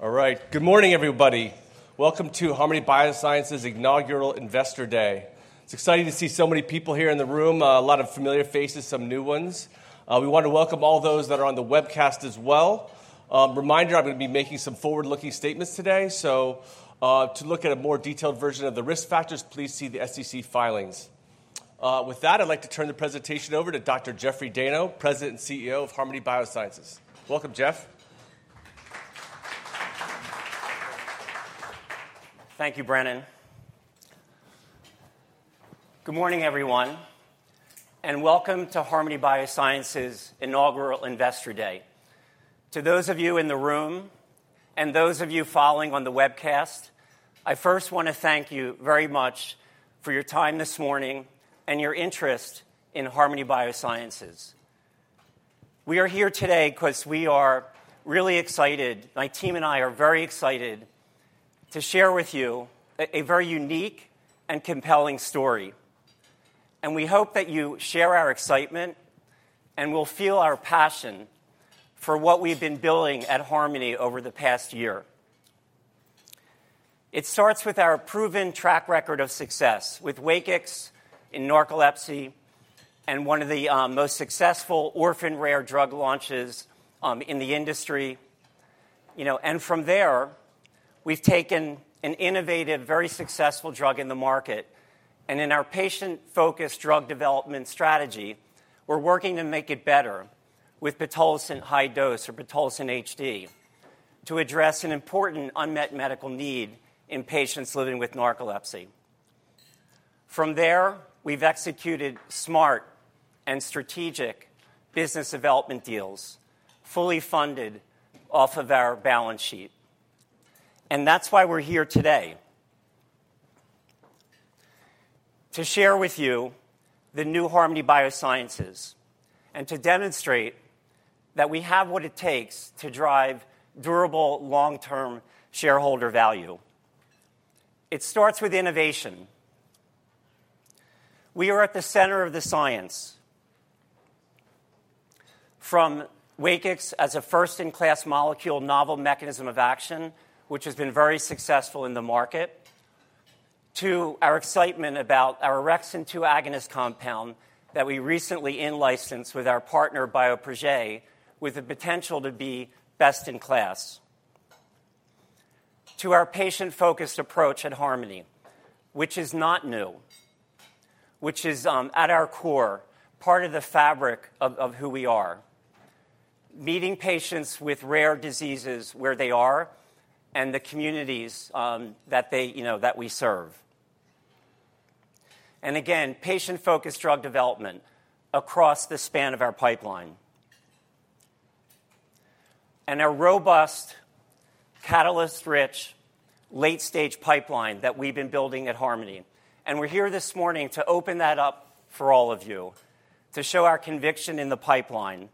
All right. Good morning, everybody. Welcome to Harmony Biosciences Inaugural Investor Day. It's exciting to see so many people here in the room. A lot of familiar faces, some new ones. We want to welcome all those that are on the webcast as well. Reminder, I'm gonna be making some forward-looking statements today. So, to look at a more detailed version of the risk factors, please see the SEC filings. With that, I'd like to turn the presentation over to Dr. Jeffrey Dayno, President and CEO of Harmony Biosciences. Welcome, Jeffrey. Thank you, Brennan. Good morning, everyone, and welcome to Harmony Biosciences' Inaugural Investor Day. To those of you in the room and those of you following on the webcast, I first wanna thank you very much for your time this morning and your interest in Harmony Biosciences. We are here today 'cause we are really excited. My team and I are very excited to share with you a very unique and compelling story, and we hope that you share our excitement and will feel our passion for what we've been building at Harmony over the past year. It starts with our proven track record of success with WAKIX in narcolepsy and one of the most successful orphan rare drug launches in the industry. You know, and from there, we've taken an innovative, very successful drug in the market, and in our patient-focused drug development strategy, we're working to make it better with pitolisant high dose or pitolisant HD, to address an important unmet medical need in patients living with narcolepsy. From there, we've executed smart and strategic business development deals, fully funded off of our balance sheet. And that's why we're here today. To share with you the new Harmony Biosciences and to demonstrate that we have what it takes to drive durable, long-term shareholder value. It starts with innovation. We are at the center of the science. From WAKIX as a first-in-class molecule, novel mechanism of action, which has been very successful in the market, to our excitement about our orexin-2 agonist compound that we recently in-licensed with our partner, Bioprojet, with the potential to be best in class. To our patient-focused approach at Harmony, which is not new, which is at our core, part of the fabric of who we are. Meeting patients with rare diseases where they are and the communities that they, you know, that we serve. And again, patient-focused drug development across the span of our pipeline. And a robust, catalyst-rich, late-stage pipeline that we've been building at Harmony, and we're here this morning to open that up for all of you, to show our conviction in the pipeline.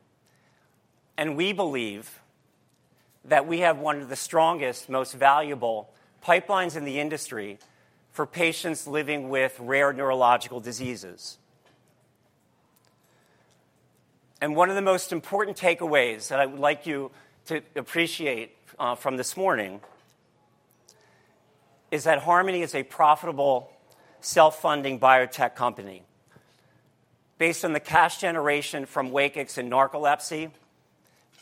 And we believe that we have one of the strongest, most valuable pipelines in the industry for patients living with rare neurological diseases. And one of the most important takeaways that I would like you to appreciate from this morning is that Harmony is a profitable, self-funding biotech company. Based on the cash generation from WAKIX and narcolepsy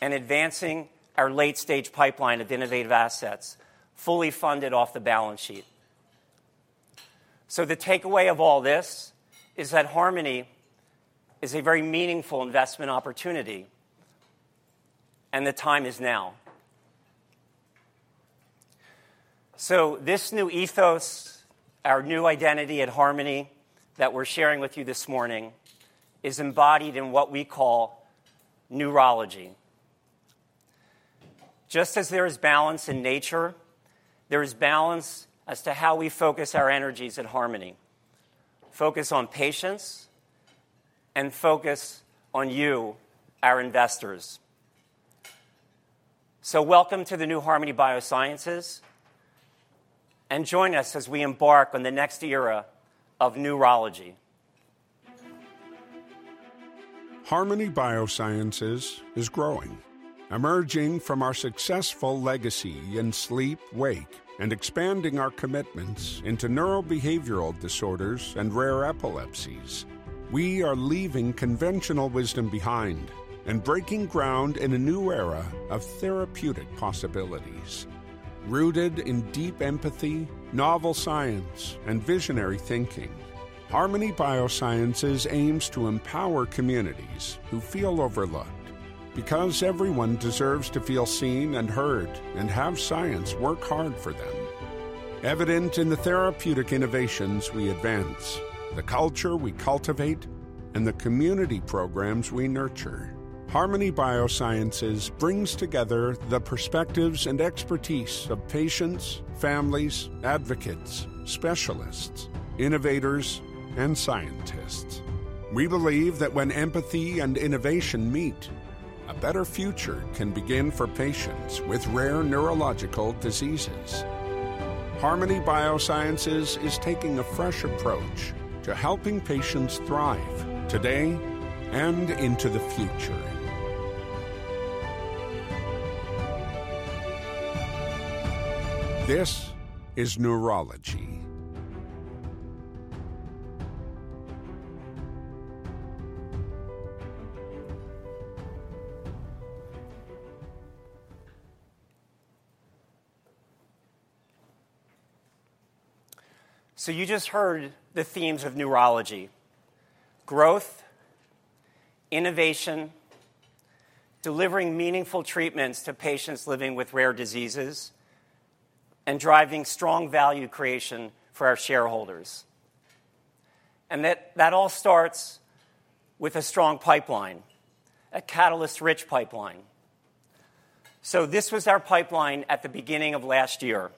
and advancing our late-stage pipeline of innovative assets, fully funded off the balance sheet. So the takeaway of all this is that Harmony is a very meaningful investment opportunity, and the time is now. So this new ethos, our new identity at Harmony that we're sharing with you this morning, is embodied in what we call neurology. Just as there is balance in nature, there is balance as to how we focus our energies at Harmony. Focus on patients and focus on you, our investors. So welcome to the new Harmony Biosciences, and join us as we embark on the next era of neurology. Harmony Biosciences is growing, emerging from our successful legacy in sleep-wake, and expanding our commitments into neurobehavioral disorders and rare epilepsies. We are leaving conventional wisdom behind and breaking ground in a new era of therapeutic possibilities. Rooted in deep empathy, novel science, and visionary thinking, Harmony Biosciences aims to empower communities who feel overlooked. Because everyone deserves to feel seen and heard and have science work hard for them. Evident in the therapeutic innovations we advance, the culture we cultivate, and the community programs we nurture. Harmony Biosciences brings together the perspectives and expertise of patients, families, advocates, specialists, innovators, and scientists. We believe that when empathy and innovation meet, a better future can begin for patients with rare neurological diseases.... Harmony Biosciences is taking a fresh approach to helping patients thrive today and into the future. This is neurology. You just heard the themes of neurology: growth, innovation, delivering meaningful treatments to patients living with rare diseases, and driving strong value creation for our shareholders. And that, that all starts with a strong pipeline, a catalyst-rich pipeline. This was our pipeline at the beginning of last year.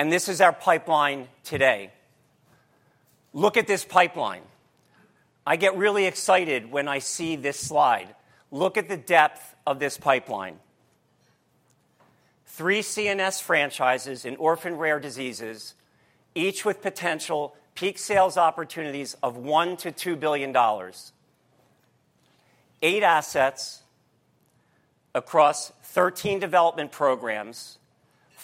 And this is our pipeline today. Look at this pipeline. I get really excited when I see this slide. Look at the depth of this pipeline. Three CNS franchises in orphan rare diseases, each with potential peak sales opportunities of $1 billion-$2 billion. Eight assets across 13 development programs,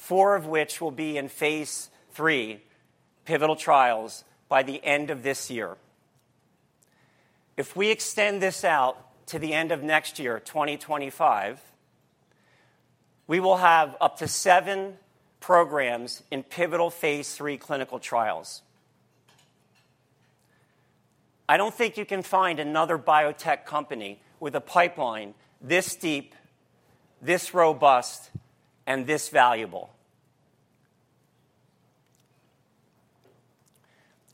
four of which will be in phase III pivotal trials by the end of this year. If we extend this out to the end of next year, twenty twenty-five, we will have up to seven programs in pivotal phase III clinical trials. I don't think you can find another biotech company with a pipeline this deep, this robust, and this valuable.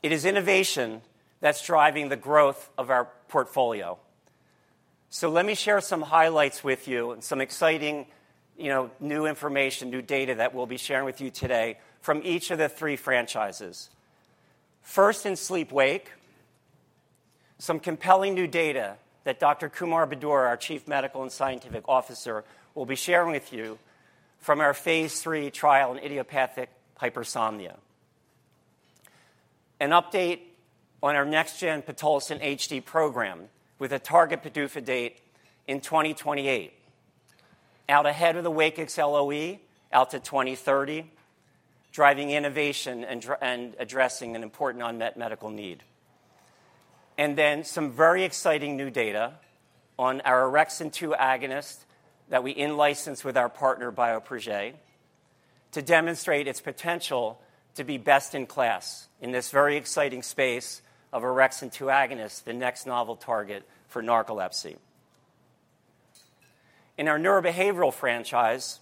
It is innovation that's driving the growth of our portfolio. Let me share some highlights with you and some exciting, you know, new information, new data that we'll be sharing with you today from each of the three franchises. First, in sleep/wake, some compelling new data that Dr. Kumar Budur, our Chief Medical and Scientific Officer, will be sharing with you from our phase III trial in idiopathic hypersomnia. An update on our next-gen pitolisant HD program, with a target PDUFA date in twenty twenty-eight, out ahead of the WAKIX LOE, out to twenty thirty, driving innovation and addressing an important unmet medical need. And then some very exciting new data on our orexin-2 agonist that we in-licensed with our partner, Bioprojet, to demonstrate its potential to be best in class in this very exciting space of orexin-2 agonist, the next novel target for narcolepsy. In our neurobehavioral franchise,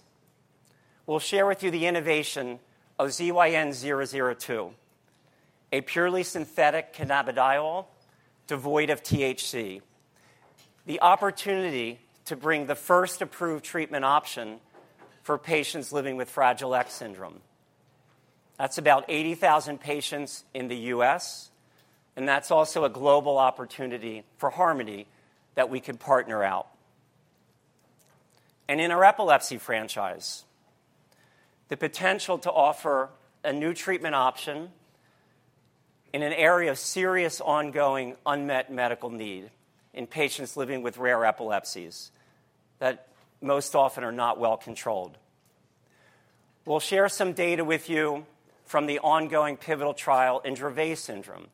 we'll share with you the innovation of ZYN002, a purely synthetic cannabidiol devoid of THC. The opportunity to bring the first approved treatment option for patients living with Fragile X syndrome. That's about 80,000 patients in the U.S., and that's also a global opportunity for Harmony that we could partner out. And in our epilepsy franchise, the potential to offer a new treatment option in an area of serious, ongoing, unmet medical need in patients living with rare epilepsies that most often are not well controlled. We'll share some data with you from the ongoing pivotal trial in Dravet syndrome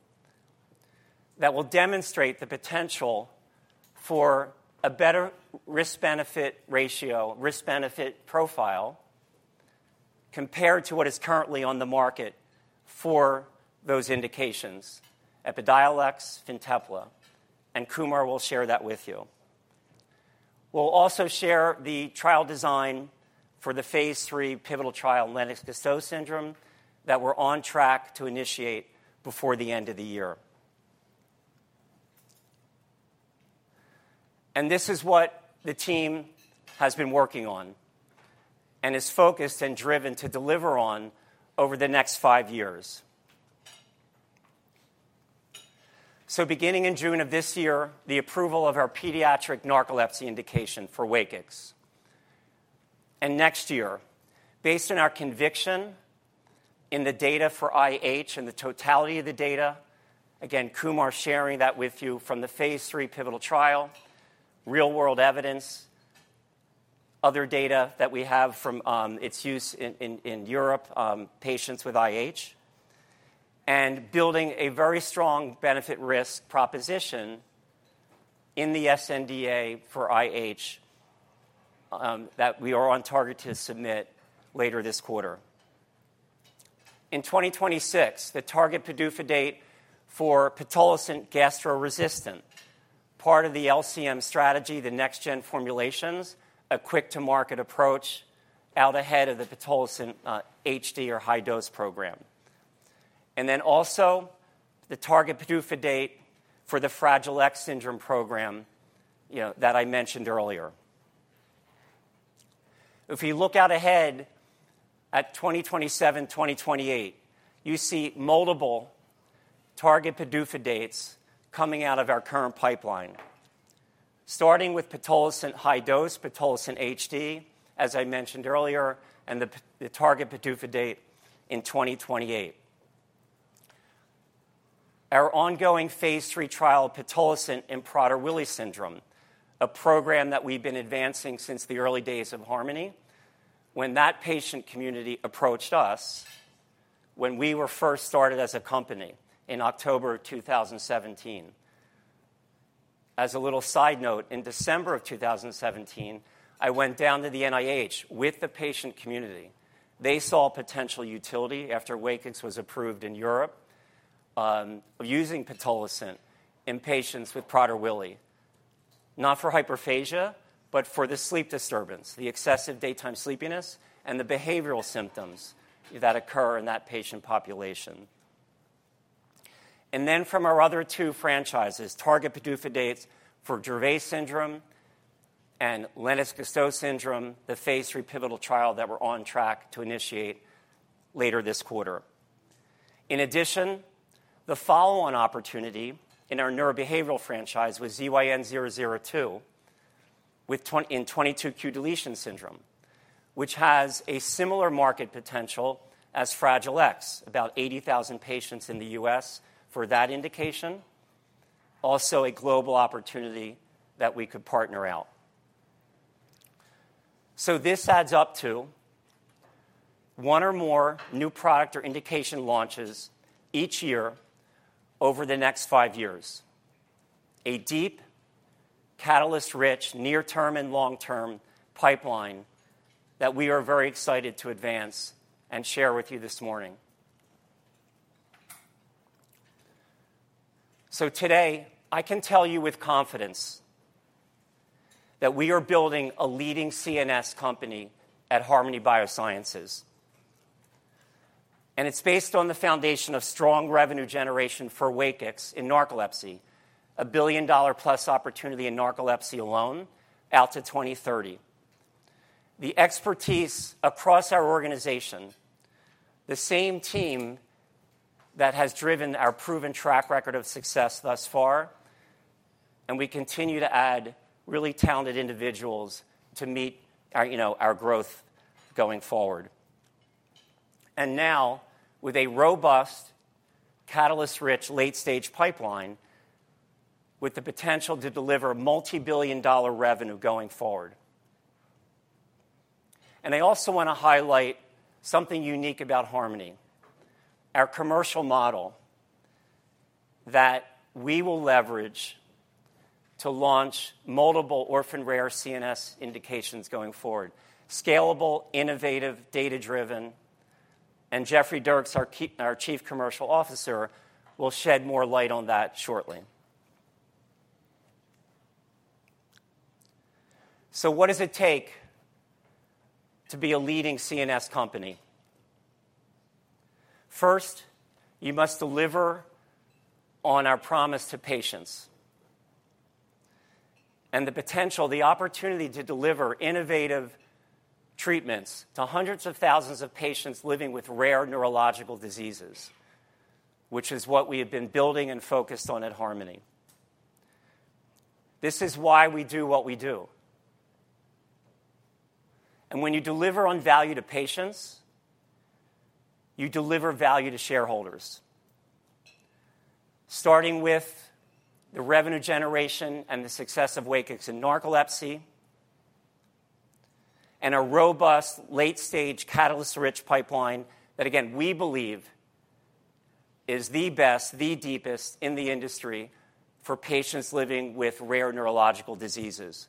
that will demonstrate the potential for a better risk-benefit ratio, risk-benefit profile, compared to what is currently on the market for those indications, Epidiolex, Fintepla and Kumar will share that with you. We'll also share the trial design for nd this is what the team has been working on and is focused and driven to deliver on over the next five years, so beginning in June of this year, the approval of our pediatric narcolepsy indication for WAKIX. And next year, based on our conviction in the data for IH and the totality of the data, again, Kumar sharing that with you from the phase three pivotal trial, real-world evidence, other data that we have from its use in Europe, patients with IH, and building a very strong benefit-risk proposition in the sNDA for IH, that we are on target to submit later this quarter. In 2026, the target PDUFA date for pitolisant gastro-resistant, part of the LCM strategy, the next-gen formulations, a quick-to-market approach out ahead of the pitolisant HD or high dose program. And then also the target PDUFA date for the Fragile X syndrome program, you know, that I mentioned earlier. If you look out ahead at 2027, 2028, you see multiple target PDUFA dates coming out of our current pipeline. Starting with pitolisant high dose, pitolisant HD, as I mentioned earlier, and the target PDUFA date in 2028. Our ongoing phase three trial of pitolisant in Prader-Willi syndrome, a program that we've been advancing since the early days of Harmony, when that patient community approached us when we were first started as a company in October 2017. As a little side note, in December 2017, I went down to the NIH with the patient community. They saw potential utility after Wakix was approved in Europe, of using pitolisant in patients with Prader-Willi, not for hyperphagia, but for the sleep disturbance, the excessive daytime sleepiness and the behavioral symptoms that occur in that patient population. Then from our other two franchises, target PDUFA dates for Dravet syndrome and Lennox-Gastaut syndrome, the phase three pivotal trial that we're on track to initiate later this quarter. In addition, the follow-on opportunity in our neurobehavioral franchise was ZYN002 with 22q deletion syndrome, which has a similar market potential as Fragile X, about 80,000 patients in the U.S. for that indication. Also, a global opportunity that we could partner out. This adds up to one or more new product or indication launches each year over the next five years. A deep, catalyst-rich, near-term and long-term pipeline that we are very excited to advance and share with you this morning. Today, I can tell you with confidence that we are building a leading CNS company at Harmony Biosciences, and it's based on the foundation of strong revenue generation for WAKIX in narcolepsy, a $1 billion-plus opportunity in narcolepsy alone, out to twenty thirty. The expertise across our organization, the same team that has driven our proven track record of success thus far, and we continue to add really talented individuals to meet our, you know, our growth going forward. Now, with a robust, catalyst-rich, late-stage pipeline with the potential to deliver multibillion-dollar revenue going forward. I also wanna highlight something unique about Harmony, our commercial model that we will leverage to launch multiple orphan rare CNS indications going forward: scalable, innovative, data-driven, and Jeffrey Dierks, our Chief Commercial Officer, will shed more light on that shortly. So what does it take to be a leading CNS company? First, you must deliver on our promise to patients and the potential, the opportunity to deliver innovative treatments to hundreds of thousands of patients living with rare neurological diseases, which is what we have been building and focused on at Harmony. This is why we do what we do. And when you deliver on value to patients, you deliver value to shareholders, starting with the revenue generation and the success of WAKIX in narcolepsy and a robust, late-stage, catalyst-rich pipeline that again, we believe is the best, the deepest in the industry for patients living with rare neurological diseases,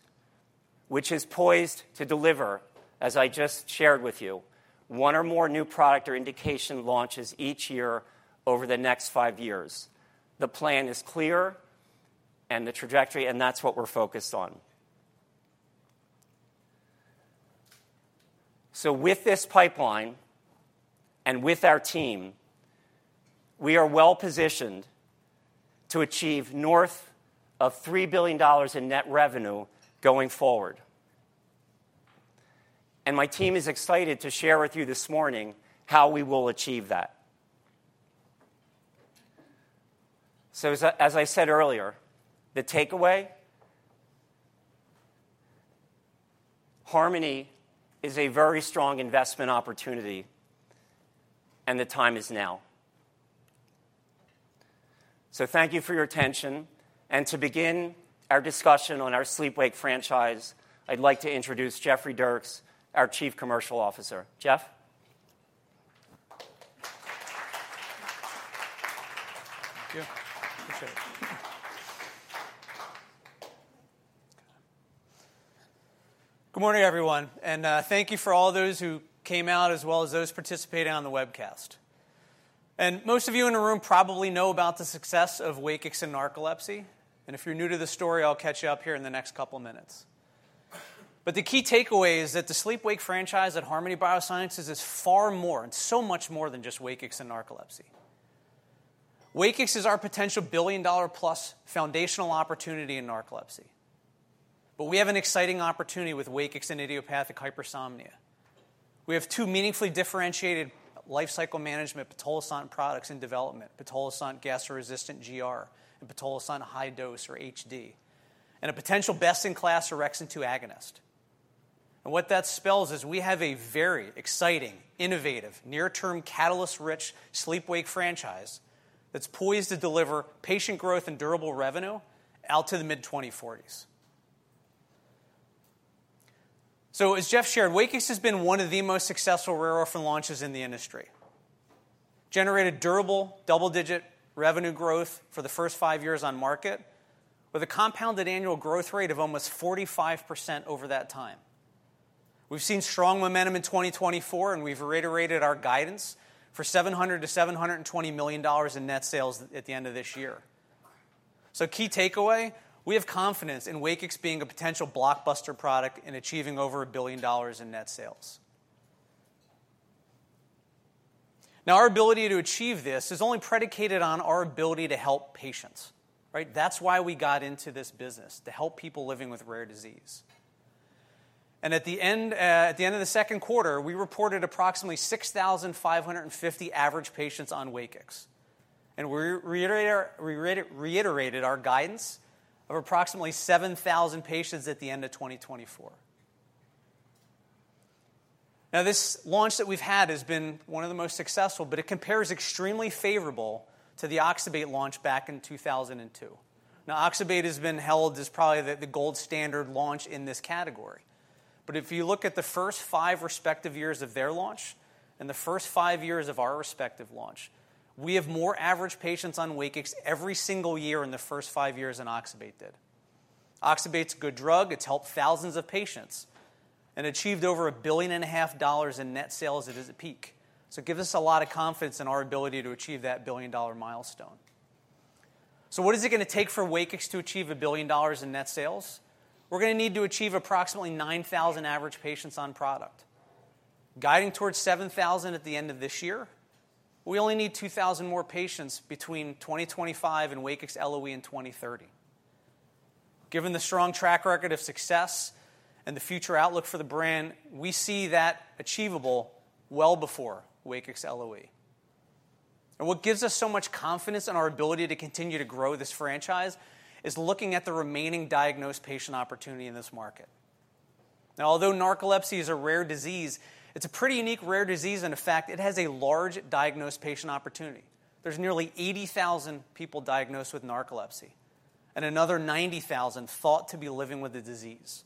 which is poised to deliver, as I just shared with you, one or more new product or indication launches each year over the next five years. The plan is clear and the trajectory, and that's what we're focused on. So with this pipeline and with our team, we are well-positioned to achieve north of $3 billion in net revenue going forward. And my team is excited to share with you this morning how we will achieve that. So as I, as I said earlier, the takeaway? Harmony is a very strong investment opportunity, and the time is now. So thank you for your attention, and to begin our discussion on our sleep/wake franchise, I'd like to introduce Jeffrey Dierks, our Chief Commercial Officer. Jeffrey? Thank you. Appreciate it. Good morning, everyone, and thank you for all those who came out, as well as those participating on the webcast. Most of you in the room probably know about the success of WAKIX in narcolepsy, and if you're new to the story, I'll catch you up here in the next couple minutes. The key takeaway is that the sleep/wake franchise at Harmony Biosciences is far more, and so much more than just WAKIX in narcolepsy. WAKIX is our potential billion-dollar-plus foundational opportunity in narcolepsy. We have an exciting opportunity with WAKIX and idiopathic hypersomnia. We have two meaningfully differentiated life cycle management pitolisant products in development: pitolisant Gastro-Resistant, GR, and pitolisant high dose, or HD, and a potential best-in-class orexin-2 agonist. What that spells is we have a very exciting, innovative, near-term, catalyst-rich sleep/wake franchise that's poised to deliver patient growth and durable revenue out to the mid-2040s. So as Jeffrey shared, WAKIX has been one of the most successful rare orphan launches in the industry, generated durable double-digit revenue growth for the first five years on market, with a compounded annual growth rate of almost 45% over that time. We've seen strong momentum in 2024, and we've reiterated our guidance for $700-$720 million in net sales at the end of this year. So key takeaway, we have confidence in WAKIX being a potential blockbuster product in achieving over $1 billion in net sales. Now, our ability to achieve this is only predicated on our ability to help patients, right? That's why we got into this business: to help people living with rare disease. At the end of the second quarter, we reported approximately 6,500 average patients on WAKIX, and we reiterated our guidance of approximately 7,000 patients at the end of 2024. Now, this launch that we've had has been one of the most successful, but it compares extremely favorably to the oxybate launch back in 2002. Now, oxybate has been held as probably the gold standard launch in this category. But if you look at the first five respective years of their launch and the first five years of our respective launch, we have more average patients on WAKIX every single year in the first five years than oxybate did. Oxybate's a good drug. It's helped thousands of patients and achieved over $1.5 billion in net sales at its peak. So it gives us a lot of confidence in our ability to achieve that billion-dollar milestone. So what is it going to take for WAKIX to achieve $1 billion in net sales? We're going to need to achieve approximately 9,000 average patients on product. Guiding towards 7,000 at the end of this year, we only need 2,000 more patients between 2025 and WAKIX LOE in 2030. Given the strong track record of success and the future outlook for the brand, we see that achievable well before WAKIX LOE. And what gives us so much confidence in our ability to continue to grow this franchise is looking at the remaining diagnosed patient opportunity in this market. Now, although narcolepsy is a rare disease, it's a pretty unique, rare disease, and in fact, it has a large diagnosed patient opportunity. There's nearly 80,000 people diagnosed with narcolepsy and another 90,000 thought to be living with the disease.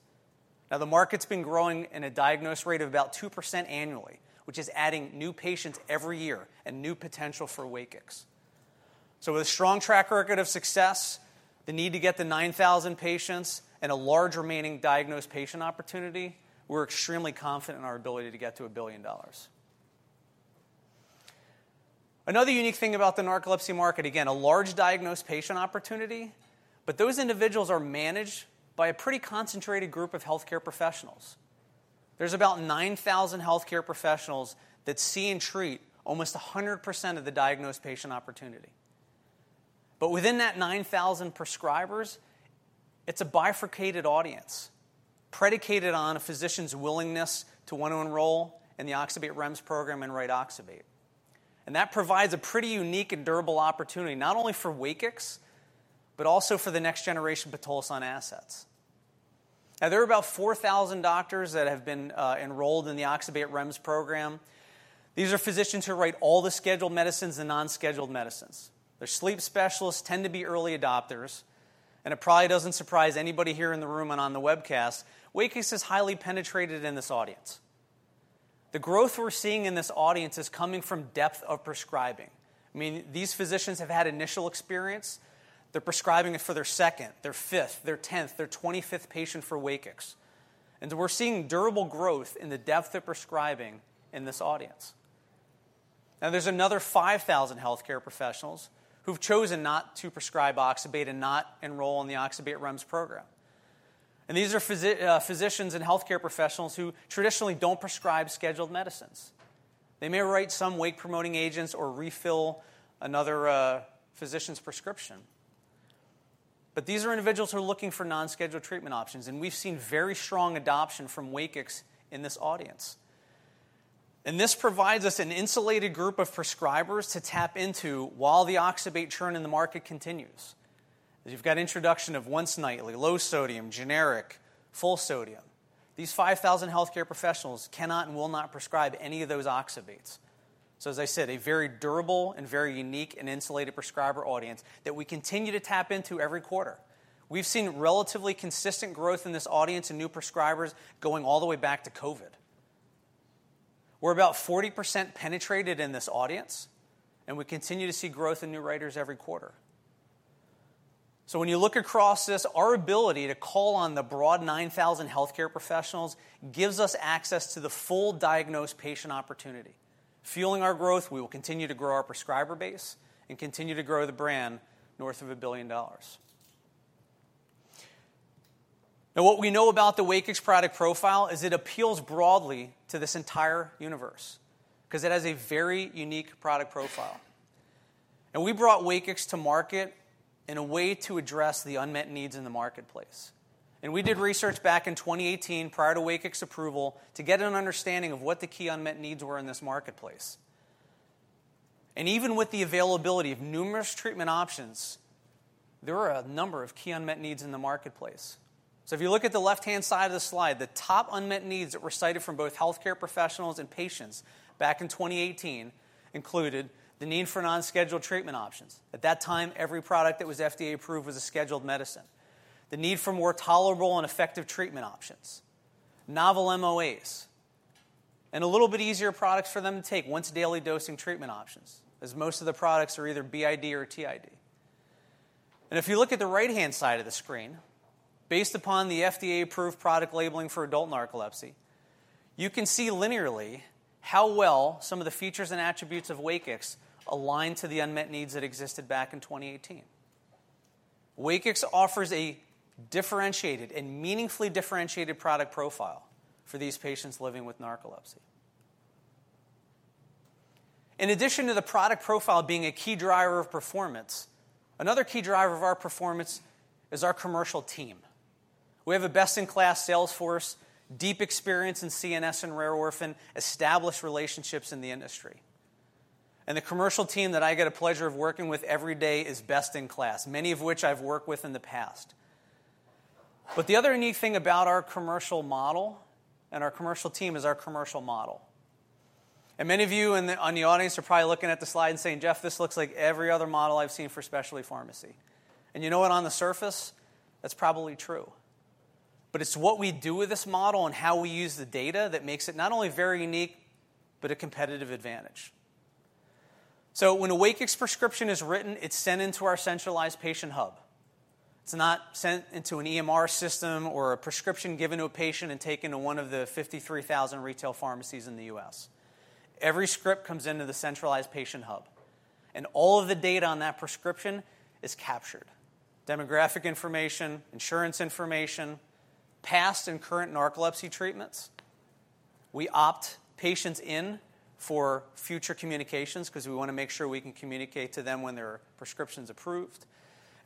Now, the market's been growing at a diagnosed rate of about 2% annually, which is adding new patients every year and new potential for WAKIX. So with a strong track record of success, the need to get to 9,000 patients and a large remaining diagnosed patient opportunity, we're extremely confident in our ability to get to $1 billion. Another unique thing about the narcolepsy market, again, a large diagnosed patient opportunity, but those individuals are managed by a pretty concentrated group of healthcare professionals. There's about 9,000 healthcare professionals that see and treat almost 100% of the diagnosed patient opportunity. But within that 9,000 prescribers, it's a bifurcated audience, predicated on a physician's willingness to want to enroll in the oxybate REMS program and write oxybate. And that provides a pretty unique and durable opportunity, not only for WAKIX, but also for the next generation pitolisant assets. Now, there are about 4,000 doctors that have been enrolled in the oxybate REMS program. These are physicians who write all the scheduled medicines and non-scheduled medicines. Their sleep specialists tend to be early adopters, and it probably doesn't surprise anybody here in the room and on the webcast. WAKIX is highly penetrated in this audience. The growth we're seeing in this audience is coming from depth of prescribing. I mean, these physicians have had initial experience. They're prescribing it for their second, their fifth, their tenth, their twenty-fifth patient for WAKIX, and we're seeing durable growth in the depth of prescribing in this audience. Now, there's another 5,000 healthcare professionals who've chosen not to prescribe oxybate and not enroll in the oxybate REMS program. And these are physicians and healthcare professionals who traditionally don't prescribe scheduled medicines. They may write some wake-promoting agents or refill another physician's prescription. But these are individuals who are looking for non-scheduled treatment options, and we've seen very strong adoption from WAKIX in this audience. And this provides us an insulated group of prescribers to tap into while the oxybate churn in the market continues. You've got introduction of once-nightly, low sodium, generic, full sodium. These 5,000 healthcare professionals cannot and will not prescribe any of those oxybates. So as I said, a very durable and very unique and insulated prescriber audience that we continue to tap into every quarter. We've seen relatively consistent growth in this audience and new prescribers going all the way back to COVID. We're about 40% penetrated in this audience, and we continue to see growth in new writers every quarter. So when you look across this, our ability to call on the broad 9,000 healthcare professionals gives us access to the full diagnosed patient opportunity. Fueling our growth, we will continue to grow our prescriber base and continue to grow the brand north of $1 billion. Now, what we know about the WAKIX product profile is it appeals broadly to this entire universe because it has a very unique product profile. And we brought WAKIX to market in a way to address the unmet needs in the marketplace. We did research back in 2018, prior to WAKIX approval, to get an understanding of what the key unmet needs were in this marketplace. Even with the availability of numerous treatment options, there were a number of key unmet needs in the marketplace. If you look at the left-hand side of the slide, the top unmet needs that were cited from both healthcare professionals and patients back in 2018 included: the need for non-scheduled treatment options. At that time, every product that was FDA approved was a scheduled medicine. The need for more tolerable and effective treatment options, novel MOAs, and a little bit easier products for them to take, once daily dosing treatment options, as most of the products are either BID or TID. And if you look at the right-hand side of the screen, based upon the FDA-approved product labeling for adult narcolepsy, you can see linearly how well some of the features and attributes of WAKIX align to the unmet needs that existed back in twenty eighteen. WAKIX offers a differentiated and meaningfully differentiated product profile for these patients living with narcolepsy. In addition to the product profile being a key driver of performance, another key driver of our performance is our commercial team. We have a best-in-class sales force, deep experience in CNS and rare orphan, established relationships in the industry. And the commercial team that I get a pleasure of working with every day is best in class, many of which I've worked with in the past. But the other unique thing about our commercial model and our commercial team is our commercial model. Many of you in the audience are probably looking at the slide and saying, "Jeffrey, this looks like every other model I've seen for specialty pharmacy." You know what? On the surface, that's probably true. It's what we do with this model and how we use the data that makes it not only very unique, but a competitive advantage. When a WAKIX prescription is written, it's sent into our centralized patient hub. It's not sent into an EMR system or a prescription given to a patient and taken to one of the 53,000 retail pharmacies in the U.S. Every script comes into the centralized patient hub, and all of the data on that prescription is captured: demographic information, insurance information, past and current narcolepsy treatments. We opt patients in for future communications 'cause we wanna make sure we can communicate to them when their prescription's approved,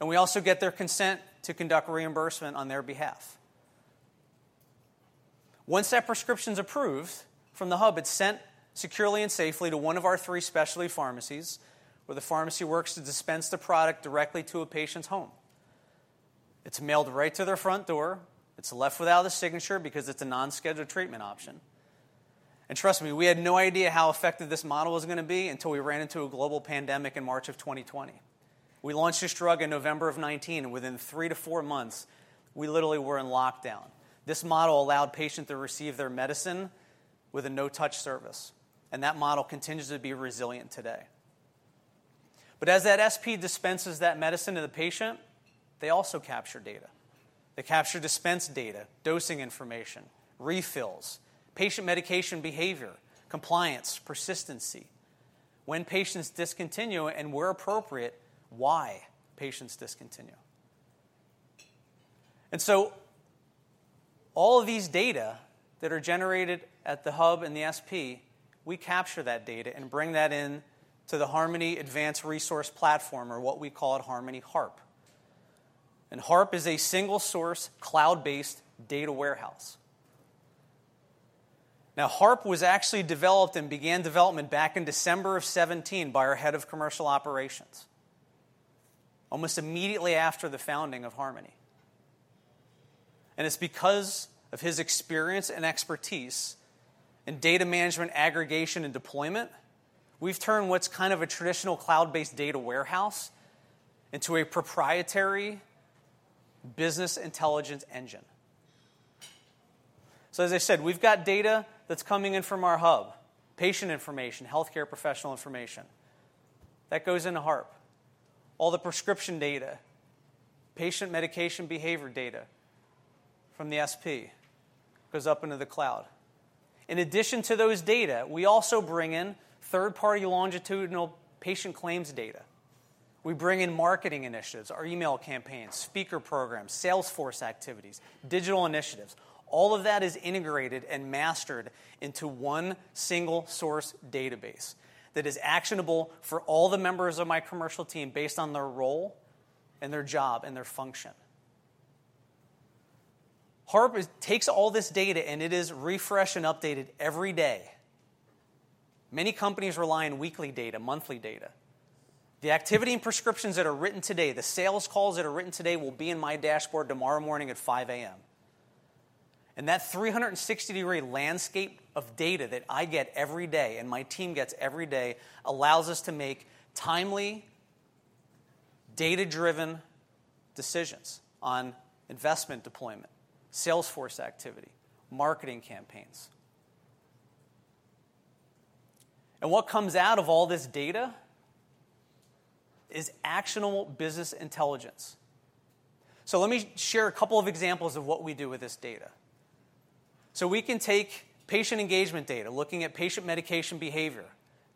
and we also get their consent to conduct reimbursement on their behalf. Once that prescription's approved, from the hub, it's sent securely and safely to one of our three specialty pharmacies, where the pharmacy works to dispense the product directly to a patient's home. It's mailed right to their front door. It's left without a signature because it's a non-scheduled treatment option. And trust me, we had no idea how effective this model was gonna be until we ran into a global pandemic in March of 2020. We launched this drug in November of 2019, and within three to four months, we literally were in lockdown. This model allowed patients to receive their medicine with a no-touch service, and that model continues to be resilient today. But as that SP dispenses that medicine to the patient, they also capture data. They capture dispense data, dosing information, refills, patient medication behavior, compliance, persistency, when patients discontinue and where appropriate, why patients discontinue. And so all of these data that are generated at the hub and the SP, we capture that data and bring that in to the Harmony Advanced Resource Platform, or what we call it Harmony HARP. And HARP is a single source, cloud-based data warehouse. Now, HARP was actually developed and began development back in December of 2017 by our head of commercial operations, almost immediately after the founding of Harmony. And it's because of his experience and expertise in data management, aggregation, and deployment, we've turned what's kind of a traditional cloud-based data warehouse into a proprietary business intelligence engine. As I said, we've got data that's coming in from our hub, patient information, healthcare professional information. That goes into HARP. All the prescription data, patient medication behavior data from the SP goes up into the cloud. In addition to those data, we also bring in third-party longitudinal patient claims data. We bring in marketing initiatives, our email campaigns, speaker programs, sales force activities, digital initiatives. All of that is integrated and mastered into one single source database that is actionable for all the members of my commercial team based on their role and their job and their function. HARP takes all this data, and it is refreshed and updated every day. Many companies rely on weekly data, monthly data. The activity and prescriptions that are written today, the sales calls that are written today, will be in my dashboard tomorrow morning at 5:00 A.M. That 360-degree landscape of data that I get every day, and my team gets every day, allows us to make timely, data-driven decisions on investment deployment, sales force activity, marketing campaigns. And what comes out of all this data is actionable business intelligence. So let me share a couple of examples of what we do with this data. So we can take patient engagement data, looking at patient medication behavior,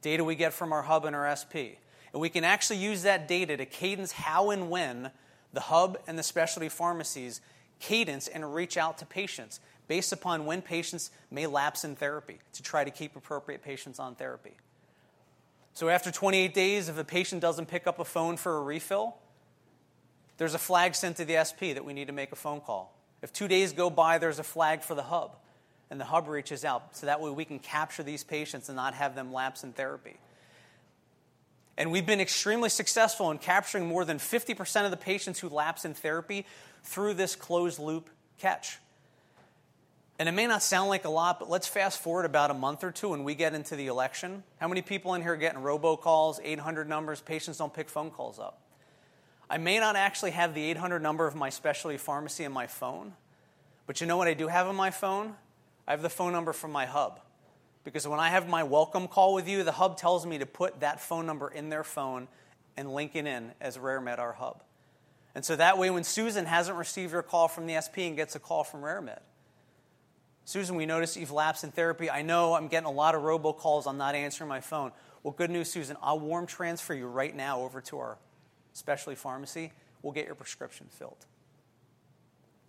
data we get from our hub and our SP, and we can actually use that data to cadence how and when the hub and the specialty pharmacies cadence and reach out to patients based upon when patients may lapse in therapy, to try to keep appropriate patients on therapy. So after 28 days, if a patient doesn't pick up a phone for a refill... There's a flag sent to the SP that we need to make a phone call. If two days go by, there's a flag for the hub, and the hub reaches out, so that way we can capture these patients and not have them lapse in therapy. We've been extremely successful in capturing more than 50% of the patients who lapse in therapy through this closed-loop catch. It may not sound like a lot, but let's fast forward about a month or two, and we get into the election. How many people in here are getting robo calls, 800 numbers? Patients don't pick phone calls up. I may not actually have the 800 number of my specialty pharmacy in my phone, but you know what I do have on my phone? I have the phone number from my hub, because when I have my welcome call with you, the hub tells me to put that phone number in their phone and link it in as RareMed, our hub. And so that way, when Susan hasn't received her call from the SP and gets a call from RareMed, "Susan, we noticed you've lapsed in therapy." "I know, I'm getting a lot of robo calls. I'm not answering my phone." "Well, good news, Susan. I'll warm transfer you right now over to our specialty pharmacy. We'll get your prescription filled."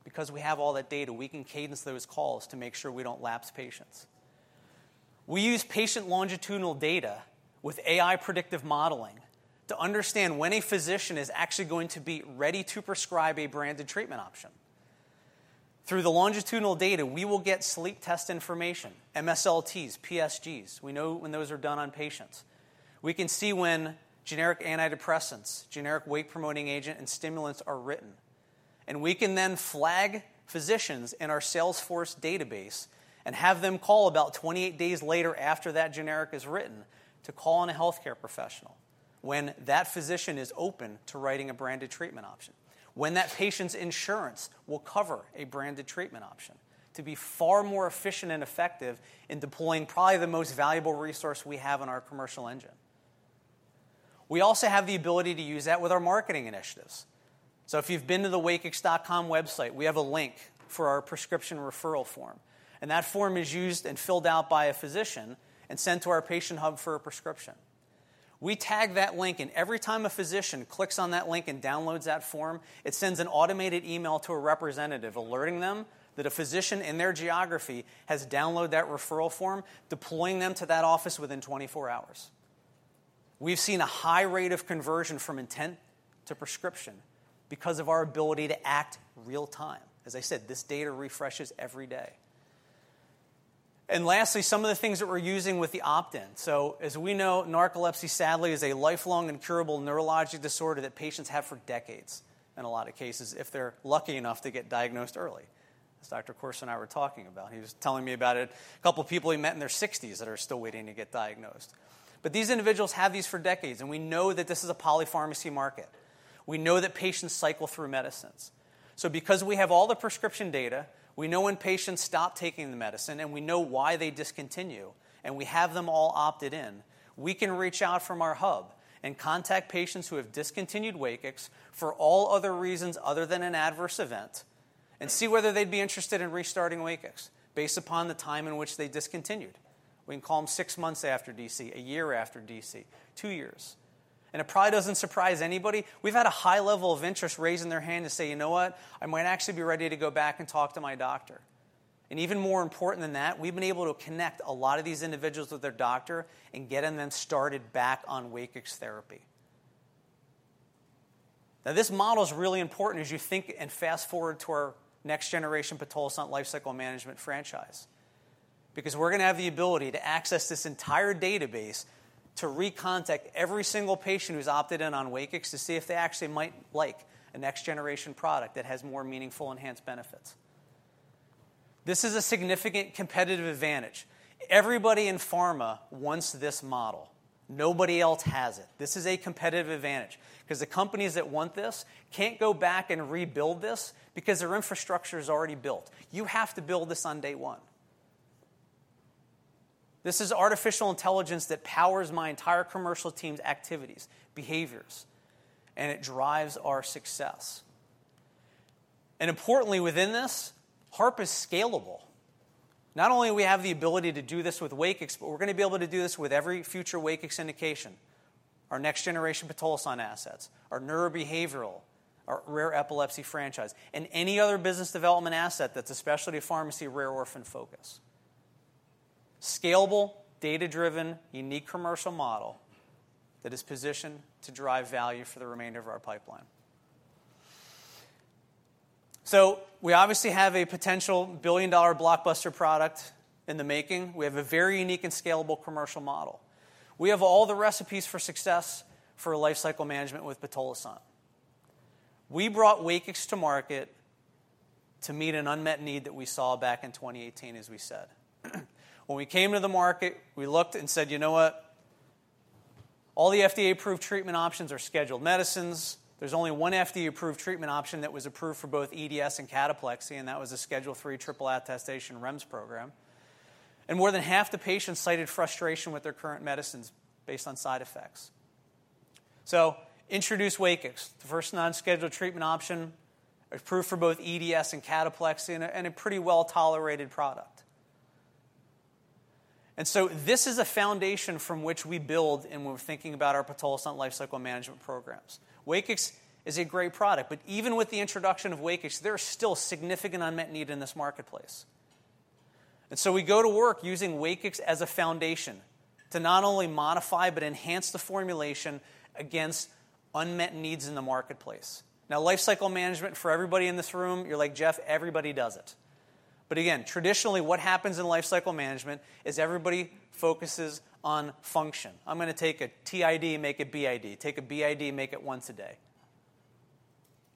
Because we have all that data, we can cadence those calls to make sure we don't lapse patients. We use patient longitudinal data with AI predictive modeling to understand when a physician is actually going to be ready to prescribe a branded treatment option. Through the longitudinal data, we will get sleep test information, MSLTs, PSGs. We know when those are done on patients. We can see when generic antidepressants, generic wake-promoting agent, and stimulants are written. And we can then flag physicians in our Salesforce database and have them call about 28 days later, after that generic is written, to call in a healthcare professional when that physician is open to writing a branded treatment option, when that patient's insurance will cover a branded treatment option, to be far more efficient and effective in deploying probably the most valuable resource we have in our commercial engine. We also have the ability to use that with our marketing initiatives. If you've been to the Wakix.com website, we have a link for our prescription referral form, and that form is used and filled out by a physician and sent to our patient hub for a prescription. We tag that link, and every time a physician clicks on that link and downloads that form, it sends an automated email to a representative, alerting them that a physician in their geography has downloaded that referral form, deploying them to that office within twenty-four hours. We've seen a high rate of conversion from intent to prescription because of our ability to act real time. As I said, this data refreshes every day. Lastly, some of the things that we're using with the opt-in. As we know, narcolepsy, sadly, is a lifelong, incurable neurologic disorder that patients have for decades, in a lot of cases, if they're lucky enough to get diagnosed early. As Dr. Corser and I were talking about, he was telling me about it, a couple of people he met in their sixties that are still waiting to get diagnosed. But these individuals have these for decades, and we know that this is a polypharmacy market. We know that patients cycle through medicines. So because we have all the prescription data, we know when patients stop taking the medicine, and we know why they discontinue, and we have them all opted in. We can reach out from our hub and contact patients who have discontinued WAKIX for all other reasons other than an adverse event and see whether they'd be interested in restarting WAKIX, based upon the time in which they discontinued. We can call them six months after DC, a year after DC, two years. It probably doesn't surprise anybody. We've had a high level of interest raising their hand to say, "You know what? I might actually be ready to go back and talk to my doctor." Even more important than that, we've been able to connect a lot of these individuals with their doctor and get them then started back on WAKIX therapy. Now, this model is really important as you think and fast-forward to our next-generation pitolisant lifecycle management franchise. Because we're gonna have the ability to access this entire database to recontact every single patient who's opted in on WAKIX to see if they actually might like a next-generation product that has more meaningful, enhanced benefits. This is a significant competitive advantage. Everybody in pharma wants this model. Nobody else has it. This is a competitive advantage because the companies that want this can't go back and rebuild this because their infrastructure is already built. You have to build this on day one. This is artificial intelligence that powers my entire commercial team's activities, behaviors, and it drives our success. And importantly, within this, HARP is scalable. Not only we have the ability to do this with WAKIX, but we're gonna be able to do this with every future WAKIX indication, our next-generation pitolisant assets, our neurobehavioral, our rare epilepsy franchise, and any other business development asset that's a specialty pharmacy, rare orphan focus. Scalable, data-driven, unique commercial model that is positioned to drive value for the remainder of our pipeline. We obviously have a potential billion-dollar blockbuster product in the making. We have a very unique and scalable commercial model. We have all the recipes for success for lifecycle management with pitolisant. We brought WAKIX to market to meet an unmet need that we saw back in twenty eighteen, as we said. When we came to the market, we looked and said: You know what? All the FDA-approved treatment options are scheduled medicines. There's only one FDA-approved treatment option that was approved for both EDS and cataplexy, and that was a Schedule III triple attestation REMS program. And more than half the patients cited frustration with their current medicines based on side effects. So introduce WAKIX, the first non-scheduled treatment option, approved for both EDS and cataplexy, and a pretty well-tolerated product. And so this is a foundation from which we build, and we're thinking about our pitolisant lifecycle management programs. WAKIX is a great product, but even with the introduction of WAKIX, there is still significant unmet need in this marketplace.... And so we go to work using WAKIX as a foundation to not only modify but enhance the formulation against unmet needs in the marketplace. Now, lifecycle management for everybody in this room, you're like, "Jeffrey, everybody does it." But again, traditionally, what happens in lifecycle management is everybody focuses on function. I'm gonna take a TID and make a BID, take a BID and make it once a day.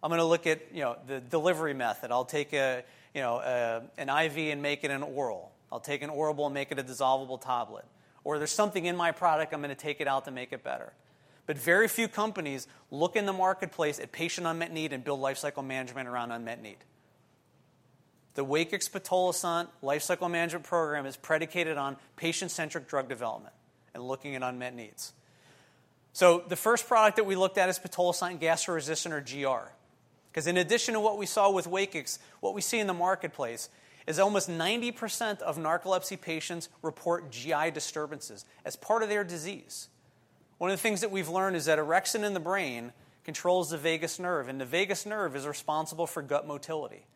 I'm gonna look at, you know, the delivery method. I'll take a, you know, an IV and make it an oral. I'll take an oral and make it a dissolvable tablet. Or there's something in my product, I'm gonna take it out to make it better. But very few companies look in the marketplace at patient unmet need and build lifecycle management around unmet need. The WAKIX pitolisant lifecycle management program is predicated on patient-centric drug development and looking at unmet needs. The first product that we looked at is pitolisant Gastro-Resistant or GR, 'cause in addition to what we saw with WAKIX, what we see in the marketplace is almost 90% of narcolepsy patients report GI disturbances as part of their disease. One of the things that we've learned is that orexin in the brain controls the vagus nerve, and the vagus nerve is responsible for gut motility.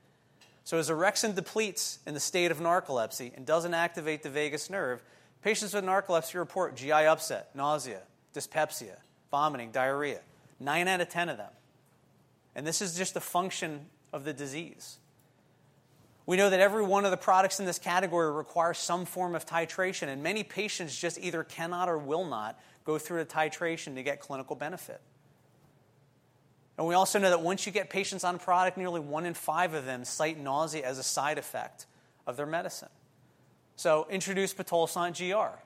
As orexin depletes in the state of narcolepsy and doesn't activate the vagus nerve, patients with narcolepsy report GI upset, nausea, dyspepsia, vomiting, diarrhea, nine out of ten of them, and this is just a function of the disease. We know that every one of the products in this category requires some form of titration, and many patients just either cannot or will not go through a titration to get clinical benefit. And we also know that once you get patients on product, nearly one in five of them cite nausea as a side effect of their medicine. So introduce pitolisant GR,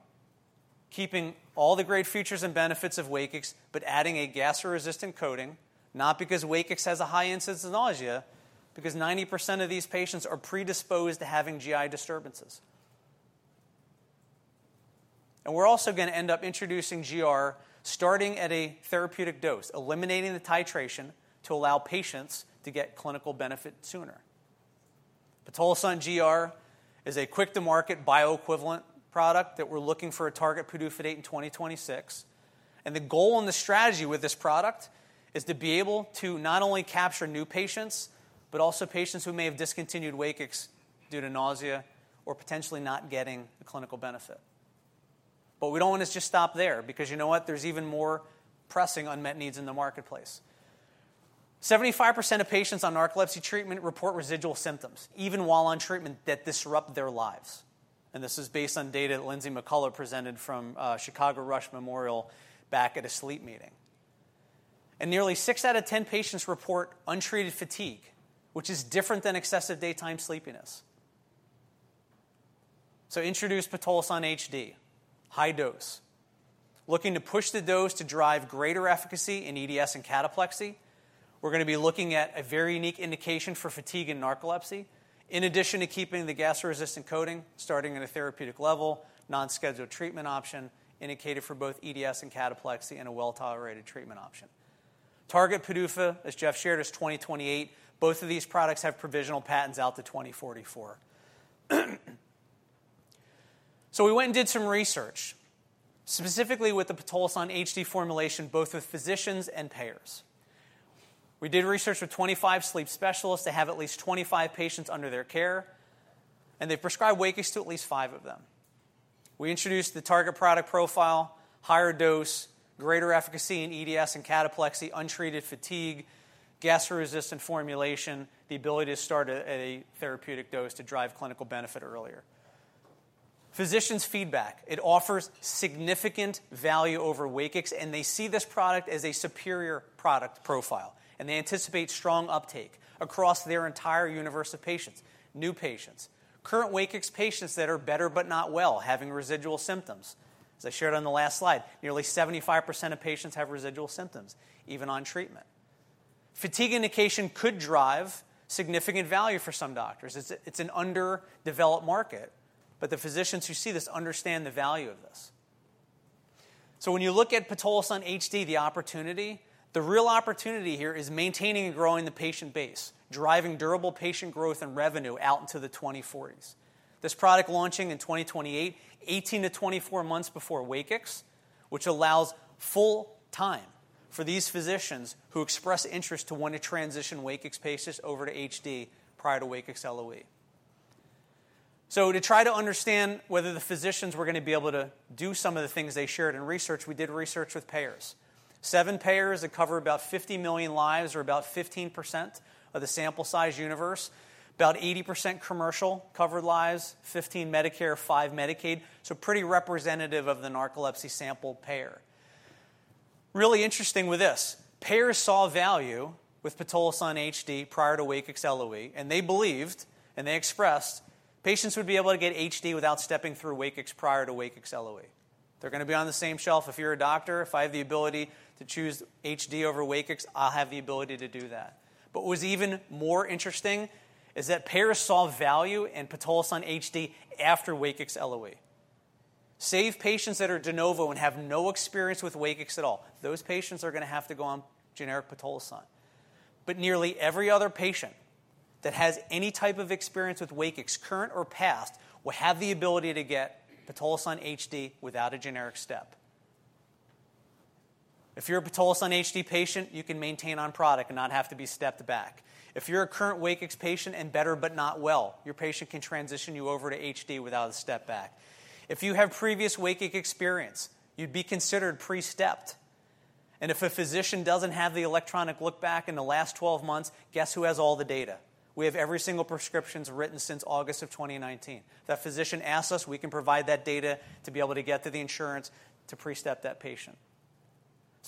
keeping all the great features and benefits of WAKIX, but adding a Gastro-Resistant coating, not because WAKIX has a high incidence of nausea, because 90% of these patients are predisposed to having GI disturbances. And we are also gonna end up introducing GR, starting at a therapeutic dose, eliminating the titration to allow patients to get clinical benefit sooner. pitolisant GR is a quick-to-market bioequivalent product that we are looking for a target PDUFA date in 2026, and the goal and the strategy with this product is to be able to not only capture new patients, but also patients who may have discontinued WAKIX due to nausea or potentially not getting the clinical benefit. But we don't want to just stop there, because you know what? There's even more pressing unmet needs in the marketplace. 75% of patients on narcolepsy treatment report residual symptoms, even while on treatment, that disrupt their lives, and this is based on data that Lindsay McCullough presented from Rush University Medical Center back at a sleep meeting. Nearly six out of ten patients report untreated fatigue, which is different than excessive daytime sleepiness. Introduce pitolisant HD, high dose. Looking to push the dose to drive greater efficacy in EDS and cataplexy. We're gonna be looking at a very unique indication for fatigue and narcolepsy, in addition to keeping the Gastro-Resistant coating, starting at a therapeutic level, non-scheduled treatment option, indicated for both EDS and cataplexy, and a well-tolerated treatment option. Target PDUFA, as Jeffrey shared, is 2028. Both of these products have provisional patents out to 2044. So we went and did some research, specifically with the pitolisant HD formulation, both with physicians and payers. We did research with 25 sleep specialists that have at least 25 patients under their care, and they prescribe WAKIX to at least five of them. We introduced the target product profile, higher dose, greater efficacy in EDS and cataplexy, untreated fatigue, Gastro-Resistant formulation, the ability to start at a therapeutic dose to drive clinical benefit earlier. Physicians' feedback: It offers significant value over WAKIX, and they see this product as a superior product profile, and they anticipate strong uptake across their entire universe of patients. New patients, current WAKIX patients that are better but not well, having residual symptoms. As I shared on the last slide, nearly 75% of patients have residual symptoms, even on treatment. Fatigue indication could drive significant value for some doctors. It's an underdeveloped market, but the physicians who see this understand the value of this. So when you look at pitolisant HD, the opportunity, the real opportunity here is maintaining and growing the patient base, driving durable patient growth and revenue out into the 2040s. This product launching in 2028, 18-24 months before WAKIX, which allows full time for these physicians who express interest to want to transition WAKIX patients over to HD prior to WAKIX LOE. So to try to understand whether the physicians were gonna be able to do some of the things they shared in research, we did research with payers. Seven payers that cover about 50 million lives, or about 15% of the sample size universe, about 80% commercial covered lives, 15% Medicare, 5% Medicaid, so pretty representative of the narcolepsy sample payer. Really interesting with this, payers saw value with pitolisant HD prior to WAKIX LOE, and they believed, and they expressed, patients would be able to get HD without stepping through WAKIX prior to WAKIX LOE. They're gonna be on the same shelf. If you're a doctor, if I have the ability to choose HD over WAKIX, I'll have the ability to do that. But what's even more interesting is that payers saw value in pitolisant HD after WAKIX LOE. Save patients that are de novo and have no experience with WAKIX at all. Those patients are gonna have to go on generic pitolisant. But nearly every other patient that has any type of experience with WAKIX, current or past, will have the ability to get pitolisant HD without a generic step. If you're a pitolisant HD patient, you can maintain on product and not have to be stepped back. If you're a current WAKIX patient and better but not well, your patient can transition you over to HD without a step back. If you have previous WAKIX experience, you'd be considered pre-stepped. And if a physician doesn't have the electronic look back in the last twelve months, guess who has all the data? We have every single prescriptions written since August of twenty nineteen. If that physician asks us, we can provide that data to be able to get to the insurance to pre-step that patient.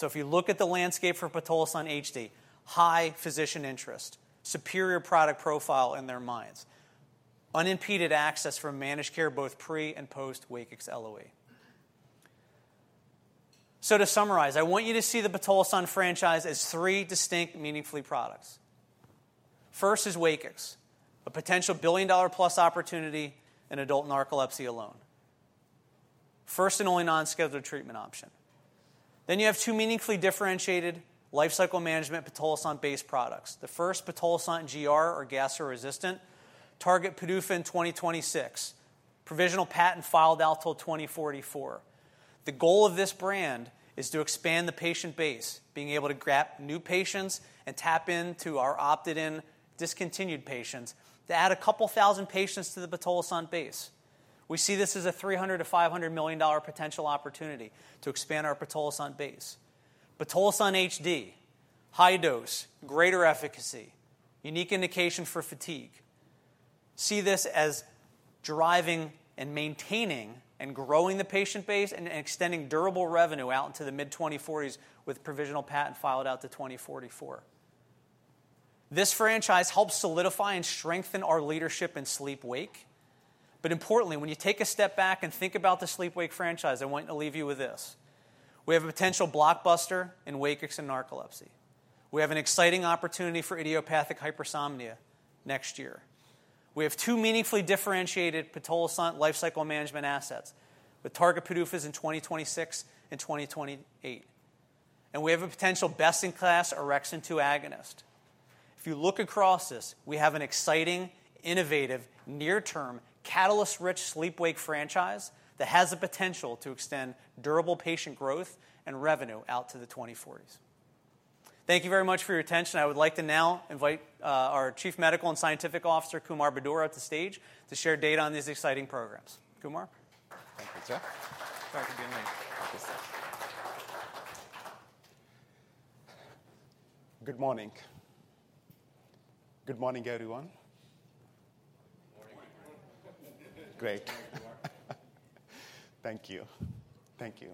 If you look at the landscape for pitolisant HD, high physician interest, superior product profile in their minds, unimpeded access from managed care, both pre- and post-WAKIX LOE. To summarize, I want you to see the pitolisant franchise as three distinct, meaningful products. First is WAKIX, a potential billion-dollar-plus opportunity in adult narcolepsy alone. First and only non-scheduled treatment option. Then you have two meaningfully differentiated lifecycle management pitolisant-based products. The first, pitolisant GR or Gastro-Resistant, target PDUFA in 2026, provisional patent filed out till 2044. The goal of this brand is to expand the patient base, being able to grab new patients and tap into our opted-in, discontinued patients to add a couple thousand patients to the pitolisant base. We see this as a $300 million-$500 million potential opportunity to expand our pitolisant base. pitolisant HD, high dose, greater efficacy, unique indication for fatigue. See this as driving and maintaining and growing the patient base and extending durable revenue out into the mid-2040s with provisional patent filed out to 2044. This franchise helps solidify and strengthen our leadership in sleep/wake. But importantly, when you take a step back and think about the sleep/wake franchise, I want to leave you with this: We have a potential blockbuster in WAKIX and narcolepsy. We have an exciting opportunity for idiopathic hypersomnia next year. We have two meaningfully differentiated pitolisant lifecycle management assets, with target PDUFAs in 2026 and 2028. We have a potential best-in-class orexin-2 agonist. If you look across this, we have an exciting, innovative, near-term, catalyst-rich sleep/wake franchise that has the potential to extend durable patient growth and revenue out to the 2040s. Thank you very much for your attention. I would like to now invite our Chief Medical and Scientific Officer, Kumar Budur, up to stage to share data on these exciting programs. Kumar? Thank you, Jeffrey. Dr. Budur. Good morning. Good morning, everyone. Good morning. Great. Thank you. Thank you.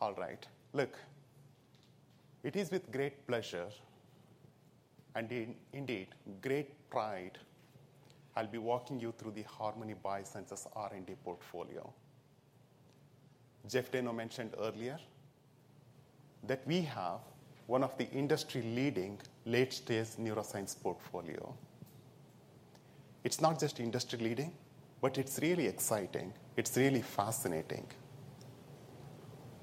All right. Look, it is with great pleasure and indeed great pride. I'll be walking you through the Harmony Biosciences R&D portfolio. Jeffrey Dayno mentioned earlier that we have one of the industry-leading late-stage neuroscience portfolio. It's not just industry-leading, but it's really exciting. It's really fascinating.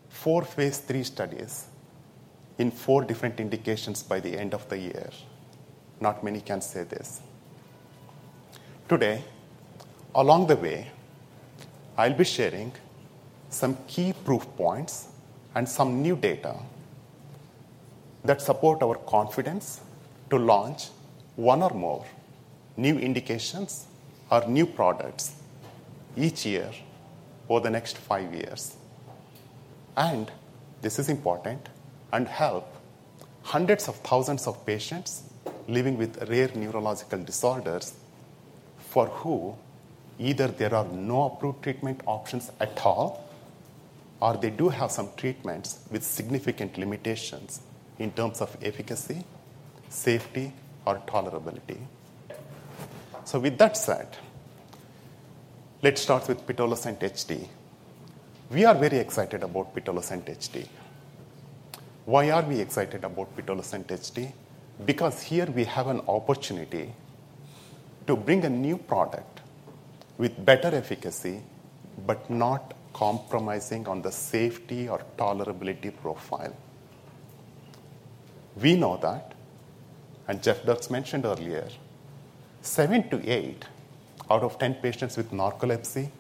Four phase III studies in four different indications by the end of the year. Not many can say this. Today, along the way, I'll be sharing some key proof points and some new data that support our confidence to launch one or more new indications or new products each year for the next five years. This is important and helps hundreds of thousands of patients living with rare neurological disorders for whom either there are no approved treatment options at all, or they do have some treatments with significant limitations in terms of efficacy, safety, or tolerability. With that said, let's start with pitolisant HD. We are very excited about pitolisant HD. Why are we excited about pitolisant HD? Because here we have an opportunity to bring a new product with better efficacy, but not compromising on the safety or tolerability profile. We know that, and Jeffrey Dierks mentioned earlier, seven to eight out of ten patients with narcolepsy,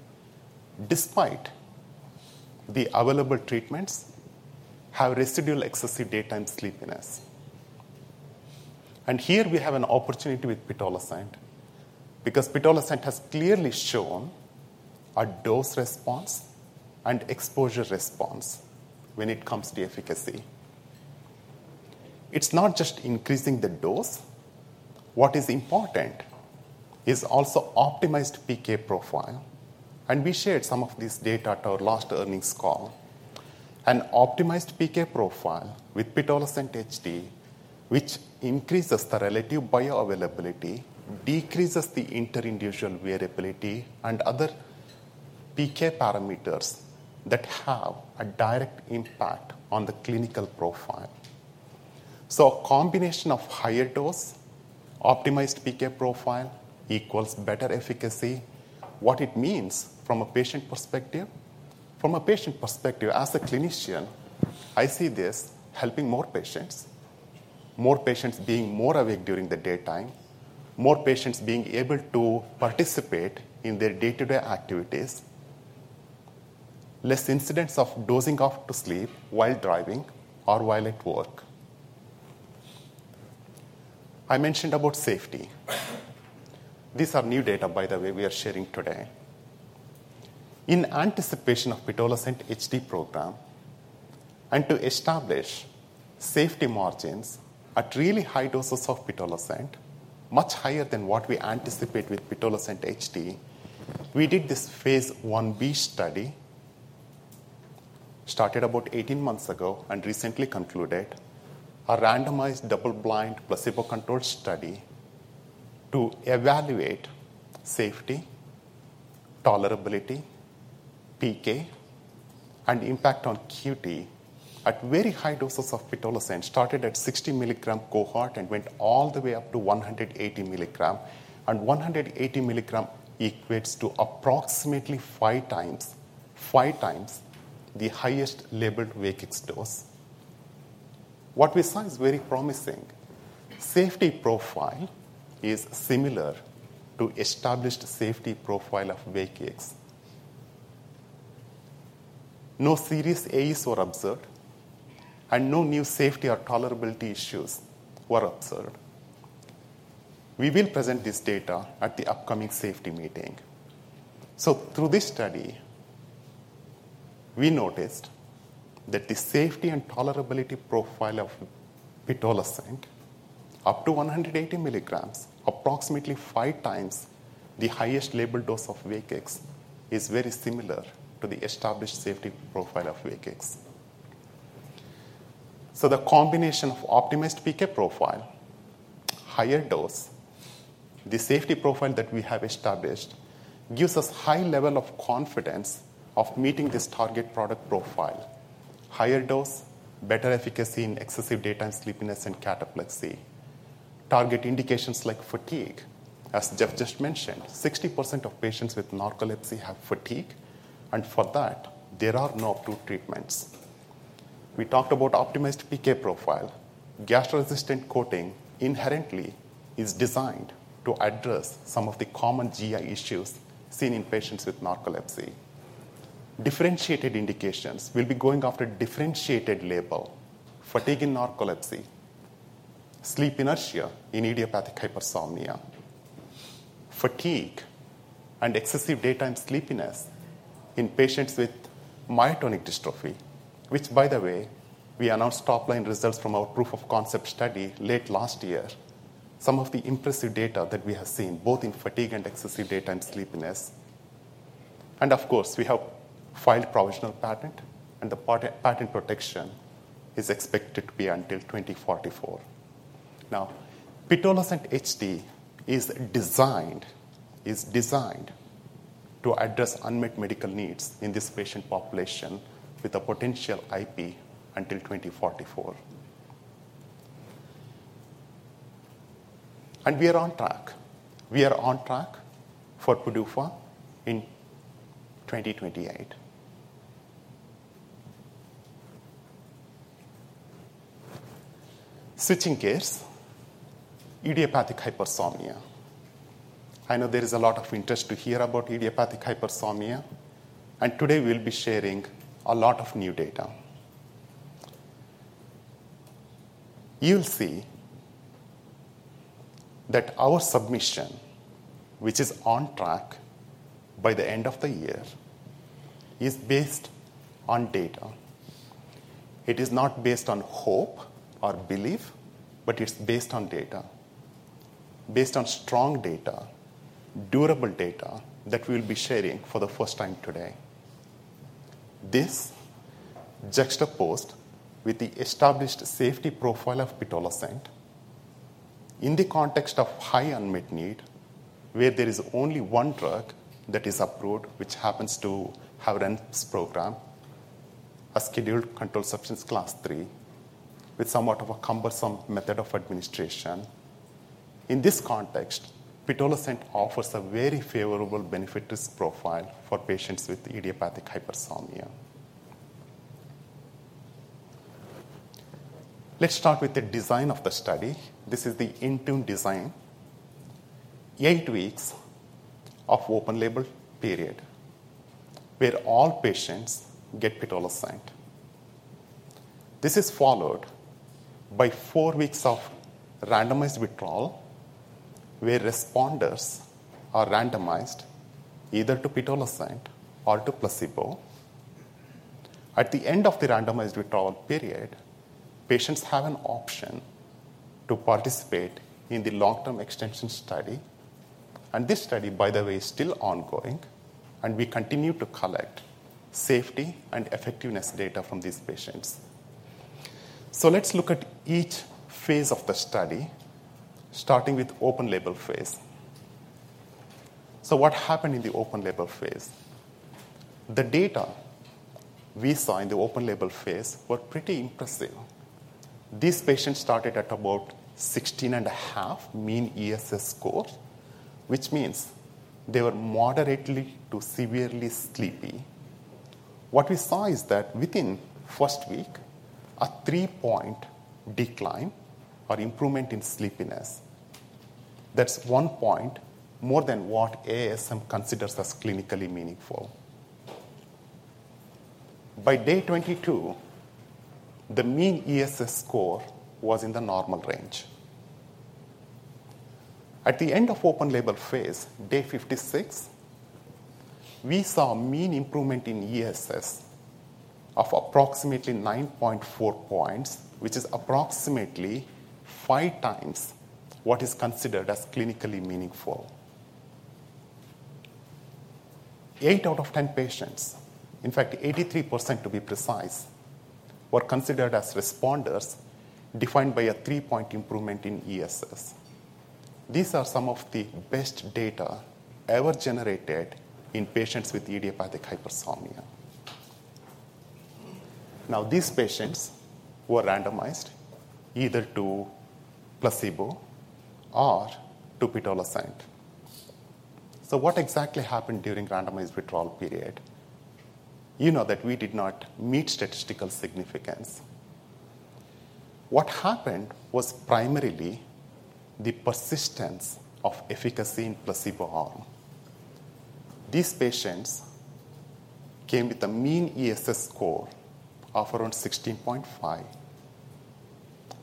despite the available treatments, have residual excessive daytime sleepiness. Here we have an opportunity with pitolisant, because pitolisant has clearly shown a dose response and exposure response when it comes to efficacy. It's not just increasing the dose. What is important is also optimized PK profile, and we shared some of this data at our last earnings call. An optimized PK profile with pitolisant HD, which increases the relative bioavailability, decreases the interindividual variability and other PK parameters that have a direct impact on the clinical profile. So a combination of higher dose, optimized PK profile equals better efficacy. What it means from a patient perspective? From a patient perspective, as a clinician, I see this helping more patients being more awake during the daytime, more patients being able to participate in their day-to-day activities, less incidents of dozing off to sleep while driving or while at work. I mentioned about safety. These are new data, by the way, we are sharing today. In anticipation of pitolisant HD program and to establish safety margins at really high doses of pitolisant, much higher than what we anticipate with pitolisant HD, we did this phase Ib study, started about 18 months ago and recently concluded, a randomized, double-blind, placebo-controlled study to evaluate safety, tolerability, PK, and impact on QT at very high doses of pitolisant, started at 60 mg cohort and went all the way up to 180 mg. One hundred and eighty milligram equates to approximately five times, five times the highest labeled WAKIX dose. What we saw is very promising. Safety profile is similar to established safety profile of WAKIX. No serious AEs were observed, and no new safety or tolerability issues were observed. We will present this data at the upcoming safety meeting. Through this study, we noticed that the safety and tolerability profile of pitolisant up to one hundred and eighty milligrams, approximately five times the highest labeled dose of WAKIX, is very similar to the established safety profile of WAKIX. The combination of optimized PK profile, higher dose, the safety profile that we have established, gives us high level of confidence of meeting this target product profile: higher dose, better efficacy in excessive daytime sleepiness and cataplexy, target indications like fatigue. As Jeffrey just mentioned, 60% of patients with narcolepsy have fatigue, and for that, there are no approved treatments. We talked about optimized PK profile. Gastroresistant coating inherently is designed to address some of the common GI issues seen in patients with narcolepsy. Differentiated indications. We'll be going after differentiated label, fatigue in narcolepsy, sleep inertia in idiopathic hypersomnia, fatigue and excessive daytime sleepiness in patients with myotonic dystrophy, which, by the way, we announced top-line results from our proof of concept study late last year. Some of the impressive data that we have seen, both in fatigue and excessive daytime sleepiness. Of course, we have filed provisional patent, and the patent protection is expected to be until 2044. Now, pitolisant HD is designed to address unmet medical needs in this patient population with a potential IP until 2044. We are on track. We are on track for PDUFA in 2028. Switching gears, idiopathic hypersomnia. I know there is a lot of interest to hear about idiopathic hypersomnia, and today we'll be sharing a lot of new data. You'll see that our submission, which is on track by the end of the year, is based on data. It is not based on hope or belief, but it's based on data. Based on strong data, durable data that we'll be sharing for the first time today. This juxtaposed with the established safety profile of pitolisant in the context of high unmet need, where there is only one drug that is approved, which happens to have a REMS program, a scheduled controlled substance, Class three, with somewhat of a cumbersome method of administration. In this context, pitolisant offers a very favorable benefit risk profile for patients with idiopathic hypersomnia. Let's start with the design of the study. This is the INTUNE design. Eight weeks of open-label period where all patients get pitolisant. This is followed by four weeks of randomized withdrawal, where responders are randomized either to pitolisant or to placebo. At the end of the randomized withdrawal period, patients have an option to participate in the long-term extension study, and this study, by the way, is still ongoing, and we continue to collect safety and effectiveness data from these patients. So let's look at each phase of the study, starting with open label phase. So what happened in the open label phase? The data we saw in the open label phase were pretty impressive. These patients started at about 16.5 mean ESS score, which means they were moderately to severely sleepy.... What we saw is that within first week, a 3-point decline or improvement in sleepiness. That's 1 point more than what ASM considers as clinically meaningful. By day 22, the mean ESS score was in the normal range. At the end of open label phase, day 56, we saw a mean improvement in ESS of approximately 9.4 points, which is approximately 5 times what is considered as clinically meaningful. 8 out of 10 patients, in fact, 83%, to be precise, were considered as responders, defined by a 3-point improvement in ESS. These are some of the best data ever generated in patients with idiopathic hypersomnia. Now, these patients were randomized either to placebo or to pitolisant. So what exactly happened during randomized withdrawal period? You know that we did not meet statistical significance. What happened was primarily the persistence of efficacy in placebo arm. These patients came with a mean ESS score of around 16.5,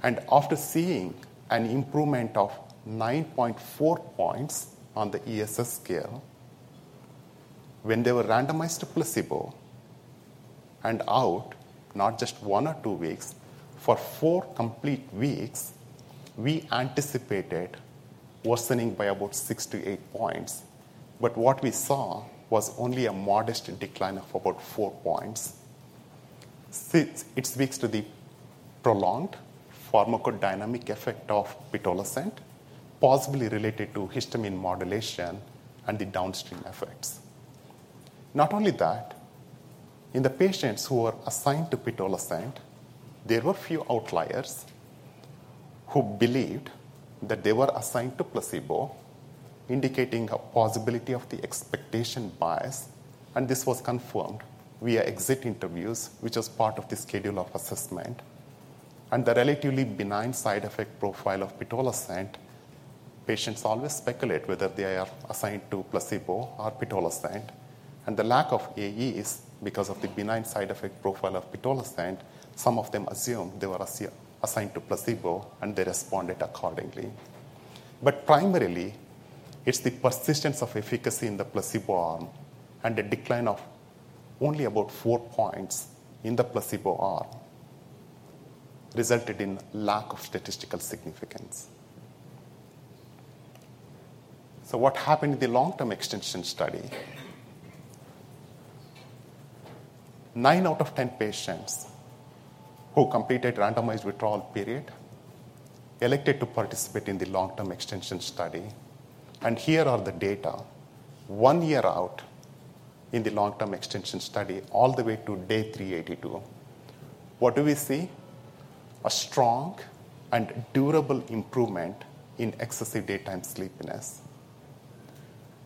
and after seeing an improvement of 9.4 points on the ESS scale, when they were randomized to placebo and out, not just one or two weeks, for four complete weeks, we anticipated worsening by about six to eight points. But what we saw was only a modest decline of about four points. Since it speaks to the prolonged pharmacodynamic effect of pitolisant, possibly related to histamine modulation and the downstream effects. Not only that, in the patients who were assigned to pitolisant, there were few outliers who believed that they were assigned to placebo, indicating a possibility of the expectation bias, and this was confirmed via exit interviews, which is part of the schedule of assessment. The relatively benign side effect profile of pitolisant means patients always speculate whether they are assigned to placebo or pitolisant, and the lack of AEs, because of the benign side effect profile of pitolisant, some of them assumed they were assigned to placebo, and they responded accordingly. Primarily, it's the persistence of efficacy in the placebo arm, and the decline of only about four points in the placebo arm resulted in lack of statistical significance. What happened in the long-term extension study? Nine out of ten patients who completed randomized withdrawal period elected to participate in the long-term extension study, and here are the data. One year out in the long-term extension study, all the way to day 382. What do we see? A strong and durable improvement in excessive daytime sleepiness.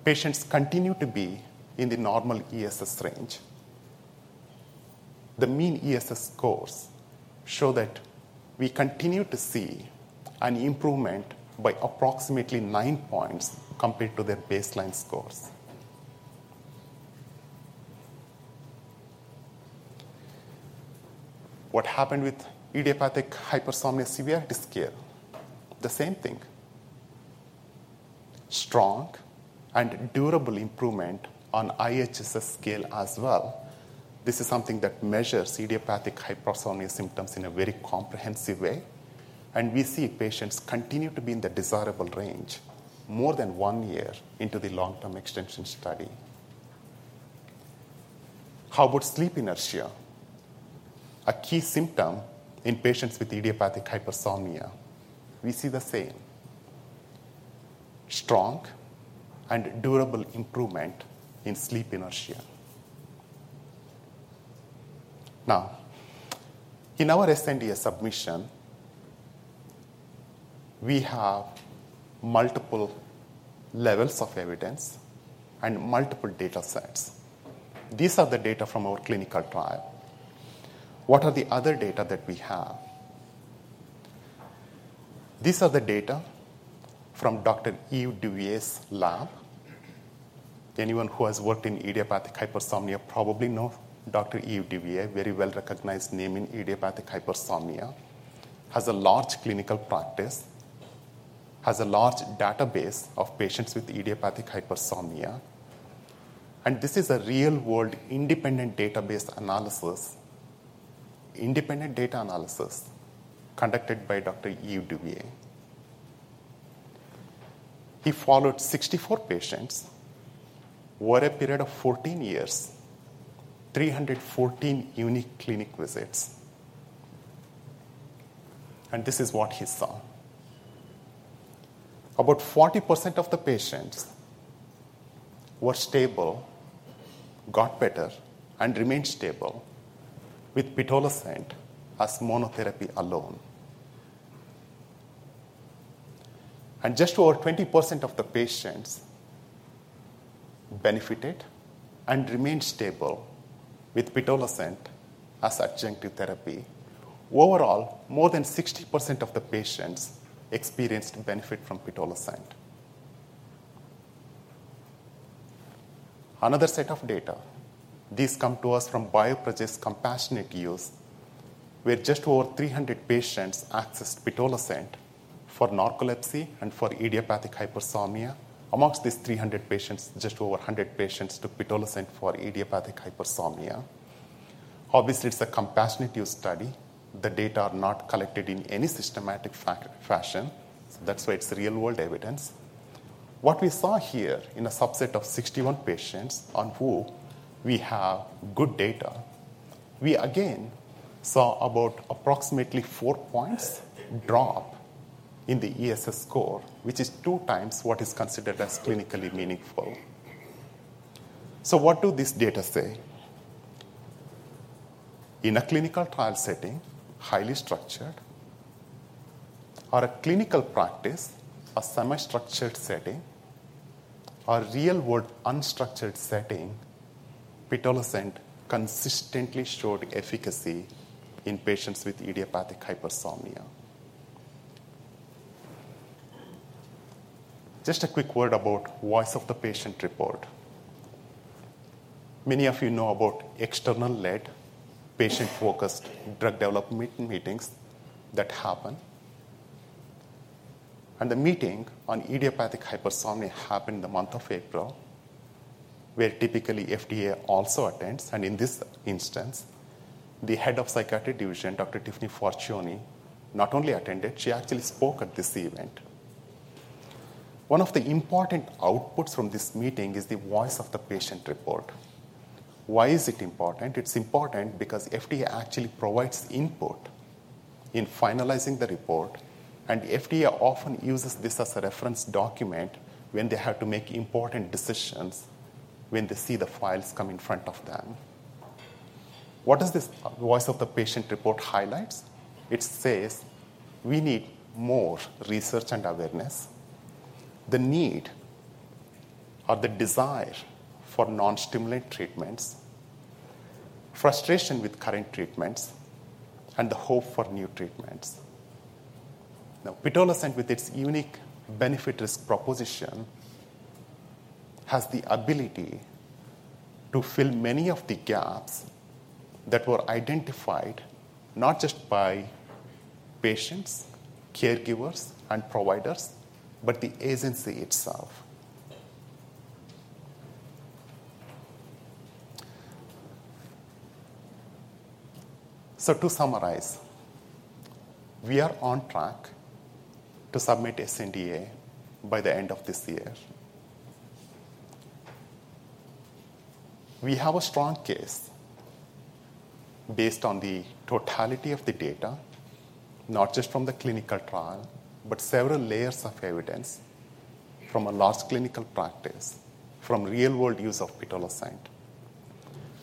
Patients continue to be in the normal ESS range. The mean ESS scores show that we continue to see an improvement by approximately nine points compared to their baseline scores. What happened with Idiopathic Hypersomnia Severity Scale? The same thing. Strong and durable improvement on IHSS scale as well. This is something that measures idiopathic hypersomnia symptoms in a very comprehensive way, and we see patients continue to be in the desirable range more than one year into the long-term extension study. How about sleep inertia? A key symptom in patients with idiopathic hypersomnia. We see the same: strong and durable improvement in sleep inertia. Now, in our sNDA submission, we have multiple levels of evidence and multiple data sets. These are the data from our clinical trial. What are the other data that we have? These are the data from Dr. Yves Dauvilliers' lab. Anyone who has worked in idiopathic hypersomnia probably know Dr. Yves Dauvilliers, a very well-recognized name in idiopathic hypersomnia, has a large clinical practice, has a large database of patients with idiopathic hypersomnia, and this is a real-world, independent database analysis, independent data analysis conducted by Dr. Yves Dauvilliers. He followed 64 patients over a period of 14 years, 314 unique clinic visits. And this is what he saw. About 40% of the patients were stable, got better, and remained stable with pitolisant as monotherapy alone, and just over 20% of the patients benefited and remained stable with pitolisant as adjunctive therapy. Overall, more than 60% of the patients experienced benefit from pitolisant. Another set of data. These come to us from Bioprojet's compassionate use, where just over 300 patients accessed pitolisant for narcolepsy and for idiopathic hypersomnia. Amongst these 300 patients, just over 100 patients took pitolisant for idiopathic hypersomnia. Obviously, it's a compassionate use study. The data are not collected in any systematic fashion. So that's why it's real-world evidence. What we saw here in a subset of sixty-one patients on who we have good data, we again saw about approximately four points drop in the ESS score, which is two times what is considered as clinically meaningful. So what do these data say? In a clinical trial setting, highly structured, or a clinical practice, a semi-structured setting, or real-world unstructured setting, pitolisant consistently showed efficacy in patients with idiopathic hypersomnia. Just a quick word about Voice of the Patient report. Many of you know about external-led, patient-focused drug development meetings that happen. And the meeting on idiopathic hypersomnia happened in the month of April, where typically FDA also attends, and in this instance, the head of psychiatry division, Dr. Tiffany Farchione, not only attended, she actually spoke at this event. One of the important outputs from this meeting is the Voice of the Patient report. Why is it important? It's important because FDA actually provides input in finalizing the report, and FDA often uses this as a reference document when they have to make important decisions, when they see the files come in front of them. What does this Voice of the Patient report highlights? It says we need more research and awareness, the need or the desire for non-stimulant treatments, frustration with current treatments, and the hope for new treatments. Now, pitolisant, with its unique benefit risk proposition, has the ability to fill many of the gaps that were identified not just by patients, caregivers, and providers, but the agency itself. So to summarize, we are on track to submit sNDA by the end of this year. We have a strong case based on the totality of the data, not just from the clinical trial, but several layers of evidence from a large clinical practice, from real-world use of pitolisant.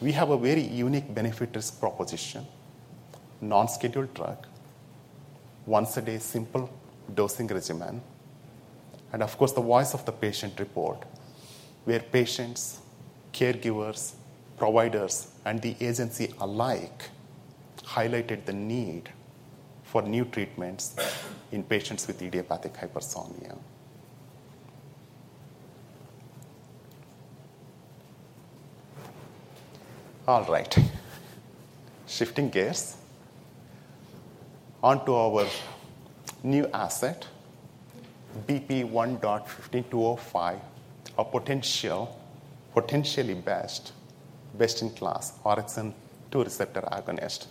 We have a very unique benefit risk proposition, non-scheduled drug, once a day, simple dosing regimen, and of course, the Voice of the Patient report, where patients, caregivers, providers, and the agency alike highlighted the need for new treatments in patients with idiopathic hypersomnia. All right. Shifting gears onto our new asset, BP1.15205, a potential, potentially best, best-in-class orexin two receptor agonist.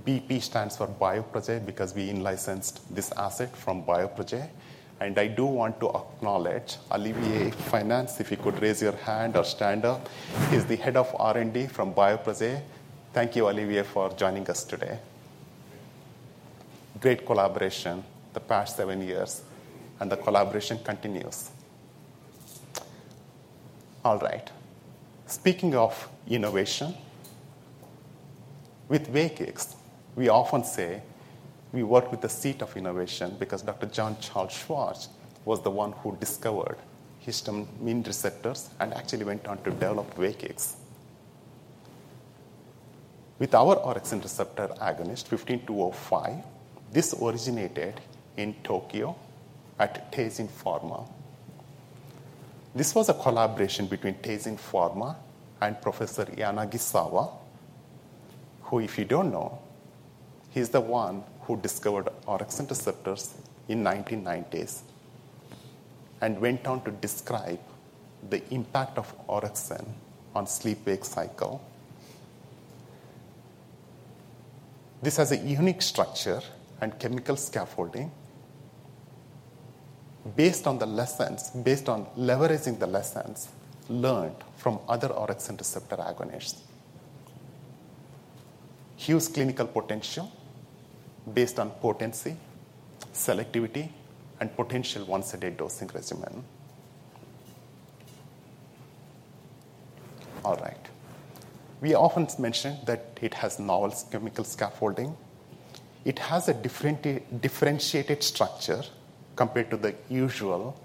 BP stands for Bioprojet because we in-licensed this asset from Bioprojet, and I do want to acknowledge Olivier Venault. If you could raise your hand or stand up. He's the head of R&D from Bioprojet. Thank you, Olivier, for joining us today. Great collaboration the past seven years, and the collaboration continues. All right. Speaking of innovation, with WAKIX, we often say we work with the seat of innovation because Dr. Jean-Charles Schwartz was the one who discovered histamine receptors and actually went on to develop WAKIX. With our orexin receptor agonist, BP1.15205, this originated in Tokyo at Teijin Pharma. This was a collaboration between Teijin Pharma and Professor Yanagisawa, who, if you don't know, he's the one who discovered orexin receptors in nineteen nineties and went on to describe the impact of orexin on sleep/wake cycle. This has a unique structure and chemical scaffolding. Based on leveraging the lessons learned from other orexin receptor agonists. Huge clinical potential based on potency, selectivity, and potential once a day dosing regimen. All right. We often mention that it has novel chemical scaffolding. It has a differentiated structure compared to the usual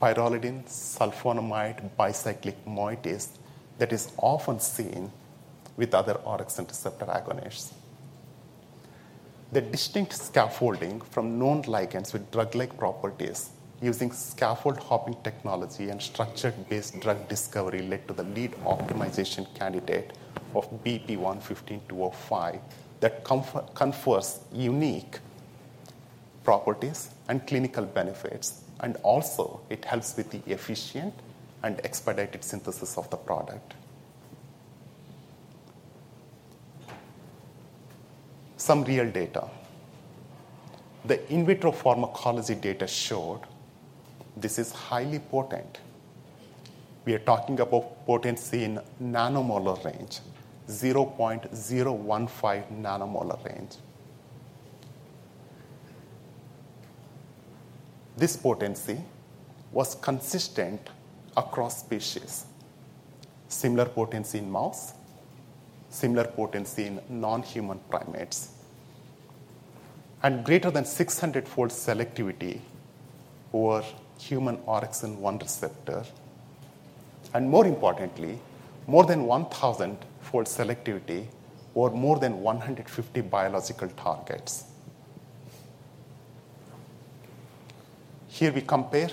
pyrrolidine sulfonamide bicyclic moieties that is often seen with other orexin receptor agonists. The distinct scaffolding from known ligands with drug-like properties using scaffold hopping technology and structure-based drug discovery led to the lead optimization candidate of BP1.15205 that confers unique properties and clinical benefits, and also it helps with the efficient and expedited synthesis of the product. Some real data. The in vitro pharmacology data showed this is highly potent. We are talking about potency in nanomolar range, 0.015 nM range. This potency was consistent across species. Similar potency in mouse, similar potency in non-human primates, and greater than six hundredfold selectivity over human orexin-1 receptor, and more importantly, more than one thousand-fold selectivity over more than 150 biological targets. Here we compare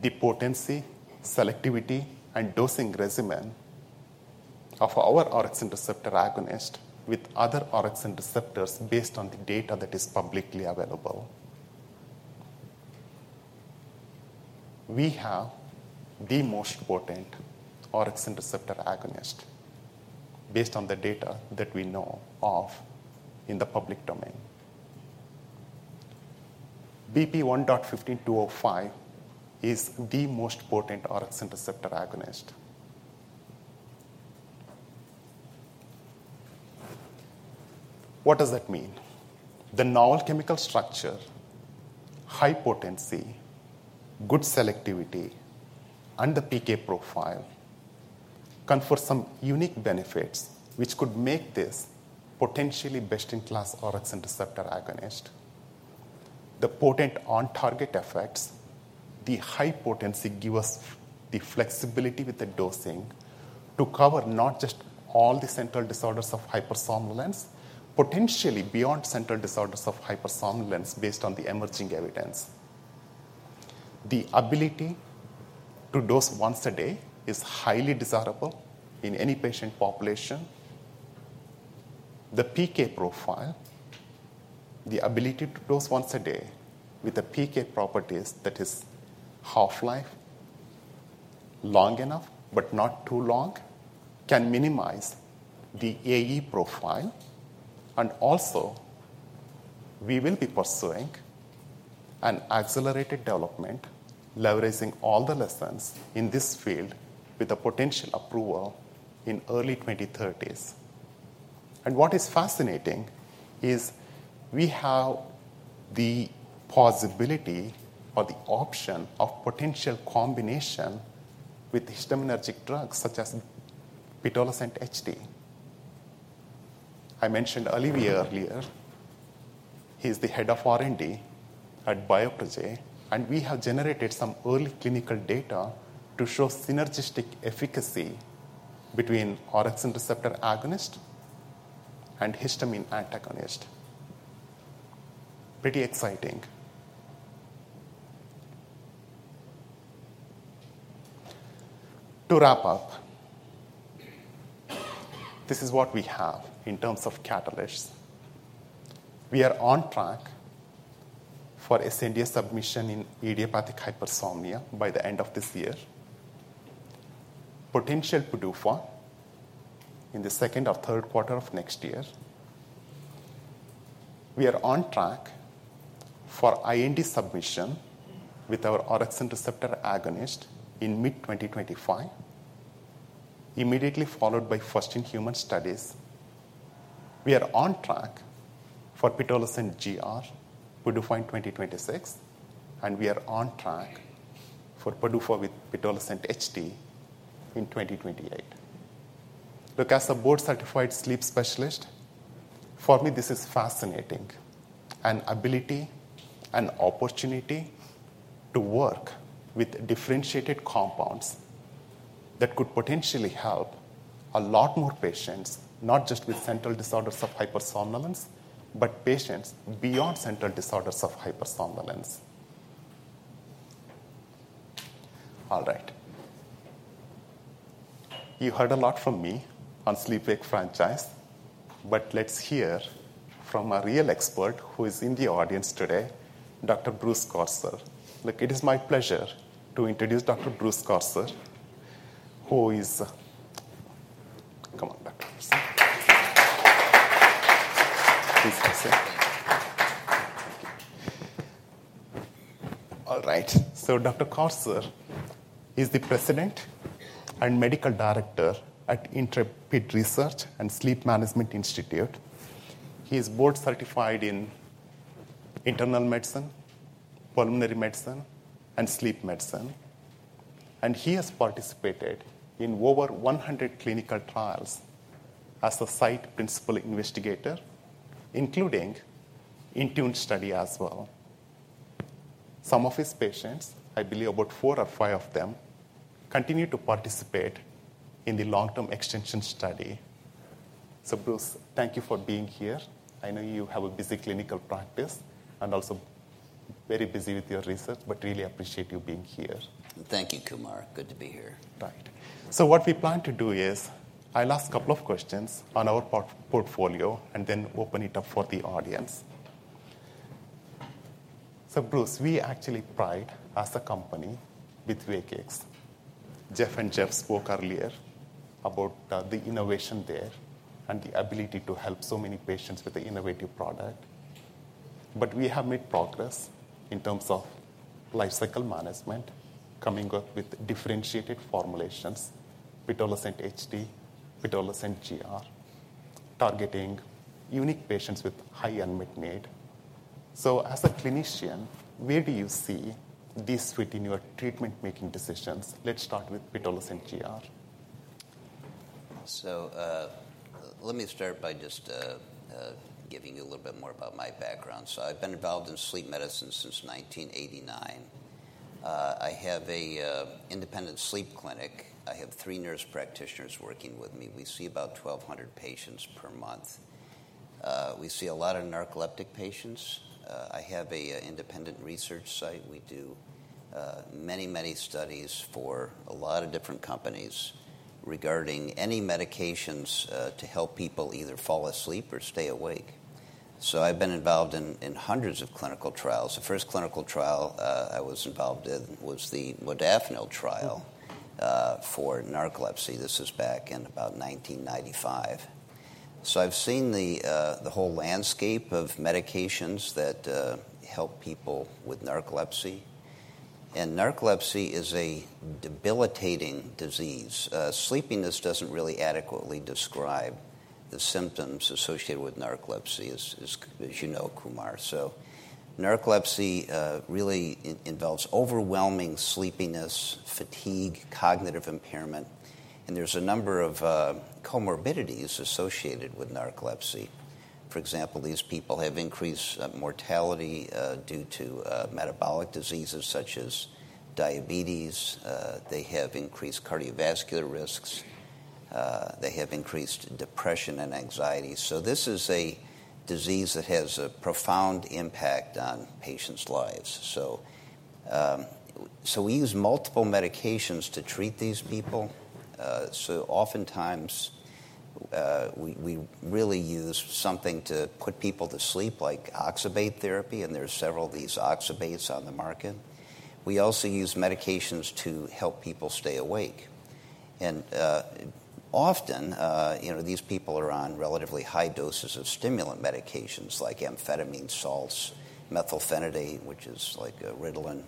the potency, selectivity, and dosing regimen of our orexin receptor agonist with other orexin receptors based on the data that is publicly available. We have the most potent orexin receptor agonist based on the data that we know of in the public domain. BP1.15205 is the most potent orexin receptor agonist. What does that mean? The novel chemical structure, high potency, good selectivity, and the PK profile confer some unique benefits, which could make this potentially best-in-class orexin receptor agonist. The potent on-target effects, the high potency give us the flexibility with the dosing to cover not just all the central disorders of hypersomnolence, potentially beyond central disorders of hypersomnolence based on the emerging evidence. The ability to dose once a day is highly desirable in any patient population. The PK profile, the ability to dose once a day with the PK properties, that is, half-life, long enough but not too long, can minimize the AE profile. We will also be pursuing an accelerated development, leveraging all the lessons in this field with a potential approval in early 2030s. What is fascinating is we have the possibility or the option of potential combination with histaminergic drugs, such as pitolisant HD. I mentioned Olivier earlier. He's the head of R&D at Bioprojet, and we have generated some early clinical data to show synergistic efficacy between orexin receptor agonist and histamine antagonist. Pretty exciting. To wrap up, this is what we have in terms of catalysts. We are on track for a NDA submission in idiopathic hypersomnia by the end of this year. Potential PDUFA in the second or third quarter of next year. We are on track for IND submission with our orexin receptor agonist in mid-2025, immediately followed by first-in-human studies. We are on track for pitolisant GR, PDUFA in 2026, and we are on track for PDUFA with pitolisant HD in 2028. Look, as a board-certified sleep specialist, for me, this is fascinating, an ability and opportunity to work with differentiated compounds that could potentially help a lot more patients, not just with central disorders of hypersomnolence, but patients beyond central disorders of hypersomnolence. All right. You heard a lot from me on sleep/wake franchise, but let's hear from a real expert who is in the audience today, Dr. Bruce Corser. Look, it is my pleasure to introduce Dr. Bruce Corser, who is... Come up, Doctor. Please have a seat. All right. So Dr. Corser is the president and medical director at Intrepid Research and Sleep Management Institute. He is board-certified in internal medicine, pulmonary medicine, and sleep medicine, and he has participated in over one hundred clinical trials as the site principal investigator, including INTUNE study as well. Some of his patients, I believe about four or five of them, continue to participate in the long-term extension study. So Bruce, thank you for being here. I know you have a busy clinical practice and also very busy with your research, but really appreciate you being here. Thank you, Kumar. Good to be here. Right. So what we plan to do is, I'll ask a couple of questions on our portfolio and then open it up for the audience. So Bruce, we actually pride as a company with WAKIX. Jeffrey and Jeffrey spoke earlier about the innovation there and the ability to help so many patients with the innovative product. But we have made progress in terms of life cycle management, coming up with differentiated formulations, pitolisant HD, pitolisant GR, targeting unique patients with high unmet need. So as a clinician, where do you see this fit in your treatment making decisions? Let's start with pitolisant GR. So, let me start by just giving you a little bit more about my background. So I've been involved in sleep medicine since nineteen eighty-nine. I have a independent sleep clinic. I have three nurse practitioners working with me. We see about twelve hundred patients per month. We see a lot of narcoleptic patients. I have a independent research site. We do many, many studies for a lot of different companies regarding any medications to help people either fall asleep or stay awake. So I've been involved in hundreds of clinical trials. The first clinical trial I was involved in was the modafinil trial for narcolepsy. This is back in about nineteen ninety-five. So I've seen the whole landscape of medications that help people with narcolepsy. And narcolepsy is a debilitating disease. Sleepiness doesn't really adequately describe the symptoms associated with narcolepsy, as you know, Kumar. So narcolepsy really involves overwhelming sleepiness, fatigue, cognitive impairment, and there's a number of comorbidities associated with narcolepsy. For example, these people have increased mortality due to metabolic diseases such as diabetes. They have increased cardiovascular risks. They have increased depression and anxiety. So this is a disease that has a profound impact on patients' lives. So we use multiple medications to treat these people. So oftentimes, we really use something to put people to sleep, like oxybate therapy, and there's several of these oxybates on the market. We also use medications to help people stay awake. Often, you know, these people are on relatively high doses of stimulant medications like amphetamine salts, methylphenidate, which is like Ritalin.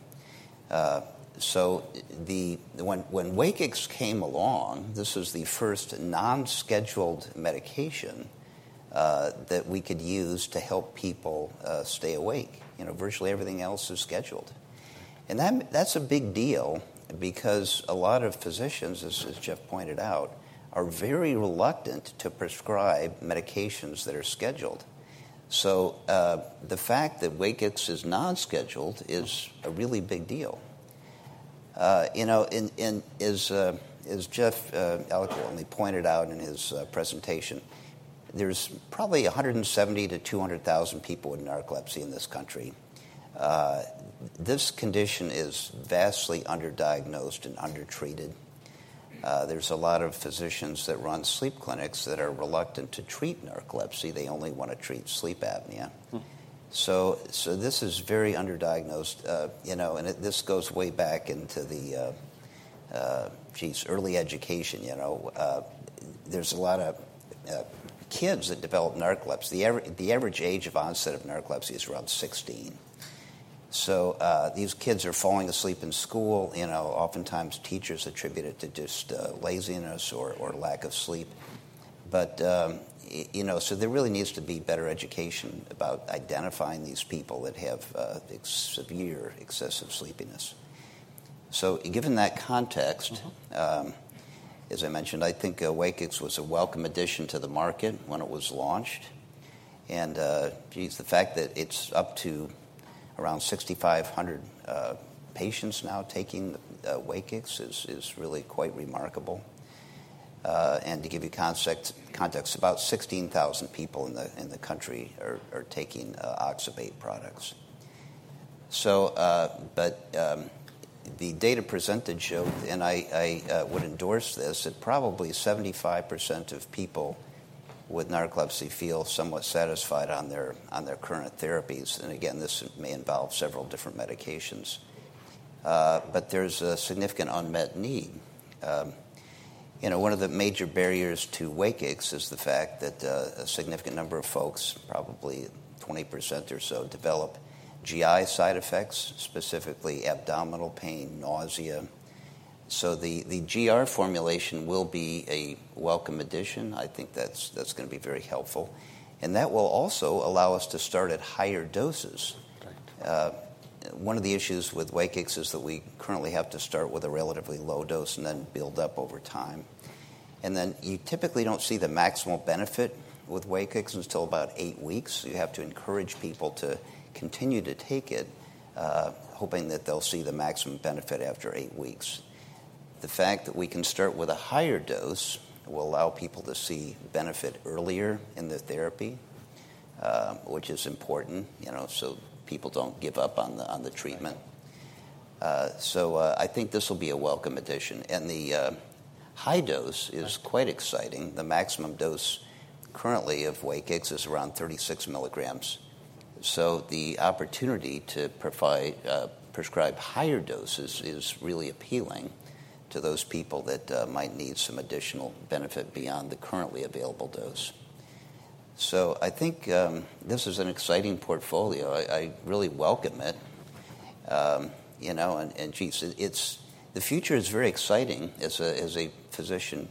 So when WAKIX came along, this was the first non-scheduled medication that we could use to help people stay awake. You know, virtually everything else is scheduled. And that, that's a big deal because a lot of physicians, as Jeffrey pointed out, are very reluctant to prescribe medications that are scheduled. So the fact that WAKIX is non-scheduled is a really big deal. You know, and as Jeffrey eloquently pointed out in his presentation, there's probably 170-200 thousand people with narcolepsy in this country. This condition is vastly underdiagnosed and undertreated. There's a lot of physicians that run sleep clinics that are reluctant to treat narcolepsy. They only wanna treat sleep apnea. Mm. So this is very underdiagnosed, you know, and it. This goes way back into the, geez, early education, you know. There's a lot of kids that develop narcolepsy. The average age of onset of narcolepsy is around 16. So these kids are falling asleep in school, you know, oftentimes teachers attribute it to just laziness or lack of sleep. But, you know, so there really needs to be better education about identifying these people that have severe excessive sleepiness. So given that context- Mm-hmm. As I mentioned, I think, Wakix was a welcome addition to the market when it was launched. And, geez, the fact that it's up to around sixty-five hundred patients now taking Wakix is really quite remarkable. And to give you context, about sixteen thousand people in the country are taking oxybate products. So, but, the data presented showed, and I would endorse this, that probably 75% of people with narcolepsy feel somewhat satisfied on their current therapies, and again, this may involve several different medications. But there's a significant unmet need. You know, one of the major barriers to Wakix is the fact that a significant number of folks, probably 20% or so, develop GI side effects, specifically abdominal pain, nausea-... The GR formulation will be a welcome addition. I think that's gonna be very helpful, and that will also allow us to start at higher doses. Right. One of the issues with WAKIX is that we currently have to start with a relatively low dose and then build up over time and then you typically don't see the maximal benefit with WAKIX until about eight weeks. You have to encourage people to continue to take it, hoping that they'll see the maximum benefit after eight weeks. The fact that we can start with a higher dose will allow people to see benefit earlier in the therapy, which is important, you know, so people don't give up on the treatment. Right. I think this will be a welcome addition, and the high dose is quite exciting. The maximum dose currently of WAKIX is around 36 mg. So the opportunity to prescribe higher doses is really appealing to those people that might need some additional benefit beyond the currently available dose. So I think this is an exciting portfolio. I really welcome it. You know, and geez, it's the future is very exciting as a physician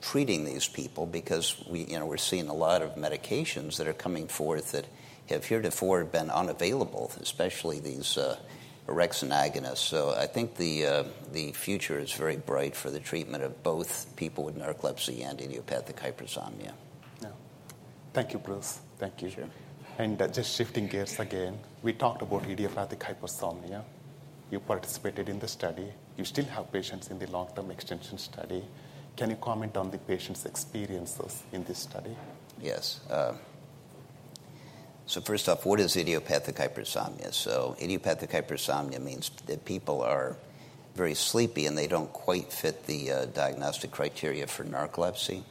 treating these people because we, you know, we're seeing a lot of medications that are coming forth that have heretofore been unavailable, especially these orexin agonists. So I think the future is very bright for the treatment of both people with narcolepsy and idiopathic hypersomnia. Yeah. Thank you, Bruce. Thank you. Sure. Just shifting gears again, we talked about idiopathic hypersomnia. You participated in the study. You still have patients in the long-term extension study. Can you comment on the patients' experiences in this study? Yes. So first off, what is idiopathic hypersomnia? So idiopathic hypersomnia means that people are very sleepy, and they don't quite fit the diagnostic criteria for narcolepsy.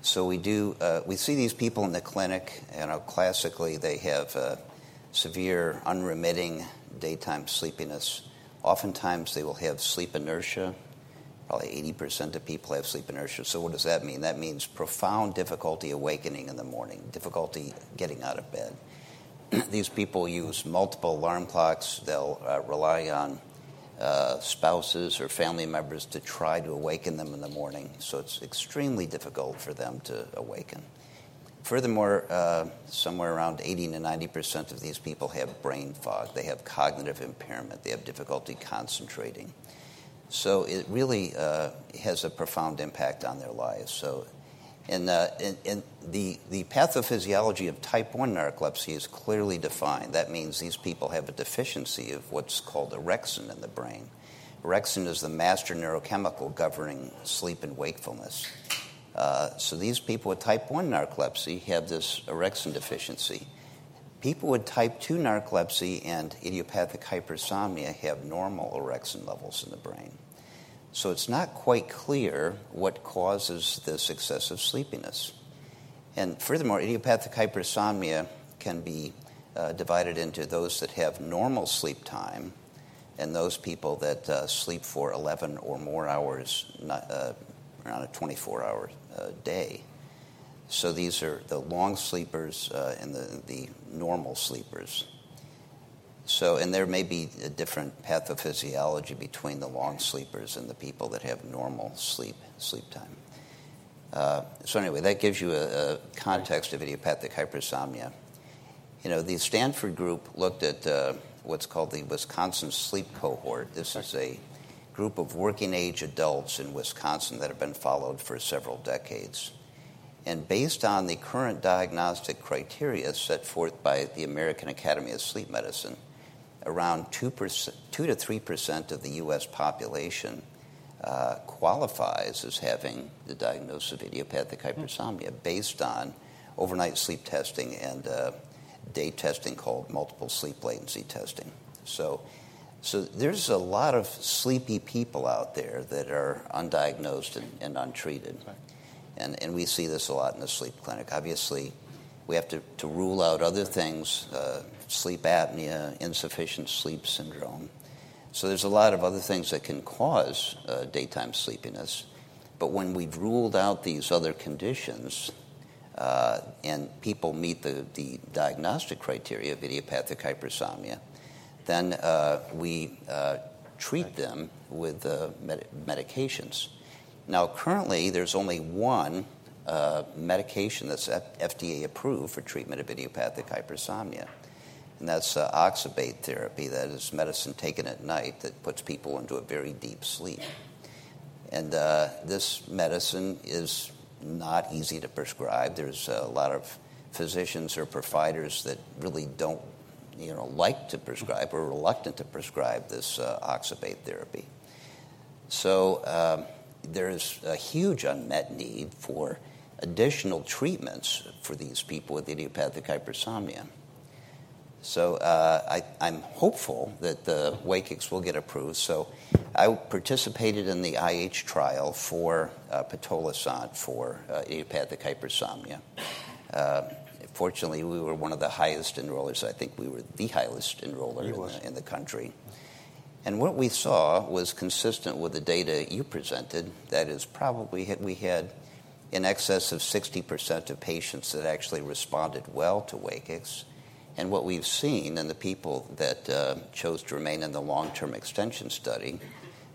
So we see these people in the clinic, you know, classically, they have severe, unremitting daytime sleepiness. Oftentimes, they will have sleep inertia. Probably 80% of people have sleep inertia. So what does that mean? That means profound difficulty awakening in the morning, difficulty getting out of bed. These people use multiple alarm clocks. They'll rely on spouses or family members to try to awaken them in the morning. So it's extremely difficult for them to awaken. Furthermore, somewhere around 80%-90% of these people have brain fog. They have cognitive impairment. They have difficulty concentrating. So it really has a profound impact on their lives. The pathophysiology of type one narcolepsy is clearly defined. That means these people have a deficiency of what's called orexin in the brain. Orexin is the master neurochemical governing sleep and wakefulness. These people with type one narcolepsy have this orexin deficiency. People with type two narcolepsy and idiopathic hypersomnia have normal orexin levels in the brain. It's not quite clear what causes this excessive sleepiness. Furthermore, idiopathic hypersomnia can be divided into those that have normal sleep time and those people that sleep for 11 or more hours, not around a 24-hour day. These are the long sleepers and the normal sleepers. There may be a different pathophysiology between the long sleepers and the people that have normal sleep time. That gives you a context of idiopathic hypersomnia. You know, the Stanford group looked at what's called the Wisconsin Sleep Cohort. This is a group of working-age adults in Wisconsin that have been followed for several decades. Based on the current diagnostic criteria set forth by the American Academy of Sleep Medicine, around 2%-3% of the U.S. population qualifies as having the diagnosis of idiopathic hypersomnia, based on overnight sleep testing and day testing called multiple sleep latency testing. There's a lot of sleepy people out there that are undiagnosed and untreated. Right. We see this a lot in the sleep clinic. Obviously, we have to rule out other things, sleep apnea, insufficient sleep syndrome. There's a lot of other things that can cause daytime sleepiness. When we've ruled out these other conditions and people meet the diagnostic criteria of idiopathic hypersomnia, then we treat them- Right. with medications. Now, currently, there's only one medication that's FDA-approved for treatment of idiopathic hypersomnia, and that's oxybate therapy. That is medicine taken at night that puts people into a very deep sleep, and this medicine is not easy to prescribe. There's a lot of physicians or providers that really don't, you know, like to prescribe or are reluctant to prescribe this oxybate therapy, so there's a huge unmet need for additional treatments for these people with idiopathic hypersomnia, so I'm hopeful that the WAKIX will get approved, so I participated in the IH trial for pitolisant for idiopathic hypersomnia. Fortunately, we were one of the highest enrollers. I think we were the highest enroller. We were. in the country. And what we saw was consistent with the data you presented, that is probably we had in excess of 60% of patients that actually responded well to WAKIX. And what we've seen in the people that chose to remain in the long-term extension study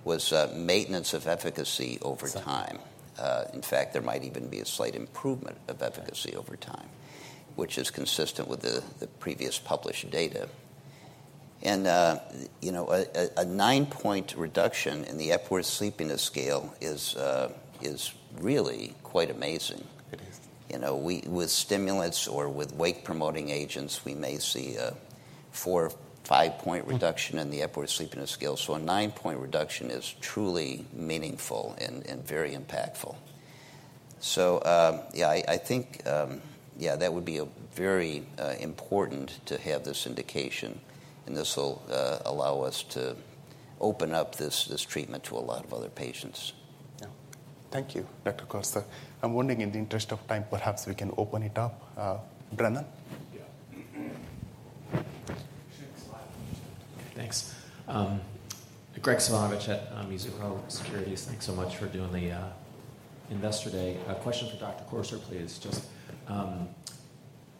was maintenance of efficacy over time. In fact, there might even be a slight improvement of efficacy over time, which is consistent with the previous published data. And you know, a nine-point reduction in the Epworth Sleepiness Scale is really quite amazing. It is. You know, we with stimulants or with wake-promoting agents, we may see a four or five-point reduction in the Epworth Sleepiness Scale. So a nine-point reduction is truly meaningful and very impactful. So, I think that would be a very important to have this indication, and this will allow us to open up this treatment to a lot of other patients. Yeah. Thank you, Dr. Corser. I'm wondering, in the interest of time, perhaps we can open it up. Brennan? Yeah. Thanks. Graig Suvannavejh at Mizuho Securities. Thanks so much for doing the Investor Day. A question for Dr. Corser, please. Just,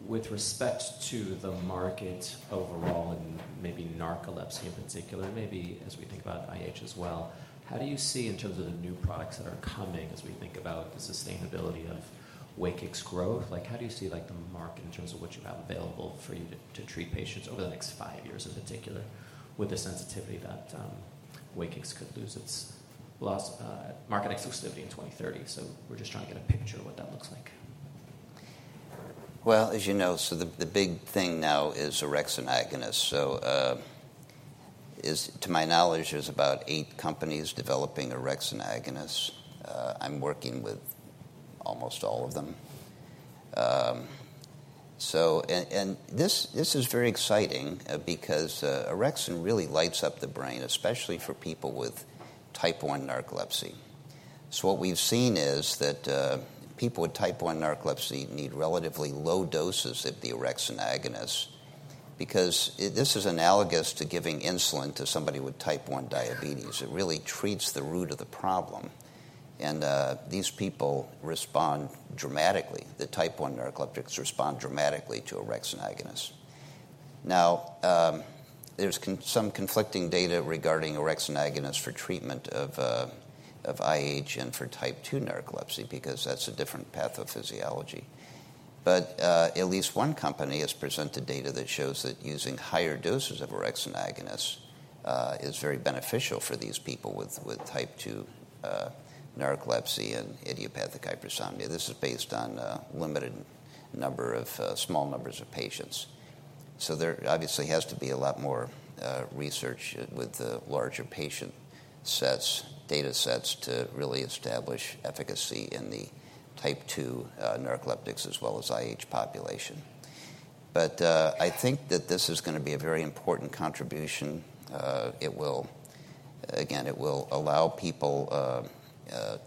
with respect to the market overall and maybe narcolepsy in particular, maybe as we think about IH as well, how do you see in terms of the new products that are coming as we think about the sustainability of WAKIX growth? Like, how do you see, like, the market in terms of what you have available for you to treat patients over the next five years in particular, with the sensitivity that WAKIX could lose its last market exclusivity in2030? So we're just trying to get a picture of what that looks like. Well, as you know, the big thing now is orexin agonist. To my knowledge, there's about eight companies developing orexin agonists. I'm working with almost all of them. This is very exciting, because orexin really lights up the brain, especially for people with type one narcolepsy. What we've seen is that people with type one narcolepsy need relatively low doses of the orexin agonist, because this is analogous to giving insulin to somebody with type one diabetes. It really treats the root of the problem, and these people respond dramatically. The type one narcoleptics respond dramatically to orexin agonist. Now, there's some conflicting data regarding orexin agonist for treatment of IH and for type two narcolepsy, because that's a different pathophysiology. But at least one company has presented data that shows that using higher doses of orexin agonist is very beneficial for these people with type two narcolepsy and idiopathic hypersomnia. This is based on a limited number of small numbers of patients. So there obviously has to be a lot more research with the larger patient sets, data sets, to really establish efficacy in the type two narcoleptics as well as IH population. But I think that this is gonna be a very important contribution. It will. Again, it will allow people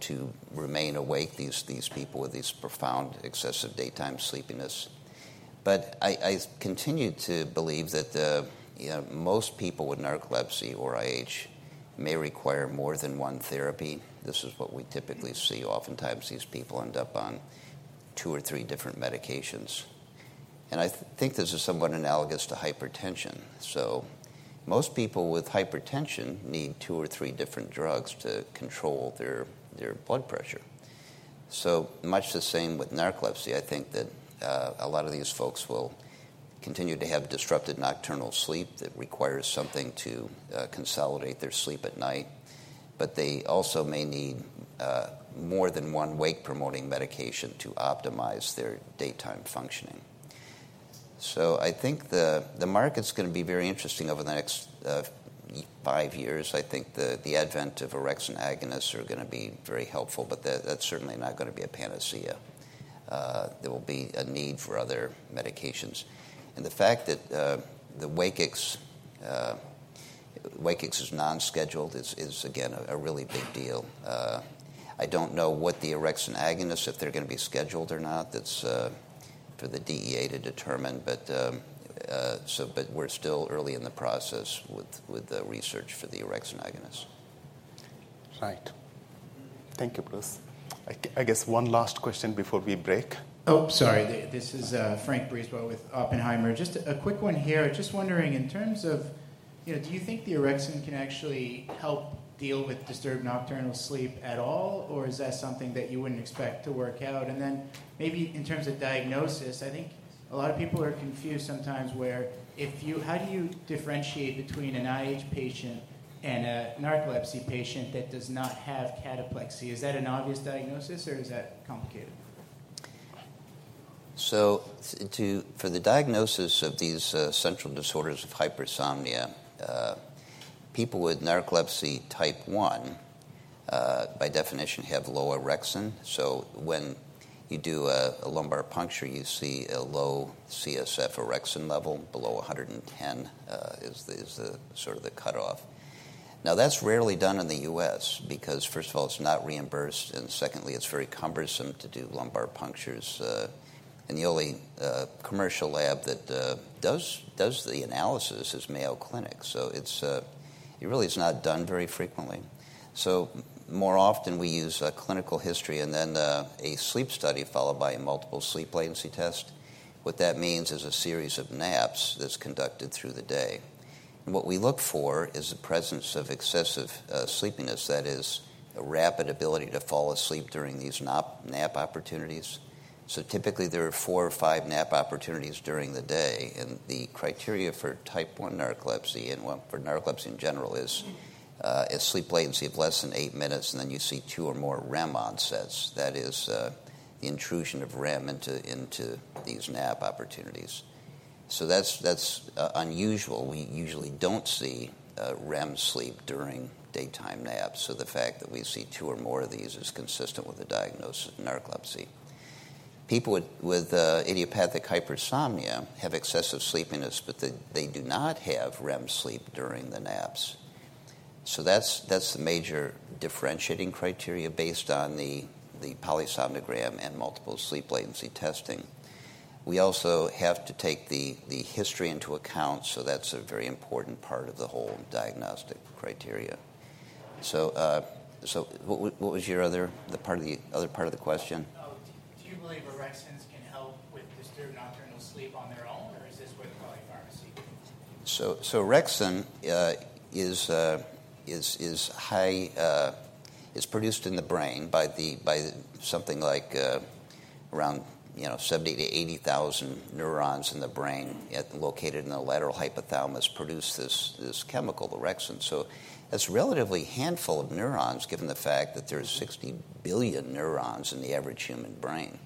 to remain awake, these people with these profound excessive daytime sleepiness. But I continue to believe that the, you know, most people with narcolepsy or IH may require more than one therapy. This is what we typically see. Oftentimes, these people end up on two or three different medications, and I think this is somewhat analogous to hypertension, so most people with hypertension need two or three different drugs to control their blood pressure, so much the same with narcolepsy. I think that a lot of these folks will continue to have disrupted nocturnal sleep that requires something to consolidate their sleep at night, but they also may need more than one wake-promoting medication to optimize their daytime functioning, so I think the market's gonna be very interesting over the next five years. I think the advent of orexin agonists are gonna be very helpful, but that's certainly not gonna be a panacea. There will be a need for other medications. The fact that the WAKIX is non-scheduled is again a really big deal. I don't know what the orexin agonists, if they're gonna be scheduled or not. That's for the DEA to determine, but we're still early in the process with the research for the orexin agonist. Right. Thank you, Bruce. I guess one last question before we break. Oh, sorry. This is. Just a quick one here. Just wondering, in terms of, you know, do you think the orexin can actually help deal with disturbed nocturnal sleep at all, or is that something that you wouldn't expect to work out? And then maybe in terms of diagnosis, I think a lot of people are confused sometimes where how do you differentiate between an IH patient and a narcolepsy patient that does not have cataplexy? Is that an obvious diagnosis or is that complicated? For the diagnosis of these central disorders of hypersomnia, people with narcolepsy type one, by definition, have low orexin. So when you do a lumbar puncture, you see a low CSF orexin level, below one hundred and ten is the sort of the cutoff. Now, that's rarely done in the U.S. because first of all, it's not reimbursed, and secondly, it's very cumbersome to do lumbar punctures. And the only commercial lab that does the analysis is Mayo Clinic. So it really is not done very frequently. So more often we use a clinical history and then a sleep study followed by a multiple sleep latency test. What that means is a series of naps that's conducted through the day. And what we look for is the presence of excessive sleepiness, that is a rapid ability to fall asleep during these nap opportunities. So typically, there are four or five nap opportunities during the day, and the criteria for type one narcolepsy and for narcolepsy in general is a sleep latency of less than eight minutes, and then you see two or more REM onsets. That is the intrusion of REM into these nap opportunities. So that's unusual. We usually don't see REM sleep during daytime naps, so the fact that we see two or more of these is consistent with the diagnosis of narcolepsy. People with idiopathic hypersomnia have excessive sleepiness, but they do not have REM sleep during the naps. So that's the major differentiating criteria based on the polysomnogram and multiple sleep latency testing. We also have to take the history into account, so that's a very important part of the whole diagnostic criteria. So what was your other part of the question? Do you believe orexins can help with disturbed nocturnal sleep on their own, or is this where polypharmacy comes in? Orexin is high. It's produced in the brain by something like around, you know, seventy to eighty thousand neurons in the brain located in the lateral hypothalamus that produce this chemical, orexin. That's a relatively handful of neurons, given the fact that there's sixty billion neurons in the average human brain.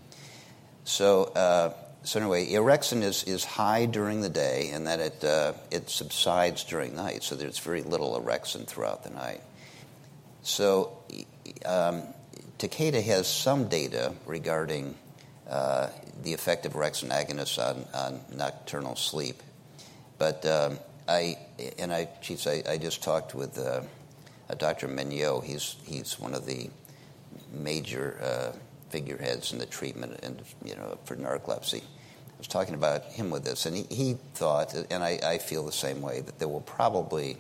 Anyway, orexin is high during the day, and then it subsides during night. There's very little orexin throughout the night. Takeda has some data regarding the effect of orexin agonists on nocturnal sleep. But I... And I, geez, I just talked with Dr. Mignot. He's one of the major figureheads in the treatment and, you know, for narcolepsy. I was talking about him with this, and he thought, and I feel the same way, that there will probably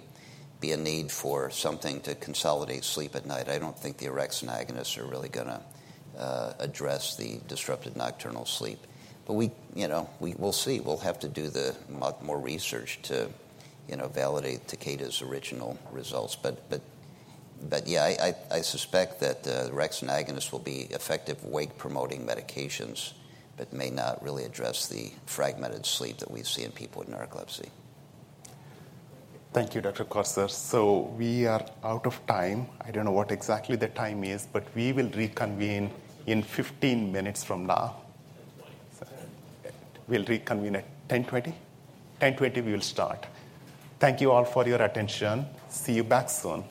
be a need for something to consolidate sleep at night. I don't think the orexin agonists are really gonna address the disrupted nocturnal sleep. But we, you know, we'll see. We'll have to do much more research to, you know, validate Takeda's original results. But yeah, I suspect that the orexin agonists will be effective wake-promoting medications, but may not really address the fragmented sleep that we see in people with narcolepsy. Thank you, Dr. Corser. So we are out of time. I don't know what exactly the time is, but we will reconvene in fifteen minutes from now. Ten twenty. We'll reconvene at 10:20? 10:20, we'll start. Thank you all for your attention. See you back soon.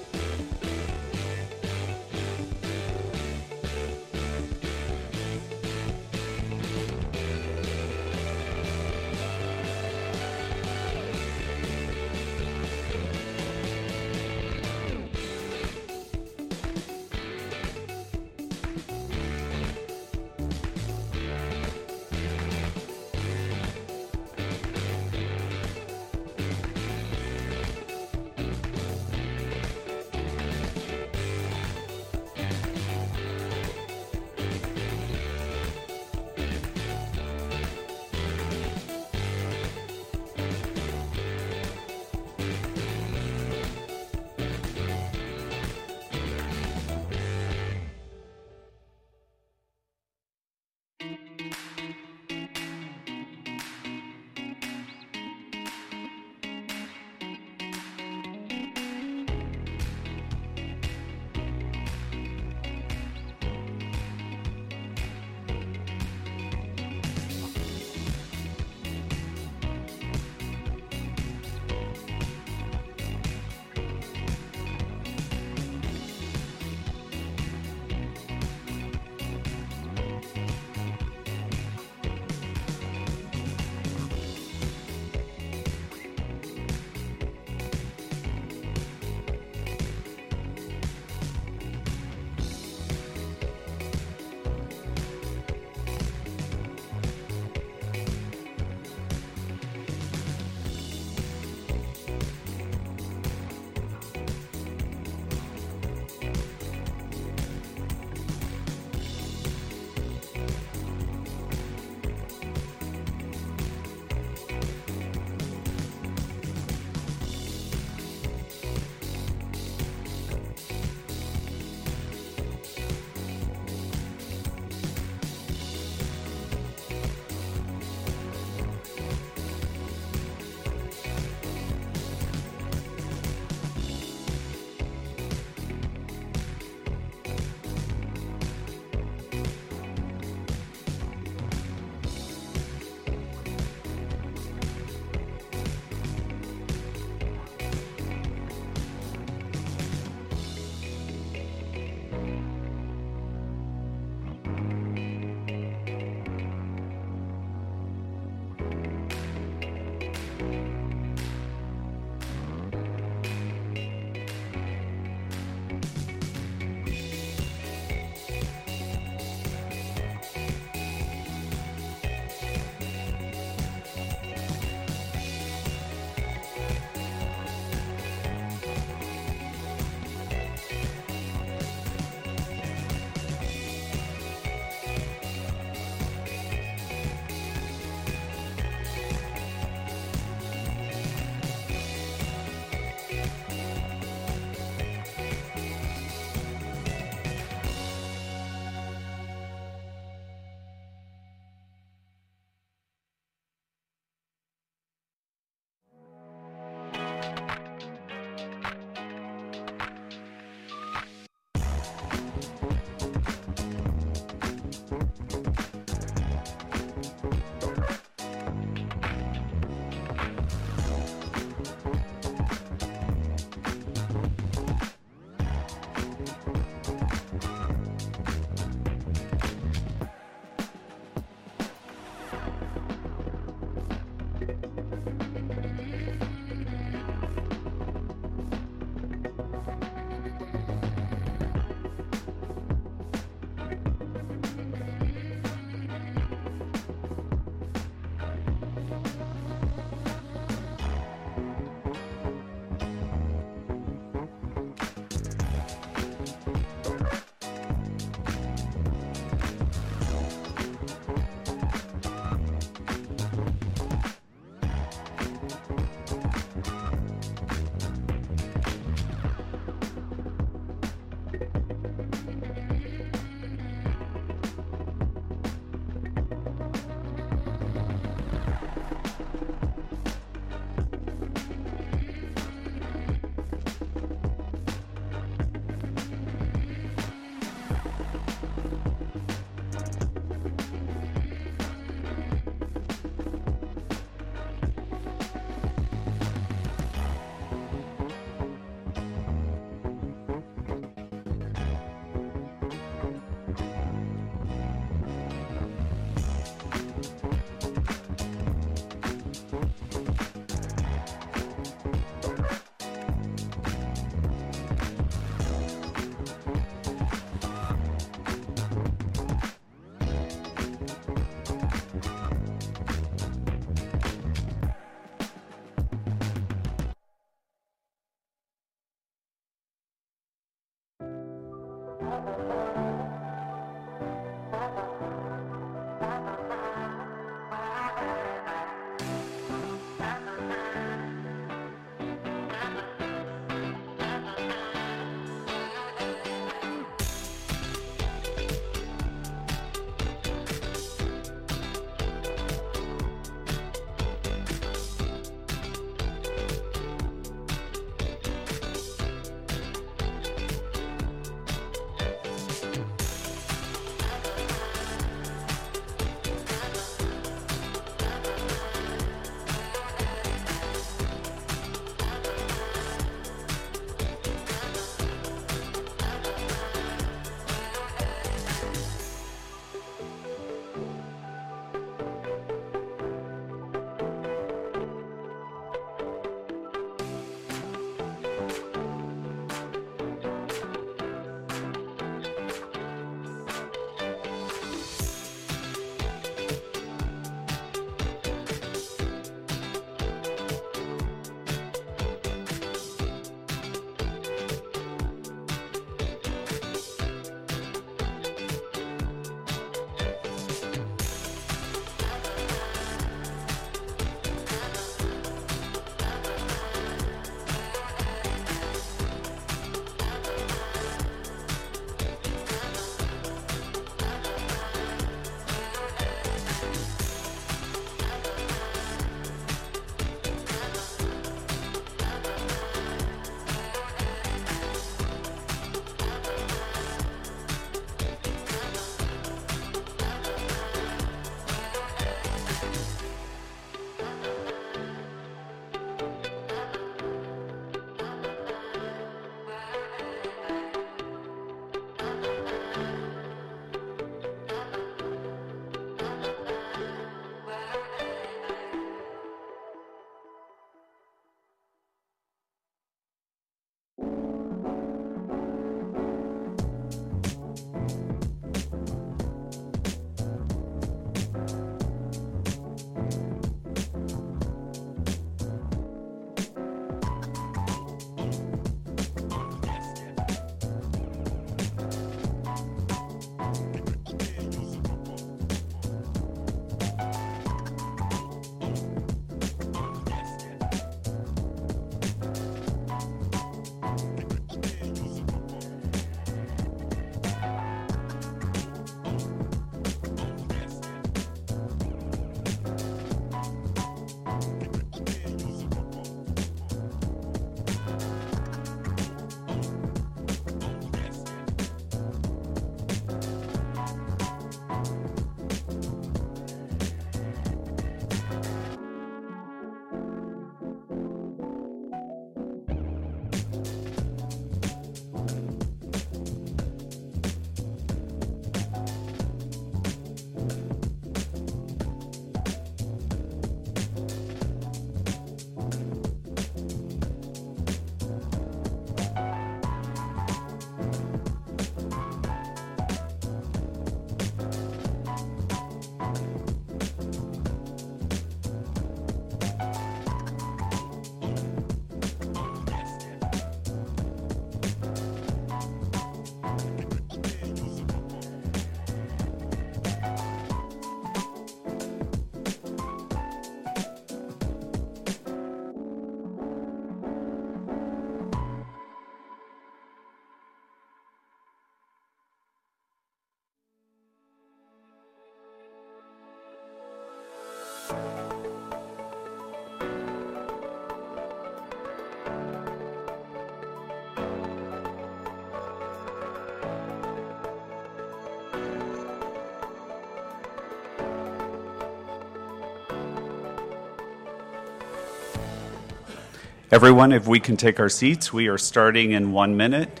Everyone, if we can take our seats, we are starting in one minute.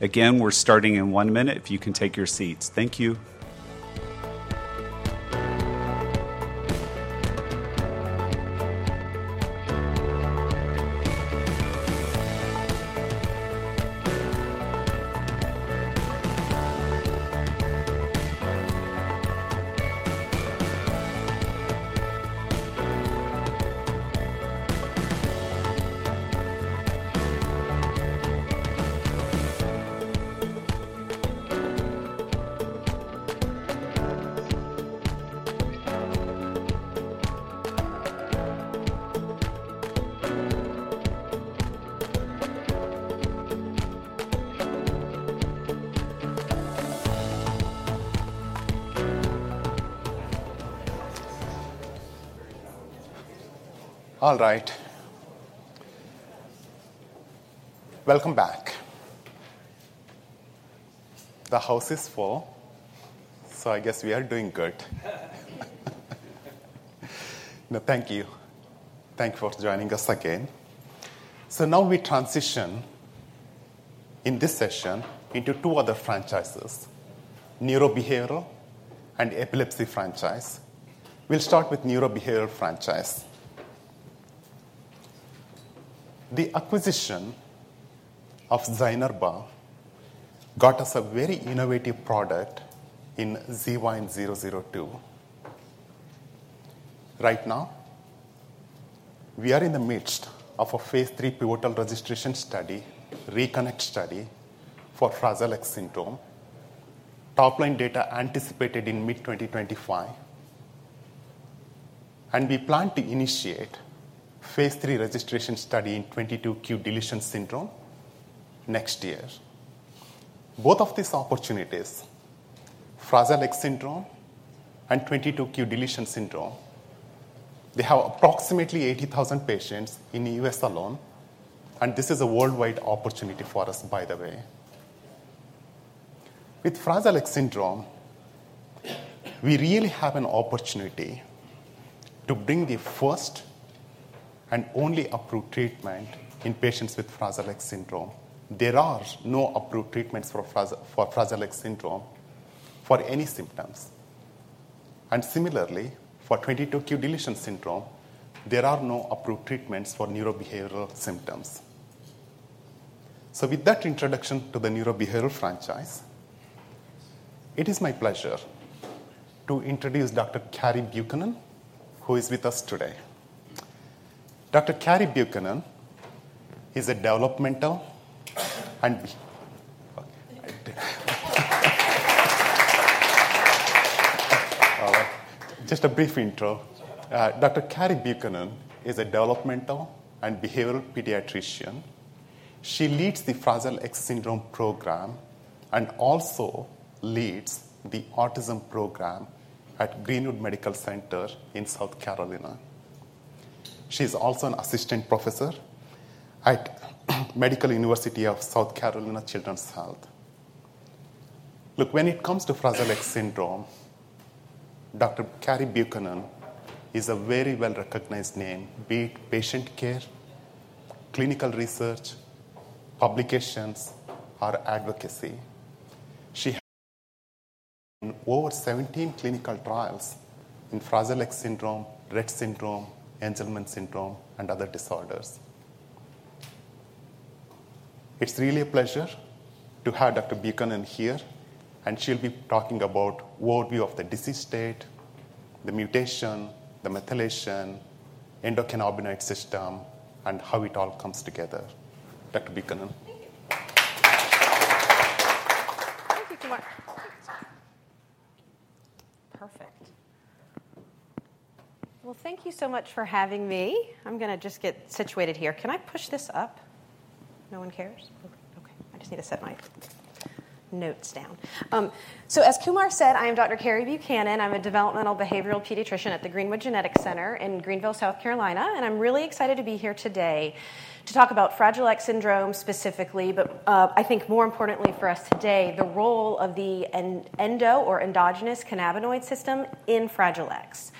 Again, we're starting in one minute, if you can take your seats. Thank you. ... All right. Welcome back. The house is full, so I guess we are doing good. Now, thank you. Thank you for joining us again. So now we transition in this session into two other franchises, neurobehavioral and epilepsy franchise. We'll start with neurobehavioral franchise. The acquisition of Zynerba got us a very innovative product in ZYN002. Right now, we are in the midst of a phase III pivotal registration study, RECONNECT study for Fragile X syndrome, top-line data anticipated in mid-2025, and we plan to initiate phase III registration study in 22q deletion syndrome next year. Both of these opportunities, Fragile X syndrome and 22q deletion syndrome, they have approximately 80,000 patients in the U.S. alone, and this is a worldwide opportunity for us, by the way. With Fragile X syndrome, we really have an opportunity to bring the first and only approved treatment in patients with Fragile X syndrome. There are no approved treatments for Fragile X syndrome for any symptoms. And similarly, for 22q11.2 deletion syndrome, there are no approved treatments for neurobehavioral symptoms. So with that introduction to the neurobehavioral franchise, it is my pleasure to introduce Dr. Carrie Buchanan, who is with us today. Dr. Carrie Buchanan is a developmental and behavioral pediatrician. She leads the Fragile X Syndrome Program and also leads the Autism Program at Greenwood Genetic Center in South Carolina. She's also an assistant professor at Medical University of South Carolina Children's Health. Look, when it comes to Fragile X syndrome, Dr. Carrie Buchanan is a very well-recognized name, be it patient care, clinical research, publications, or advocacy. She... over 17 clinical trials in Fragile X syndrome, Rett syndrome, Angelman syndrome, and other disorders. It's really a pleasure to have Dr. Buchanan here, and she'll be talking about worldview of the disease state, the mutation, the methylation, endocannabinoid system, and how it all comes together. Dr. Buchanan. Thank you. Thank you, Kumar. Perfect. Well, thank you so much for having me. I'm gonna just get situated here. Can I push this up? No one cares? Okay, I just need to set my notes down. So as Kumar said, I am Dr. Carrie Buchanan. I'm a developmental behavioral pediatrician at the Greenwood Genetic Center in Greenville, South Carolina, and I'm really excited to be here today to talk about Fragile X syndrome specifically, but I think more importantly for us today, the role of the endocannabinoid system in Fragile X.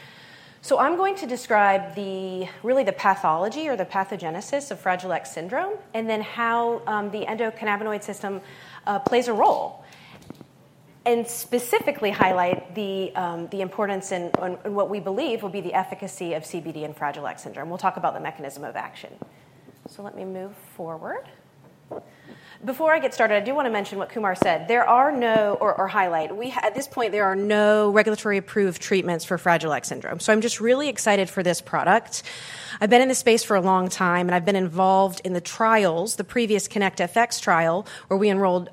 So I'm going to describe really the pathology or the pathogenesis of Fragile X syndrome, and then how the endocannabinoid system plays a role, and specifically highlight the importance in what we believe will be the efficacy of CBD in Fragile X syndrome. We'll talk about the mechanism of action. So let me move forward. Before I get started, I do want to mention what Kumar said. At this point, there are no regulatory-approved treatments for Fragile X syndrome, so I'm just really excited for this product. I've been in this space for a long time, and I've been involved in the trials, the previous CONNECT-FX trial, where we enrolled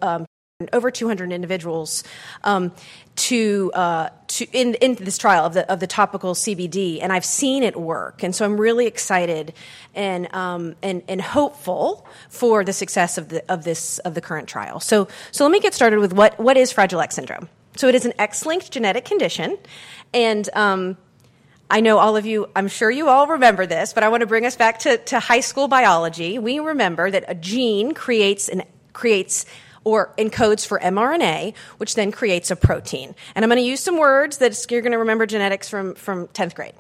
over 200 individuals into this trial of the topical CBD, and I've seen it work. And so I'm really excited and hopeful for the success of the current trial. So let me get started with what is Fragile X syndrome? It is an X-linked genetic condition, and I know all of you. I'm sure you all remember this, but I want to bring us back to high school biology. We remember that a gene creates or encodes for mRNA, which then creates a protein. I'm gonna use some words that you're gonna remember genetics from tenth grade.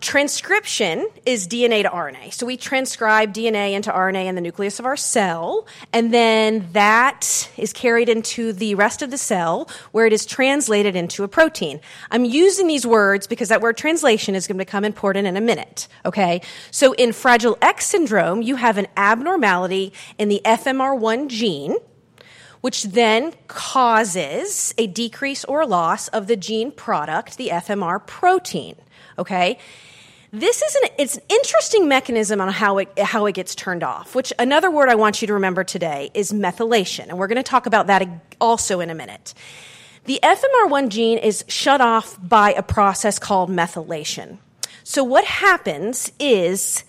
Transcription is DNA to RNA. We transcribe DNA into RNA in the nucleus of our cell, and then that is carried into the rest of the cell, where it is translated into a protein. I'm using these words because that word translation is going to become important in a minute, okay? In Fragile X syndrome, you have an abnormality in the FMR1 gene, which then causes a decrease or loss of the gene product, the FMR protein, okay? This is an interesting mechanism on how it gets turned off, which, another word I want you to remember today is methylation, and we're gonna talk about that also in a minute. The FMR1 gene is shut off by a process called methylation. So what happens is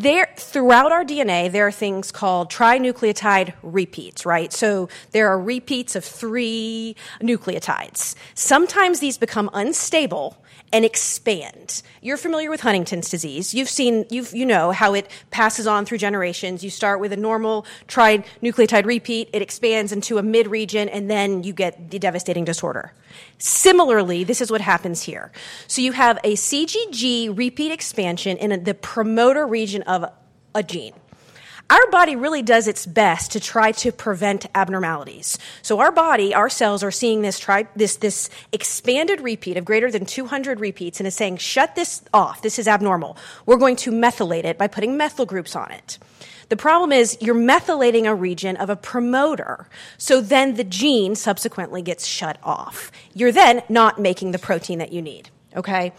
throughout our DNA, there are things called trinucleotide repeats, right? So there are repeats of three nucleotides. Sometimes these become unstable and expand. You're familiar with Huntington's disease. You've seen, you know how it passes on through generations. You start with a normal trinucleotide repeat, it expands into a mid region, and then you get the devastating disorder. Similarly, this is what happens here. So you have a CGG repeat expansion in the promoter region of a gene. Our body really does its best to try to prevent abnormalities. Our body, our cells, are seeing this expanded repeat of greater than 200 repeats and is saying, "Shut this off. This is abnormal. We're going to methylate it by putting methyl groups on it." The problem is you're methylating a region of a promoter, so then the gene subsequently gets shut off. You're then not making the protein that you need, okay?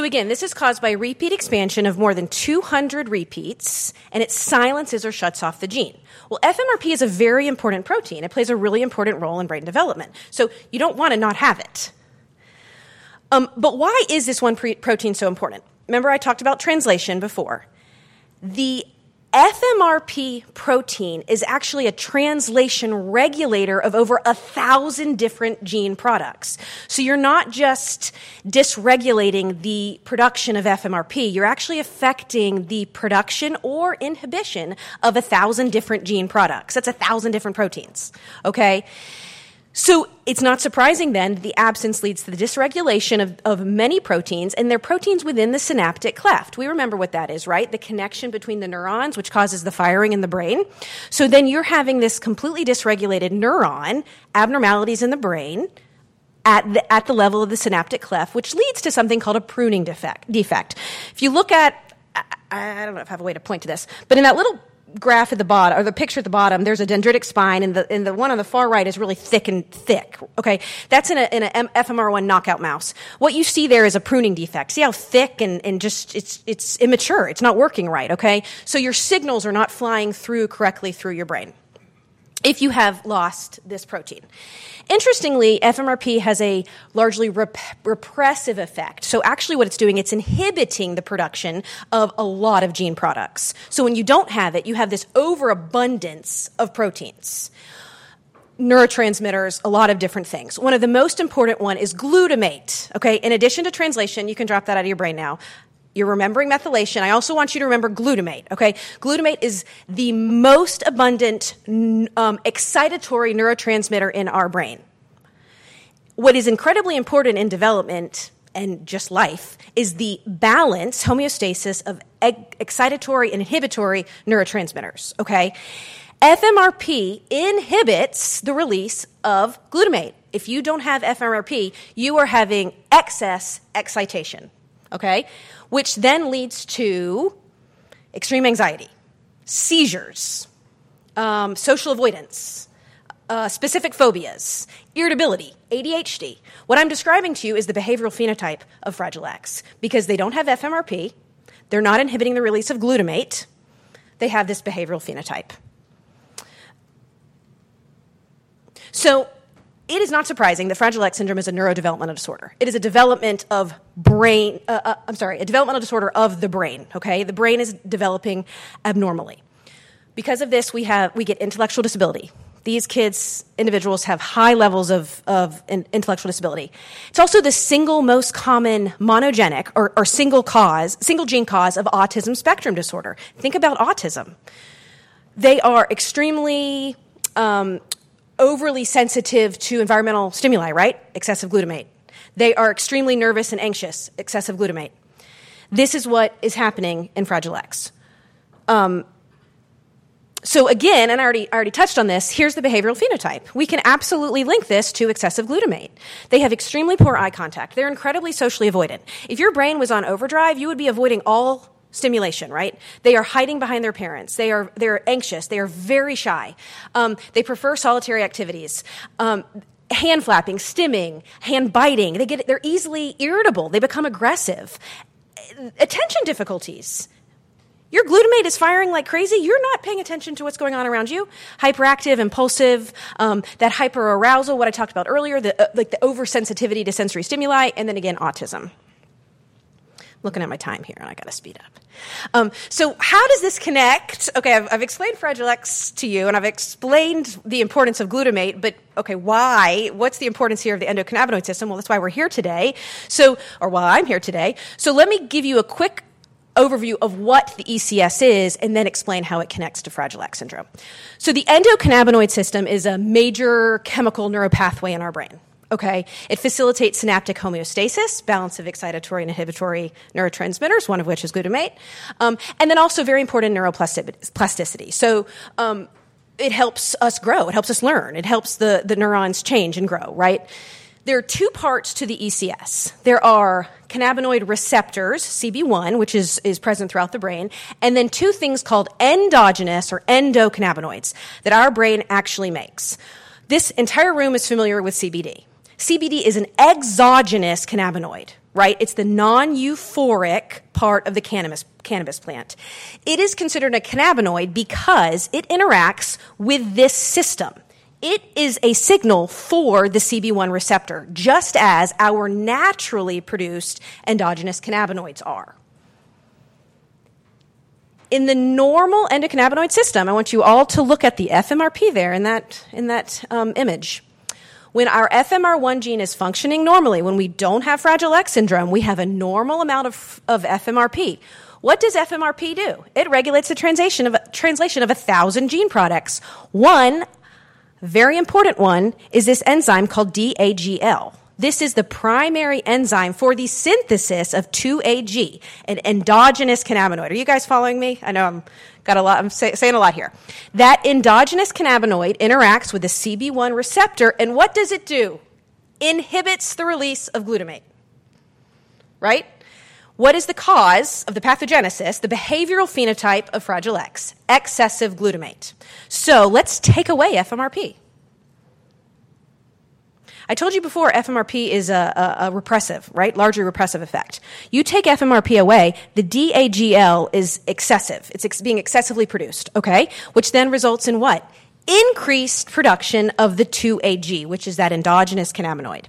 Again, this is caused by a repeat expansion of more than 200 repeats, and it silences or shuts off the gene. FMRP is a very important protein. It plays a really important role in brain development. You don't want to not have it. But why is this one protein so important? Remember I talked about translation before. The FMRP protein is actually a translation regulator of over 1,000 different gene products. So you're not just dysregulating the production of FMRP, you're actually affecting the production or inhibition of a thousand different gene products. That's a thousand different proteins, okay? So it's not surprising then, the absence leads to the dysregulation of many proteins, and they're proteins within the synaptic cleft. We remember what that is, right? The connection between the neurons, which causes the firing in the brain. So then you're having this completely dysregulated neuron, abnormalities in the brain at the level of the synaptic cleft, which leads to something called a pruning defect. If you look at, I don't know if I have a way to point to this, but in that little graph at the bottom, or the picture at the bottom, there's a dendritic spine, and the one on the far right is really thick, okay? That's in a FMR1 knockout mouse. What you see there is a pruning defect. See how thick and just it's immature, it's not working right, okay? So your signals are not flying through correctly through your brain if you have lost this protein. Interestingly, FMRP has a largely repressive effect. So actually what it's doing, it's inhibiting the production of a lot of gene products. So when you don't have it, you have this overabundance of proteins, neurotransmitters, a lot of different things. One of the most important one is glutamate, okay? In addition to translation, you can drop that out of your brain now. You're remembering methylation. I also want you to remember glutamate, okay? Glutamate is the most abundant excitatory neurotransmitter in our brain. What is incredibly important in development and just life is the balance, homeostasis of excitatory, inhibitory neurotransmitters, okay? FMRP inhibits the release of glutamate. If you don't have FMRP, you are having excess excitation, okay? Which then leads to extreme anxiety, seizures, social avoidance, specific phobias, irritability, ADHD. What I'm describing to you is the behavioral phenotype of fragile X. Because they don't have FMRP, they're not inhibiting the release of glutamate, they have this behavioral phenotype. So it is not surprising that fragile X syndrome is a neurodevelopmental disorder. It is a development of brain, I'm sorry, a developmental disorder of the brain, okay? The brain is developing abnormally. Because of this, we get intellectual disability. These kids, individuals, have high levels of intellectual disability. It's also the single most common monogenic or single cause, single gene cause of autism spectrum disorder. Think about autism. They are extremely overly sensitive to environmental stimuli, right? Excessive glutamate. They are extremely nervous and anxious, excessive glutamate. This is what is happening in Fragile X. So again, and I already touched on this, here's the behavioral phenotype. We can absolutely link this to excessive glutamate. They have extremely poor eye contact. They're incredibly socially avoided. If your brain was on overdrive, you would be avoiding all stimulation, right? They are hiding behind their parents. They are anxious. They are very shy. They prefer solitary activities, hand flapping, stimming, hand biting. They get. They're easily irritable. They become aggressive. Attention difficulties. Your glutamate is firing like crazy, you're not paying attention to what's going on around you. Hyperactive, impulsive, that hyperarousal, what I talked about earlier, like the oversensitivity to sensory stimuli, and then again, autism. Looking at my time here, I got to speed up. So how does this connect? Okay, I've explained Fragile X to you, and I've explained the importance of glutamate, but okay, why? What's the importance here of the endocannabinoid system? Well, that's why we're here today, so or why I'm here today. So let me give you a quick overview of what the ECS is and then explain how it connects to Fragile X syndrome. So the endocannabinoid system is a major chemical neural pathway in our brain, okay? It facilitates synaptic homeostasis, balance of excitatory and inhibitory neurotransmitters, one of which is glutamate, and then also very important neuroplasticity. It helps us grow, it helps us learn, it helps the neurons change and grow, right? There are two parts to the ECS. There are cannabinoid receptors, CB1, which is present throughout the brain, and then two things called endogenous or endocannabinoids that our brain actually makes. This entire room is familiar with CBD. CBD is an exogenous cannabinoid, right? It's the non-euphoric part of the cannabis plant. It is considered a cannabinoid because it interacts with this system. It is a signal for the CB1 receptor, just as our naturally produced endogenous cannabinoids are. In the normal endocannabinoid system, I want you all to look at the FMRP there in that image. When our FMR1 gene is functioning normally, when we don't have Fragile X syndrome, we have a normal amount of FMRP. What does FMRP do? It regulates the translation of a thousand gene products. One very important one is this enzyme called DAGL. This is the primary enzyme for the synthesis of 2-AG, an endogenous cannabinoid. Are you guys following me? I know I've got a lot. I'm saying a lot here. That endogenous cannabinoid interacts with the CB1 receptor, and what does it do? Inhibits the release of glutamate, right? What is the cause of the pathogenesis, the behavioral phenotype of Fragile X? Excessive glutamate. So let's take away FMRP. I told you before, FMRP is a repressive, right? Largely repressive effect. You take FMRP away, the DAGL is excessive. It's being excessively produced, okay, which then results in what? Increased production of the 2-AG, which is that endogenous cannabinoid.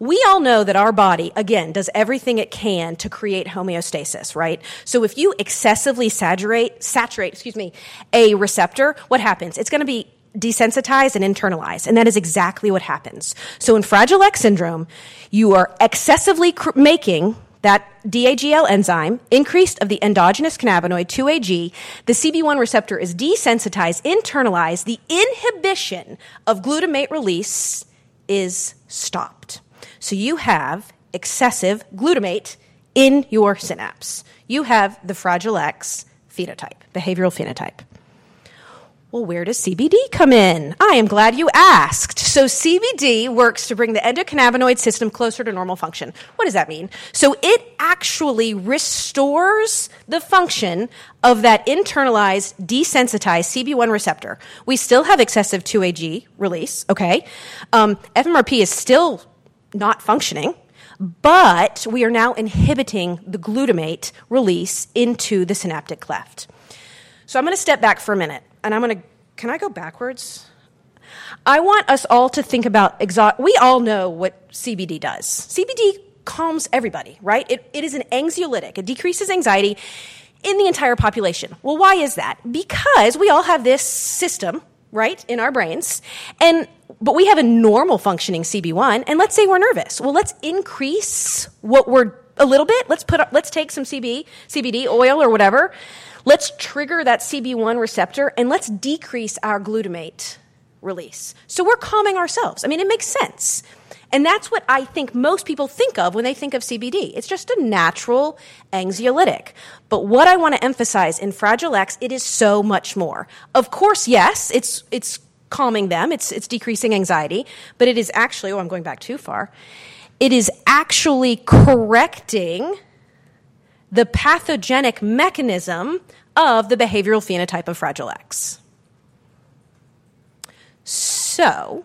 We all know that our body, again, does everything it can to create homeostasis, right? So if you excessively saturate, excuse me, a receptor, what happens? It's going to be desensitized and internalized, and that is exactly what happens. So in Fragile X syndrome, you are excessively making that DAGL enzyme, increasing the endogenous cannabinoid 2-AG, the CB1 receptor is desensitized, internalized, the inhibition of glutamate release is stopped. So you have excessive glutamate in your synapse. You have the Fragile X phenotype, behavioral phenotype. Well, where does CBD come in? I am glad you asked. So CBD works to bring the endocannabinoid system closer to normal function. What does that mean? So it actually restores the function of that internalized, desensitized CB1 receptor. We still have excessive 2-AG release, okay? FMRP is still not functioning, but we are now inhibiting the glutamate release into the synaptic cleft. So I'm going to step back for a minute, and I'm going to... Can I go backwards? I want us all to think about. We all know what CBD does. CBD calms everybody, right? It is an anxiolytic. It decreases anxiety in the entire population. Well, why is that? Because we all have this system, right, in our brains, and but we have a normal functioning CB1, and let's say we're nervous. Well, let's increase what we're a little bit. Let's take some CBD oil or whatever. Let's trigger that CB1 receptor, and let's decrease our glutamate release. So we're calming ourselves. I mean, it makes sense, and that's what I think most people think of when they think of CBD. It's just a natural anxiolytic. But what I want to emphasize in Fragile X, it is so much more. Of course, yes, it's calming them, it's decreasing anxiety, but it is actually. Oh, I'm going back too far. It is actually correcting the pathogenic mechanism of the behavioral phenotype of Fragile X. So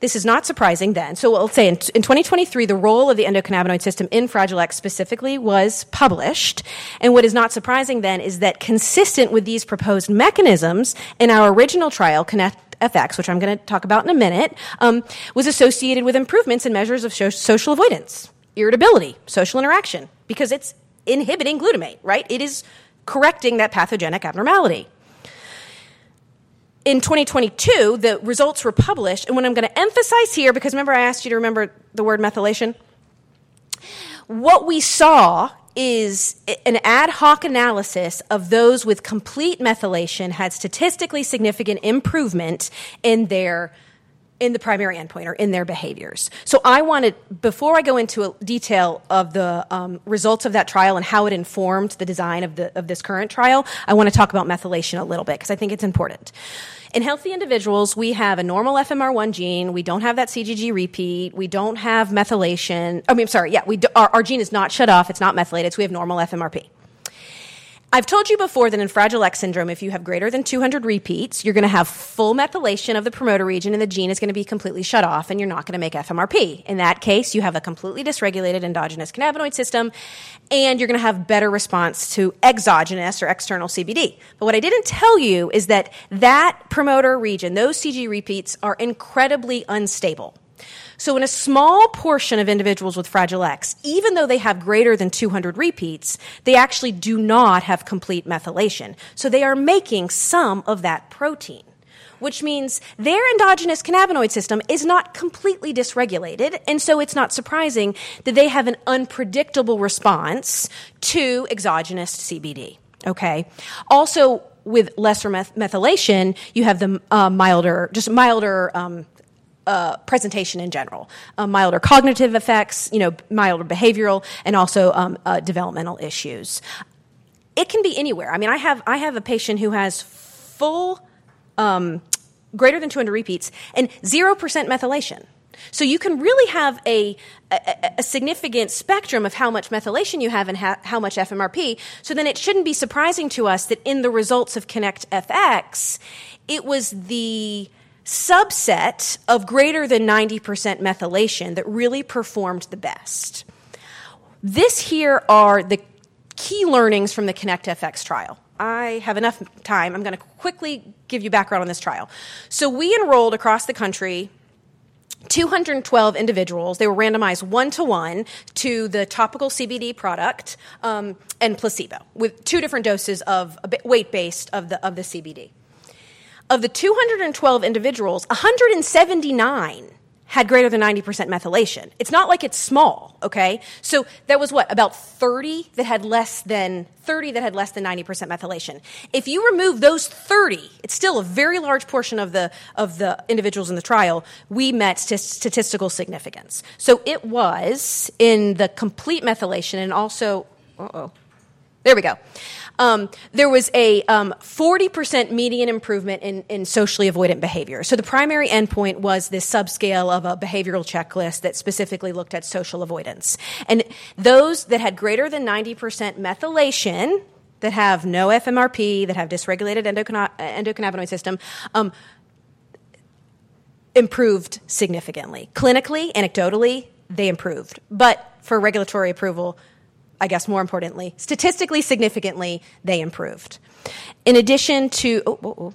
this is not surprising then. So I'll say in 2023, the role of the endocannabinoid system in Fragile X specifically was published, and what is not surprising then is that consistent with these proposed mechanisms in our original trial, CONNECT-FX, which I'm going to talk about in a minute, was associated with improvements in measures of social avoidance, irritability, social interaction, because it's inhibiting glutamate, right? It is correcting that pathogenic abnormality. In 2022, the results were published, and what I'm going to emphasize here, because remember I asked you to remember the word methylation? What we saw is an ad hoc analysis of those with complete methylation had statistically significant improvement in their, in the primary endpoint or in their behaviors. So I wanted, before I go into a detail of the results of that trial and how it informed the design of the, of this current trial, I want to talk about methylation a little bit because I think it's important. In healthy individuals, we have a normal FMR1 gene. We don't have that CGG repeat. We don't have methylation. I mean, sorry, yeah, our, our gene is not shut off. It's not methylated. So we have normal FMRP. I've told you before that in Fragile X syndrome, if you have greater than two hundred repeats, you're going to have full methylation of the promoter region, and the gene is going to be completely shut off, and you're not going to make FMRP. In that case, you have a completely dysregulated endogenous cannabinoid system, and you're going to have better response to exogenous or external CBD. But what I didn't tell you is that that promoter region, those CGG repeats, are incredibly unstable. So in a small portion of individuals with Fragile X, even though they have greater than two hundred repeats, they actually do not have complete methylation. So they are making some of that protein, which means their endogenous cannabinoid system is not completely dysregulated, and so it's not surprising that they have an unpredictable response to exogenous CBD, okay. Also, with lesser methylation, you have the milder, just milder presentation in general, milder cognitive effects, you know, milder behavioral, and also developmental issues. It can be anywhere. I mean, I have a patient who has full greater than 200 repeats and 0% methylation. So you can really have a significant spectrum of how much methylation you have and how much FMRP. So then it shouldn't be surprising to us that in the results of CONNECT-FX, it was the subset of greater than 90% methylation that really performed the best. These are the key learnings from the CONNECT-FX trial. I have enough time. I'm gonna quickly give you background on this trial. We enrolled across the country, 212 individuals. They were randomized one to one to the topical CBD product and placebo, with two different doses of a weight-based of the, of the CBD. Of the 212 individuals, 179 had greater than 90% methylation. It's not like it's small, okay? So that was, what? About 30 that had less than 90% methylation. If you remove those 30, it's still a very large portion of the, of the individuals in the trial, we met statistical significance. So it was in the complete methylation and also there was a 40% median improvement in socially avoidant behavior. So the primary endpoint was this subscale of a behavioral checklist that specifically looked at social avoidance. Those that had greater than 90% methylation, that have no FMRP, that have dysregulated endocannabinoid system, improved significantly. Clinically, anecdotally, they improved. But for regulatory approval, I guess more importantly, statistically significantly, they improved. In addition to the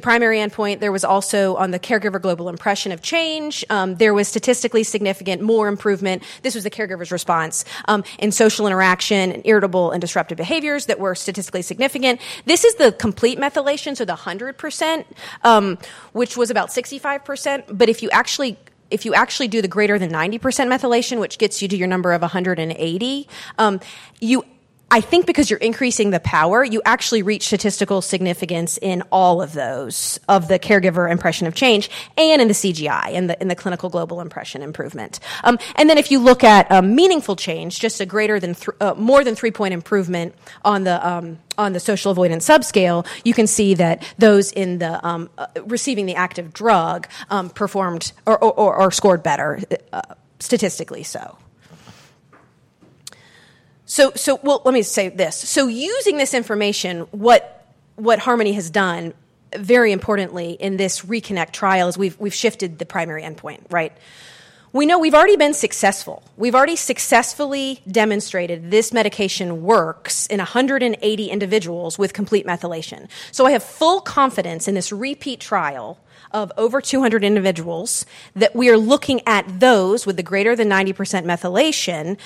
primary endpoint, there was also on the caregiver global impression of change, there was statistically significant more improvement. This was the caregiver's response, in social interaction and irritable and disruptive behaviors that were statistically significant. This is the complete methylation, so the 100%, which was about 65%. But if you actually do the greater than 90% methylation, which gets you to your number of 180, I think because you're increasing the power, you actually reach statistical significance in all of those, of the caregiver impression of change, and in the CGI, clinical global impression improvement. And then if you look at a meaningful change, just a greater than 3-point improvement on the social avoidance subscale, you can see that those receiving the active drug performed or scored better, statistically so. Well, let me say this: So using this information, what Harmony has done, very importantly in this RECONNECT trial, is we've shifted the primary endpoint, right? We know we've already been successful. We've already successfully demonstrated this medication works in 180 individuals with complete methylation. So I have full confidence in this repeat trial of over 200 individuals, that we are looking at those with a greater than 90% methylation,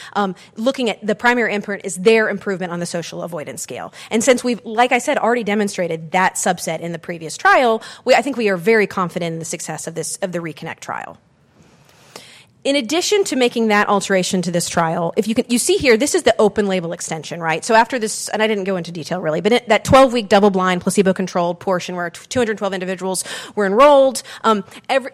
looking at the primary endpoint is their improvement on the social avoidance scale. And since we've, like I said, already demonstrated that subset in the previous trial, we I think we are very confident in the success of this, of the RECONNECT trial. In addition to making that alteration to this trial, if you can you see here, this is the open-label extension, right? So after this, and I didn't go into detail, really, but that 12-week, double-blind, placebo-controlled portion, where 212 individuals were enrolled,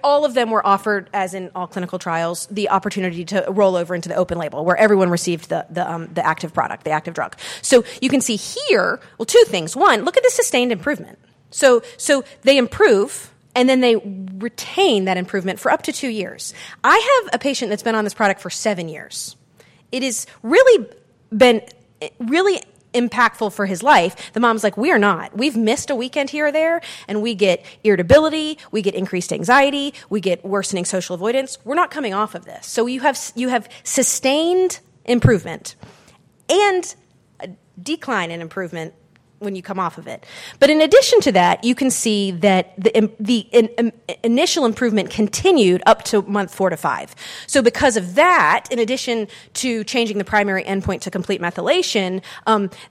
all of them were offered, as in all clinical trials, the opportunity to roll over into the open label, where everyone received the active product, the active drug. So you can see here, well, two things. One, look at the sustained improvement. So they improve, and then they retain that improvement for up to two years. I have a patient that's been on this product for seven years. It has really been really impactful for his life. The mom's like: "We are not. We've missed a weekend here or there, and we get irritability, we get increased anxiety, we get worsening social avoidance. We're not coming off of this." So you have sustained improvement and a decline in improvement when you come off of it. But in addition to that, you can see that the initial improvement continued up to month four to five. So because of that, in addition to changing the primary endpoint to complete methylation,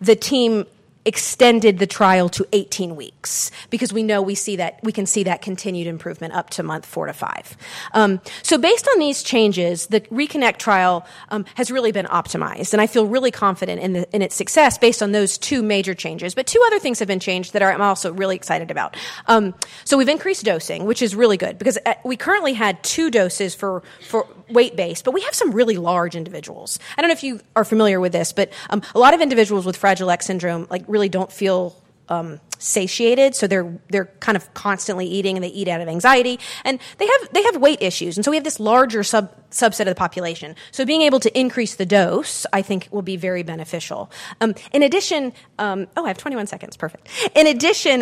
the team extended the trial to eighteen weeks, because we know we see that we can see that continued improvement up to month four to five. So based on these changes, the RECONNECT trial has really been optimized, and I feel really confident in the, in its success based on those two major changes. But two other things have been changed that I'm also really excited about. So we've increased dosing, which is really good because we currently had two doses for weight-based, but we have some really large individuals. I don't know if you are familiar with this, but a lot of individuals with Fragile X syndrome, like, really don't feel satiated, so they're kind of constantly eating, and they eat out of anxiety. And they have weight issues, and so we have this larger subset of the population. So being able to increase the dose, I think, will be very beneficial. Oh, I have 21 seconds. Perfect. In addition,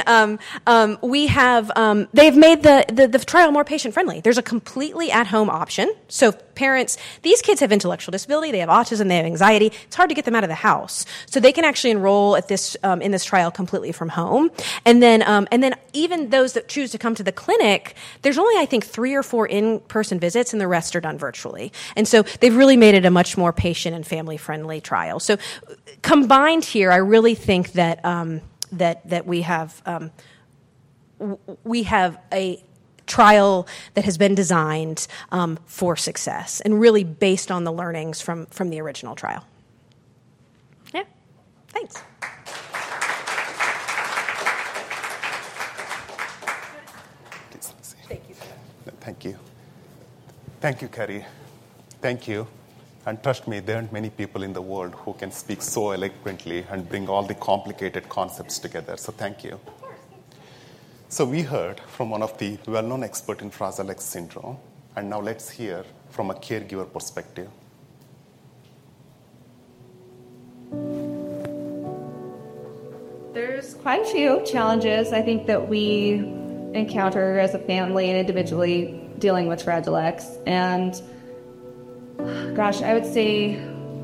they've made the trial more patient-friendly. There's a completely at-home option. So parents, these kids have intellectual disability, they have autism, they have anxiety. It's hard to get them out of the house. So they can actually enroll at this, in this trial completely from home. And then even those that choose to come to the clinic, there's only, I think, three or four in-person visits, and the rest are done virtually. And so they've really made it a much more patient and family-friendly trial. So combined here, I really think that we have a trial that has been designed for success and really based on the learnings from the original trial. Yeah, thanks. Thank you. Thank you. Thank you, Carrie. Thank you. And trust me, there aren't many people in the world who can speak so eloquently and bring all the complicated concepts together. So thank you. Of course. So we heard from one of the well-known expert in Fragile X syndrome, and now let's hear from a caregiver perspective.... There's quite a few challenges I think that we encounter as a family and individually dealing with Fragile X. And, gosh, I would say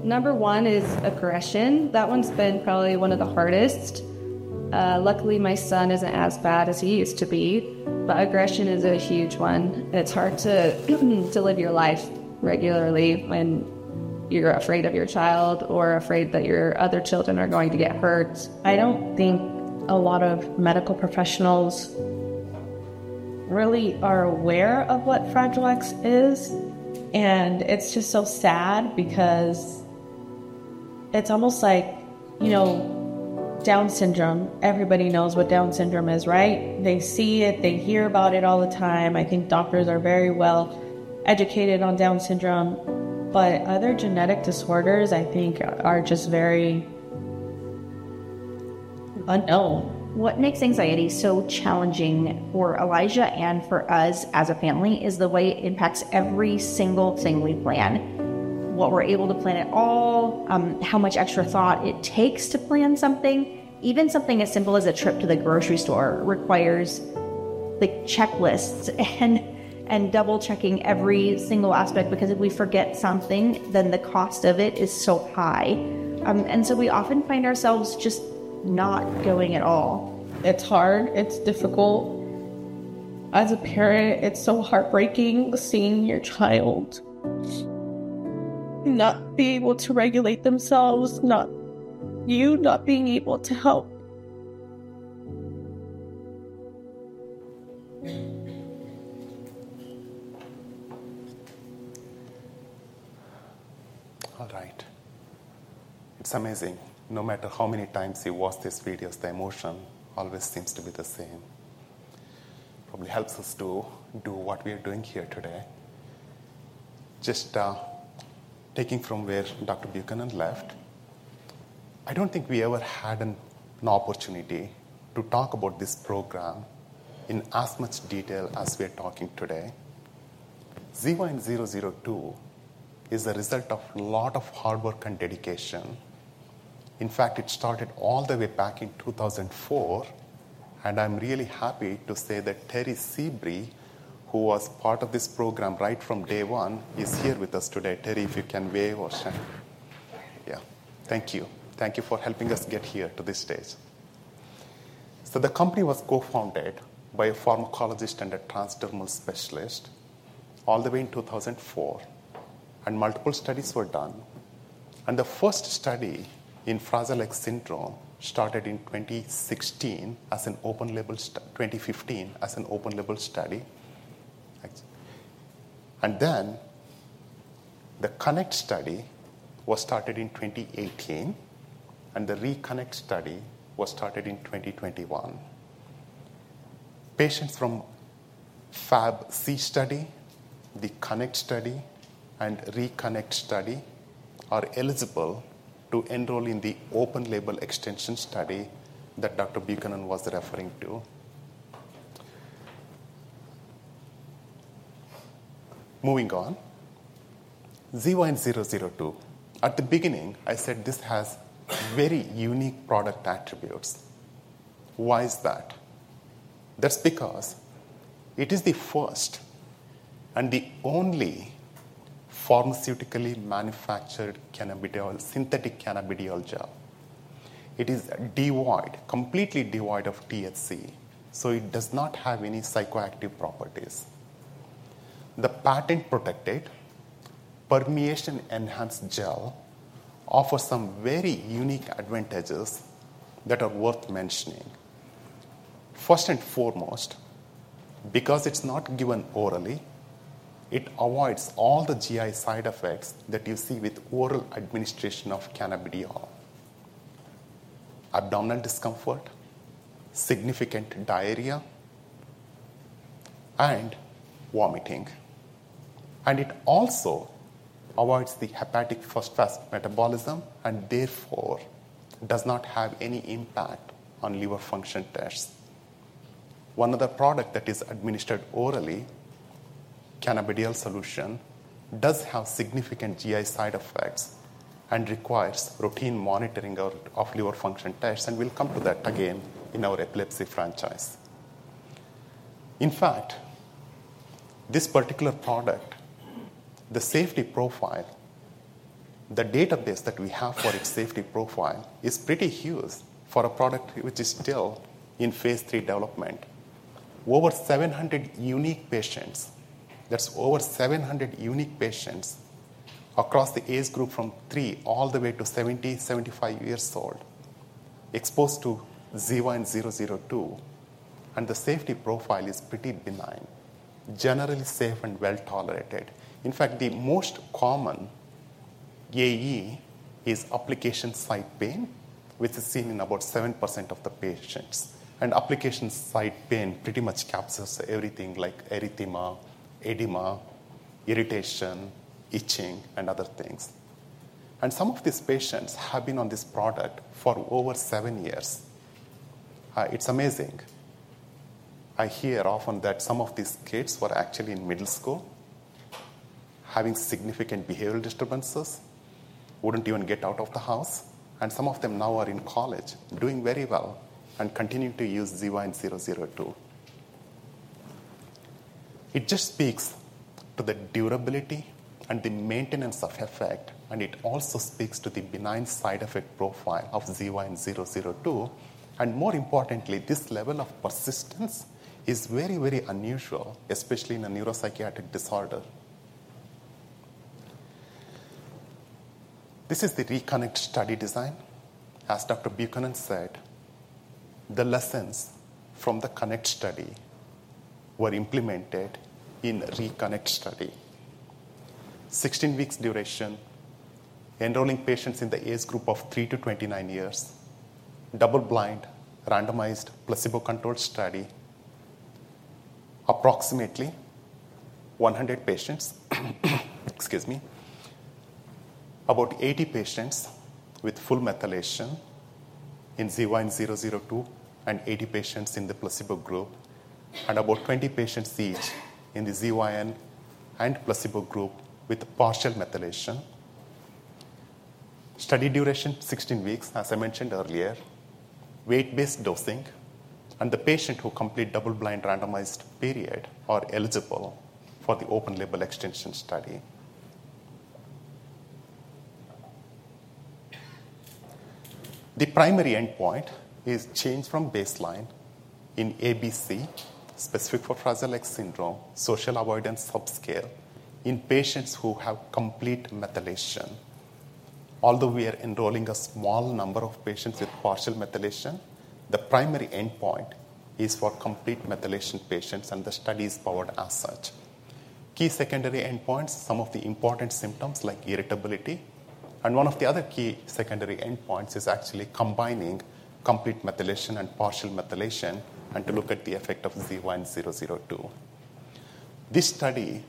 number one is aggression. That one's been probably one of the hardest. Luckily, my son isn't as bad as he used to be, but aggression is a huge one, and it's hard to live your life regularly when you're afraid of your child or afraid that your other children are going to get hurt. I don't think a lot of medical professionals really are aware of what Fragile X is, and it's just so sad because it's almost like, you know, Down syndrome. Everybody knows what Down syndrome is, right? They see it, they hear about it all the time. I think doctors are very well educated on Down syndrome, but other genetic disorders, I think, are just very unknown. What makes anxiety so challenging for Elijah and for us as a family is the way it impacts every single thing we plan. What we're able to plan at all, how much extra thought it takes to plan something. Even something as simple as a trip to the grocery store requires, like, checklists and, and double-checking every single aspect, because if we forget something, then the cost of it is so high. And so we often find ourselves just not going at all. It's hard. It's difficult. As a parent, it's so heartbreaking seeing your child not be able to regulate themselves, not... you not being able to help. All right. It's amazing. No matter how many times you watch these videos, the emotion always seems to be the same. Probably helps us to do what we are doing here today. Just, taking from where Dr. Buchanan left, I don't think we ever had an opportunity to talk about this program in as much detail as we're talking today. ZYN002 is the result of a lot of hard work and dedication. In fact, it started all the we back in 2004, and I'm really happy to say that Terri Sebree, who was part of this program right from day one, is here with us today. Terri, if you can wave or sign. Yeah. Thank you. Thank you for helping us get here to this stage. The company was co-founded by a pharmacologist and a transdermal specialist all the way in 2004, and multiple studies were done. The first study in Fragile X syndrome started in 2016 as an open-label twenty fifteen, as an open-label study. Right. Then the CONNECT study was started in 2018, and the RECONNECT study was started in 2021. Patients from FAB-C study, the CONNECT study, and RECONNECT study are eligible to enroll in the open-label extension study that Dr. Buchanan was referring to. Moving on. ZYN002. At the beginning, I said this has very unique product attributes. Why is that? That's because it is the first and the only pharmaceutically manufactured cannabidiol, synthetic cannabidiol gel. It is devoid, completely devoid of THC, so it does not have any psychoactive properties. The patent-protected, permeation-enhanced gel offers some very unique advantages that are worth mentioning. First and foremost, because it's not given orally, it avoids all the GI side effects that you see with oral administration of cannabidiol: abdominal discomfort, significant diarrhea, and vomiting. And it also avoids the hepatic first-pass metabolism and therefore does not have any impact on liver function tests. One other product that is administered orally, cannabidiol solution, does have significant GI side effects and requires routine monitoring of liver function tests, and we'll come to that again in our epilepsy franchise. In fact, this particular product, the safety profile, the database that we have for its safety profile is pretty huge for a product which is still in phase III development. Over 700 unique patients, that's over 700 unique patients across the age group from three all the way to seventy, seventy-five years old, exposed to ZYN002, and the safety profile is pretty benign, generally safe and well-tolerated. In fact, the most common AE is application site pain, which is seen in about 7% of the patients, and application site pain pretty much captures everything like erythema, edema, irritation, itching, and other things. Some of these patients have been on this product for over seven years. It's amazing. I hear often that some of these kids were actually in middle school, having significant behavioral disturbances, wouldn't even get out of the house, and some of them now are in college, doing very well, and continuing to use ZYN002. It just speaks to the durability and the maintenance of effect, and it also speaks to the benign side effect profile of ZYN002, and more importantly, this level of persistence is very, very unusual, especially in a neuropsychiatric disorder. This is the Reconnect study design. As Dr. Buchanan said, the lessons from the CONNECT study were implemented in Reconnect study. 16 weeks duration, enrolling patients in the age group of 3 to 29 years, double-blind, randomized, placebo-controlled study, approximately 100 patients. Excuse me. About 80 patients with full methylation in ZYN002 and 80 patients in the placebo group, and about 20 patients each in the ZYN and placebo group with partial methylation. Study duration, 16 weeks, as I mentioned earlier, weight-based dosing, and the patient who complete double-blind, randomized period are eligible for the open-label extension study. The primary endpoint is change from baseline in ABC, specific for Fragile X syndrome, social avoidance subscale in patients who have complete methylation. Although we are enrolling a small number of patients with partial methylation, the primary endpoint is for complete methylation patients, and the study is powered as such. Key secondary endpoints, some of the important symptoms, like irritability, and one of the other key secondary endpoints is actually combining complete methylation and partial methylation, and to look at the effect of ZYN002. This study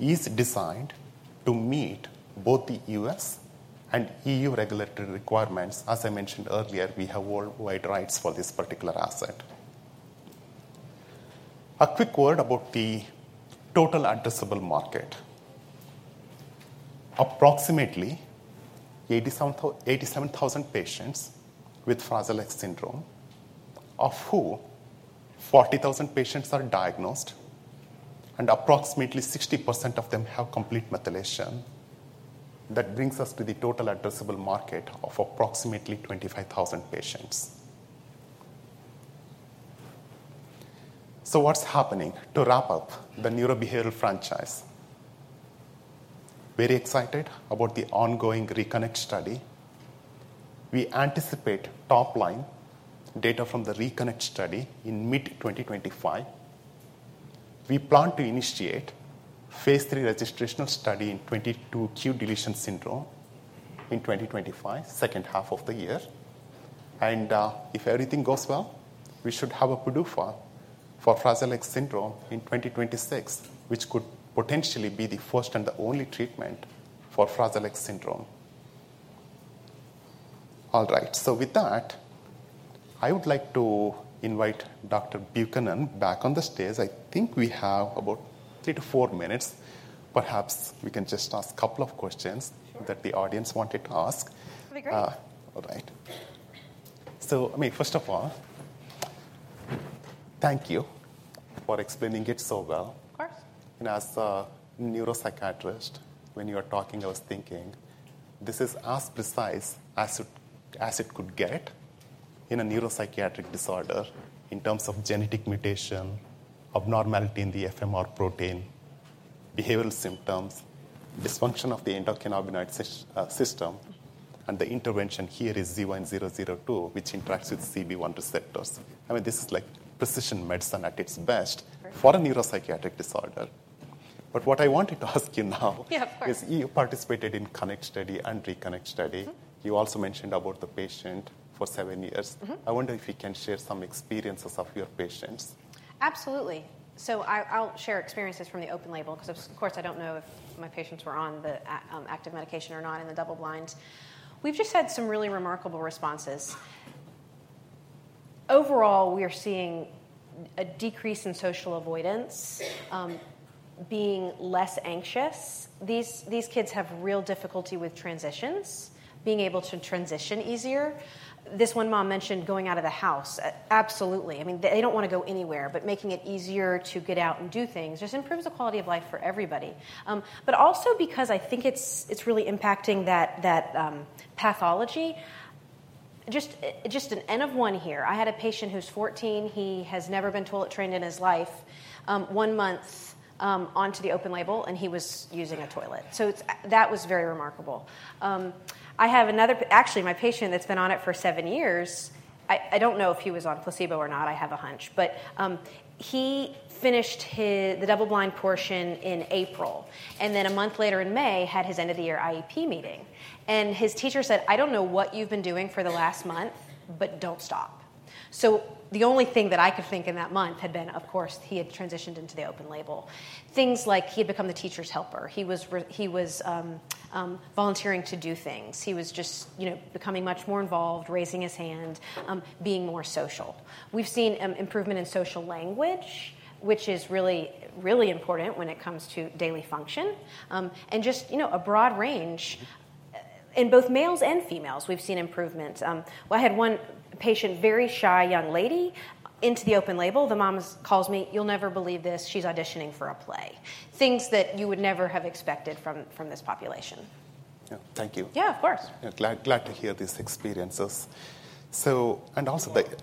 is designed to meet both the U.S. and EU regulatory requirements. As I mentioned earlier, we have worldwide rights for this particular asset. A quick word about the total addressable market. Approximately 87,000 patients with Fragile X syndrome, of whom 40,000 patients are diagnosed, and approximately 60% of them have complete methylation. That brings us to the total addressable market of approximately 25000 patients. So what's happening to wrap up the neurobehavioral franchise? Very excited about the ongoing Reconnect study. We anticipate top-line data from the Reconnect study in mid 2025. We plan to initiate phase III registrational study in 22q11.2 deletion syndrome in 2025, second half of the year, and if everything goes well, we should have a PDUFA for Fragile X syndrome in 2026, which could potentially be the first and the only treatment for Fragile X syndrome. All right, so with that, I would like to invite Dr. Buchanan back on the stage. I think we have about three to four minutes. Perhaps we can just ask a couple of questions- Sure. that the audience wanted to ask. That'd be great. All right, so I mean, first of all, thank you for explaining it so well. Of course. As a neuropsychiatrist, when you were talking, I was thinking, "This is as precise as it could get in a neuropsychiatric disorder in terms of genetic mutation, abnormality in the FMRP, behavioral symptoms, dysfunction of the endocannabinoid system," and the intervention here is ZYN002, which interacts with CB1 receptors. I mean, this is like precision medicine at its best- Perfect. for a neuropsychiatric disorder, but what I wanted to ask you now... Yeah, of course. you participated in CONNECT study and Reconnect study. Mm-hmm. You also mentioned about the patient for seven years. Mm-hmm. I wonder if you can share some experiences of your patients? Absolutely. So I'll share experiences from the open label, 'cause of course, I don't know if my patients were on the active medication or not in the double blind. We've just had some really remarkable responses. Overall, we are seeing a decrease in social avoidance, being less anxious. These kids have real difficulty with transitions, being able to transition easier. This one mom mentioned going out of the house. Absolutely. I mean, they don't want to go anywhere, but making it easier to get out and do things just improves the quality of life for everybody. But also because I think it's really impacting that pathology. Just an N of one here, I had a patient who's 14. He has never been toilet trained in his life. One month onto the open label, and he was using a toilet. So it was very remarkable. I have another. Actually, my patient that's been on it for seven years, I don't know if he was on placebo or not. I have a hunch, but he finished the double-blind portion in April, and then a month later in May, had his end-of-the-year IEP meeting. His teacher said, "I don't know what you've been doing for the last month, but don't stop." So the only thing that I could think in that month had been, of course, he had transitioned into the open label. Things like he had become the teacher's helper. He was volunteering to do things. He was just, you know, becoming much more involved, raising his hand, being more social. We've seen improvement in social language, which is really, really important when it comes to daily function, and just, you know, a broad range in both males and females, we've seen improvements, well, I had one patient, very shy young lady, into the open label. The mom calls me: "You'll never believe this. She's auditioning for a play." Things that you would never have expected from this population. Yeah. Thank you. Yeah, of course. Yeah. Glad to hear these experiences. So, and also the- Can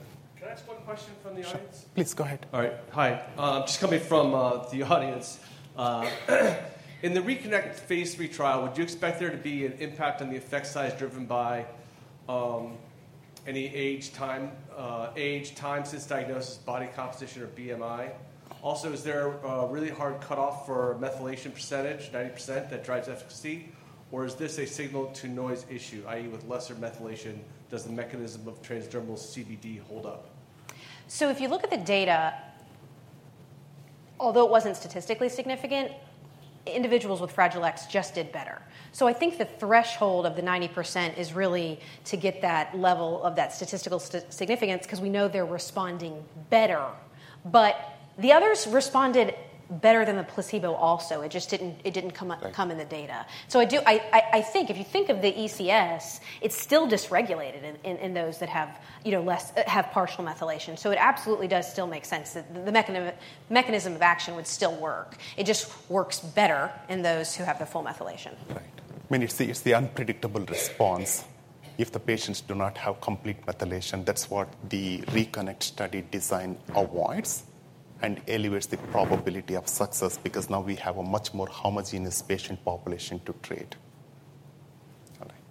I ask one question from the audience? Sure. Please go ahead. All right. Hi. Just coming from the audience. In the RECONNECT phase III trial, would you expect there to be an impact on the effect size driven by any age, time since diagnosis, body composition, or BMI? Also, is there a really hard cutoff for methylation percentage, 90%, that drives efficacy, or is this a signal-to-noise issue, i.e., with lesser methylation, does the mechanism of transdermal CBD hold up? If you look at the data, although it wasn't statistically significant, individuals with Fragile X just did better. I think the threshold of the 90% is really to get that level of statistical significance because we know they're responding better. But the others responded better than the placebo also. It just didn't come up- Right. Come in the data. So I think if you think of the ECS, it's still dysregulated in those that have, you know, less have partial methylation. So it absolutely does still make sense that the mechanism of action would still work. It just works better in those who have the full methylation. Right. I mean, it's the unpredictable response if the patients do not have complete methylation. That's what the RECONNECT study design avoids and elevates the probability of success, because now we have a much more homogeneous patient population to treat. All right.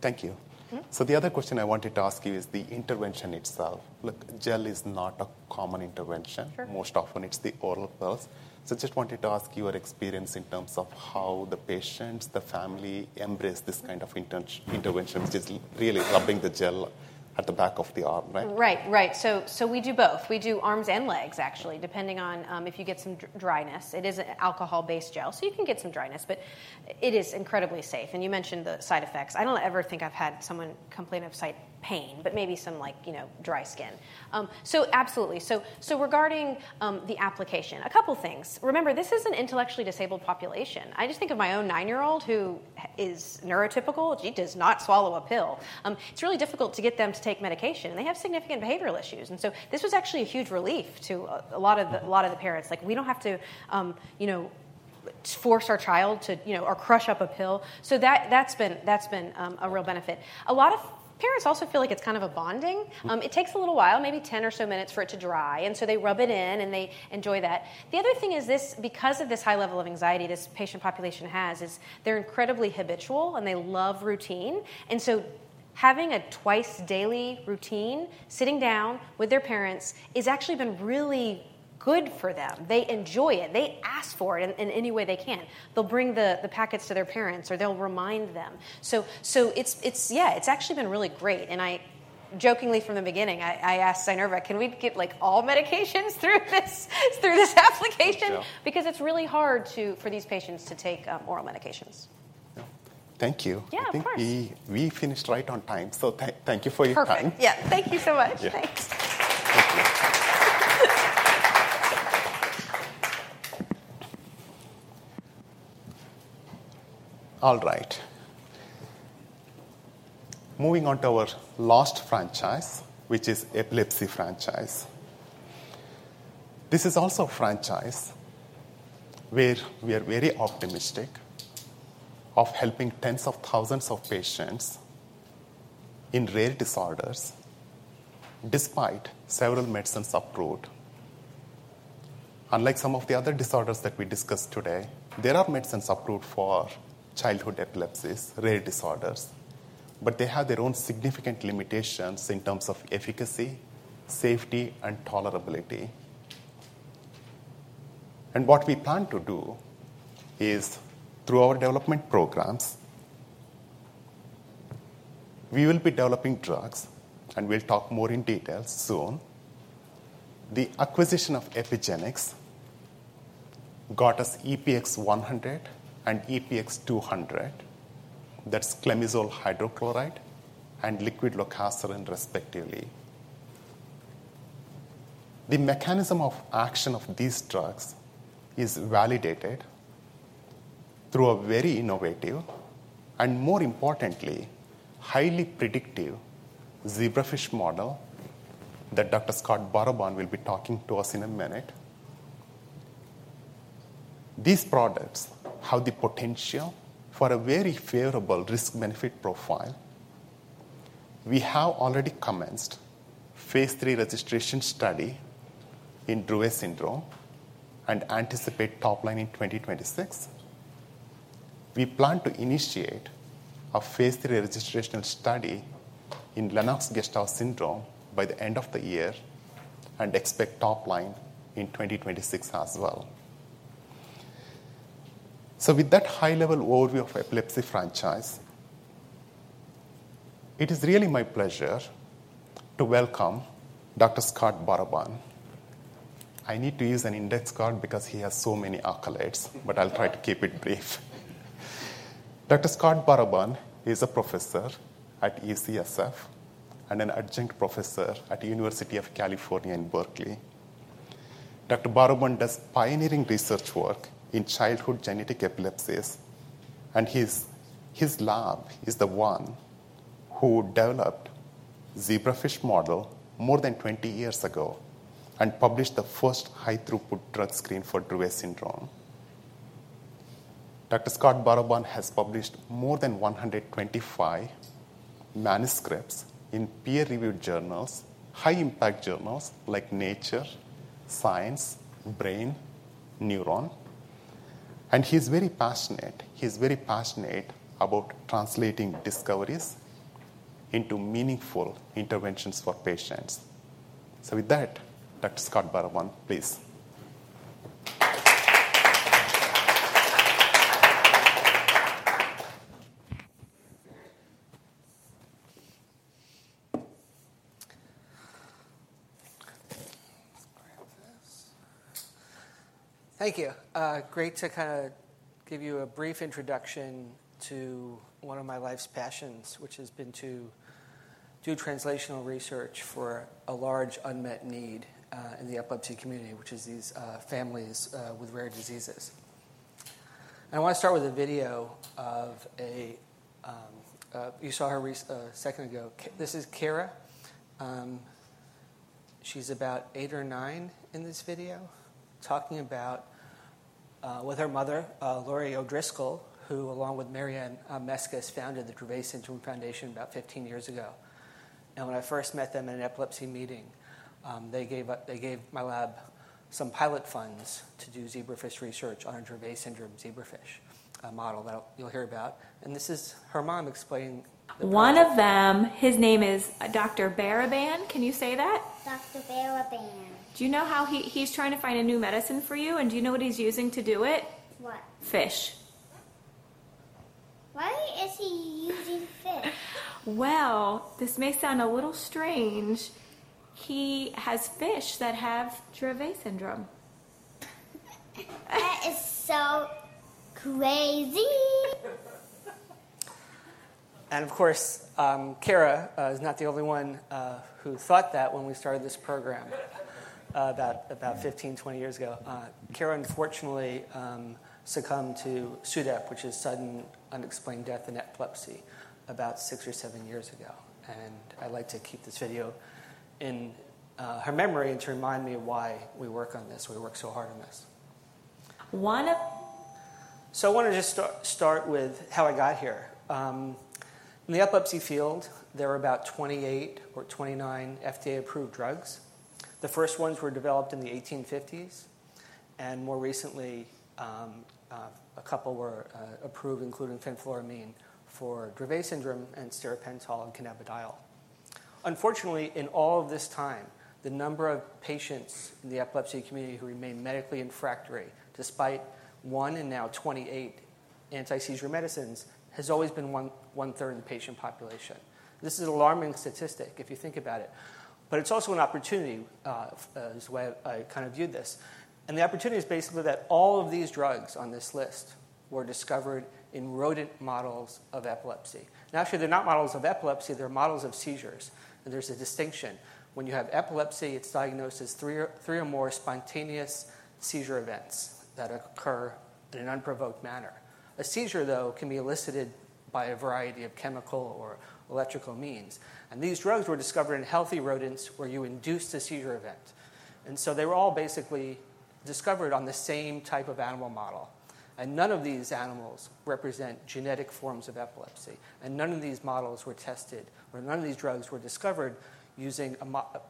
Thank you. Mm-hmm. So the other question I wanted to ask you is the intervention itself. Look, gel is not a common intervention. Sure. Most often it's the oral pills. So I just wanted to ask you your experience in terms of how the patients, the family, embrace this kind of intervention, which is really rubbing the gel at the back of the arm, right? Right. So we do both. We do arms and legs, actually, depending on if you get some dryness. It is an alcohol-based gel, so you can get some dryness, but it is incredibly safe. And you mentioned the side effects. I don't ever think I've had someone complain of site pain, but maybe some like, you know, dry skin. So absolutely. So regarding the application, a couple things. Remember, this is an intellectually disabled population. I just think of my own nine-year-old, who is neurotypical. She does not swallow a pill. It's really difficult to get them to take medication, and they have significant behavioral issues. And so this was actually a huge relief to a lot of the parents. Like, we don't have to, you know, force our child to, you know, or crush up a pill. So that's been a real benefit. A lot of parents also feel like it's kind of a bonding. Mm. It takes a little while, maybe 10 or so minutes, for it to dry, and so they rub it in, and they enjoy that. The other thing is this, because of this high level of anxiety this patient population has, is they're incredibly habitual, and they love routine. And so having a twice-daily routine, sitting down with their parents, is actually been really good for them. They enjoy it. They ask for it in any way they can. They'll bring the packets to their parents, or they'll remind them. So it's – yeah, it's actually been really great. And I jokingly from the beginning asked Zynerba: Can we get, like, all medications through this application? Sure. Because it's really hard for these patients to take oral medications. Yeah. Thank you. Yeah, of course. I think we finished right on time. So thank you for your time. Perfect. Yeah. Thank you so much. Yeah. Thanks. Thank you. All right. Moving on to our last franchise, which is epilepsy franchise. This is also a franchise where we are very optimistic of helping tens of thousands of patients in rare disorders, despite several medicines approved. Unlike some of the other disorders that we discussed today, there are medicines approved for childhood epilepsies, rare disorders, but they have their own significant limitations in terms of efficacy, safety, and tolerability, and what we plan to do is, through our development programs, we will be developing drugs, and we'll talk more in detail soon. The acquisition of Epygenix got us EPX-100 and EPX-200. That's clemizole hydrochloride and lorcaserin, respectively. The mechanism of action of these drugs is validated through a very innovative and, more importantly, highly predictive zebrafish model that Dr. Scott Baraban will be talking to us in a minute. These products have the potential for a very favorable risk-benefit profile. We have already commenced phase III registration study in Dravet syndrome and anticipate top line in 2026. We plan to initiate a phase III registrational study in Lennox-Gastaut syndrome by the end of the year and expect top line in 2026 as well. With that high-level overview of epilepsy franchise, it is really my pleasure to welcome Dr. Scott Baraban. I need to use an index card because he has so many accolades, but I'll try to keep it brief. Dr. Scott Baraban is a professor at UCSF and an adjunct professor at the University of California, Berkeley. Dr. Baraban does pioneering research work in childhood genetic epilepsies, and his lab is the one who developed zebrafish model more than 20 years ago and published the first high-throughput drug screen for Dravet syndrome. Dr. Scott Baraban has published more than one hundred twenty-five manuscripts in peer-reviewed journals, high-impact journals like Nature, Science, Brain, Neuron, and he's very passionate. He's very passionate about translating discoveries into meaningful interventions for patients. So with that, Dr. Scott Baraban, please. Let's grab this. Thank you. Great to kind of give you a brief introduction to one of my life's passions, which has been to do translational research for a large unmet need in the epilepsy community, which is these families with rare diseases. And I wanna start with a video of her. You saw her a second ago. This is Kara. She's about eight or nine in this video, talking about with her mother Laurie O'Driscoll, who along with Mary Anne Meskis founded the Dravet Syndrome Foundation about fifteen years ago. And when I first met them at an epilepsy meeting, they gave my lab some pilot funds to do zebrafish research on Dravet syndrome zebrafish, a model that you'll hear about. And this is her mom explaining- One of them, his name is, Dr. Baraban. Can you say that? Dr. Baraban. Do you know how he... He's trying to find a new medicine for you, and do you know what he's using to do it? What? Fish. Why is he using fish? This may sound a little strange. He has fish that have Dravet syndrome. That is so crazy! Of course, Kara is not the only one who thought that when we started this program about 15-20 years ago. Kara, unfortunately, succumbed to SUDEP, which is sudden unexpected death in epilepsy, about 6 or 7 years ago. I like to keep this video in her memory and to remind me why we work on this, we work so hard on this. One of- I want to just start with how I got here. In the epilepsy field, there are about 28 or 29 FDA-approved drugs. The first ones were developed in the 1850s, and more recently, a couple were approved, including fenfluramine for Dravet syndrome and stiripentol and cannabidiol. Unfortunately, in all of this time, the number of patients in the epilepsy community who remain medically refractory, despite one and now 28 anti-seizure medicines, has always been one-third of the patient population. This is an alarming statistic if you think about it, but it's also an opportunity as well. I kind of viewed this. The opportunity is basically that all of these drugs on this list were discovered in rodent models of epilepsy. Actually, they're not models of epilepsy, they're models of seizures, and there's a distinction. When you have epilepsy, it's diagnosed as three or more spontaneous seizure events that occur in an unprovoked manner. A seizure, though, can be elicited by a variety of chemical or electrical means, and these drugs were discovered in healthy rodents where you induced a seizure event, and so they were all basically discovered on the same type of animal model, and none of these animals represent genetic forms of epilepsy, and none of these models were tested, or none of these drugs were discovered using a model,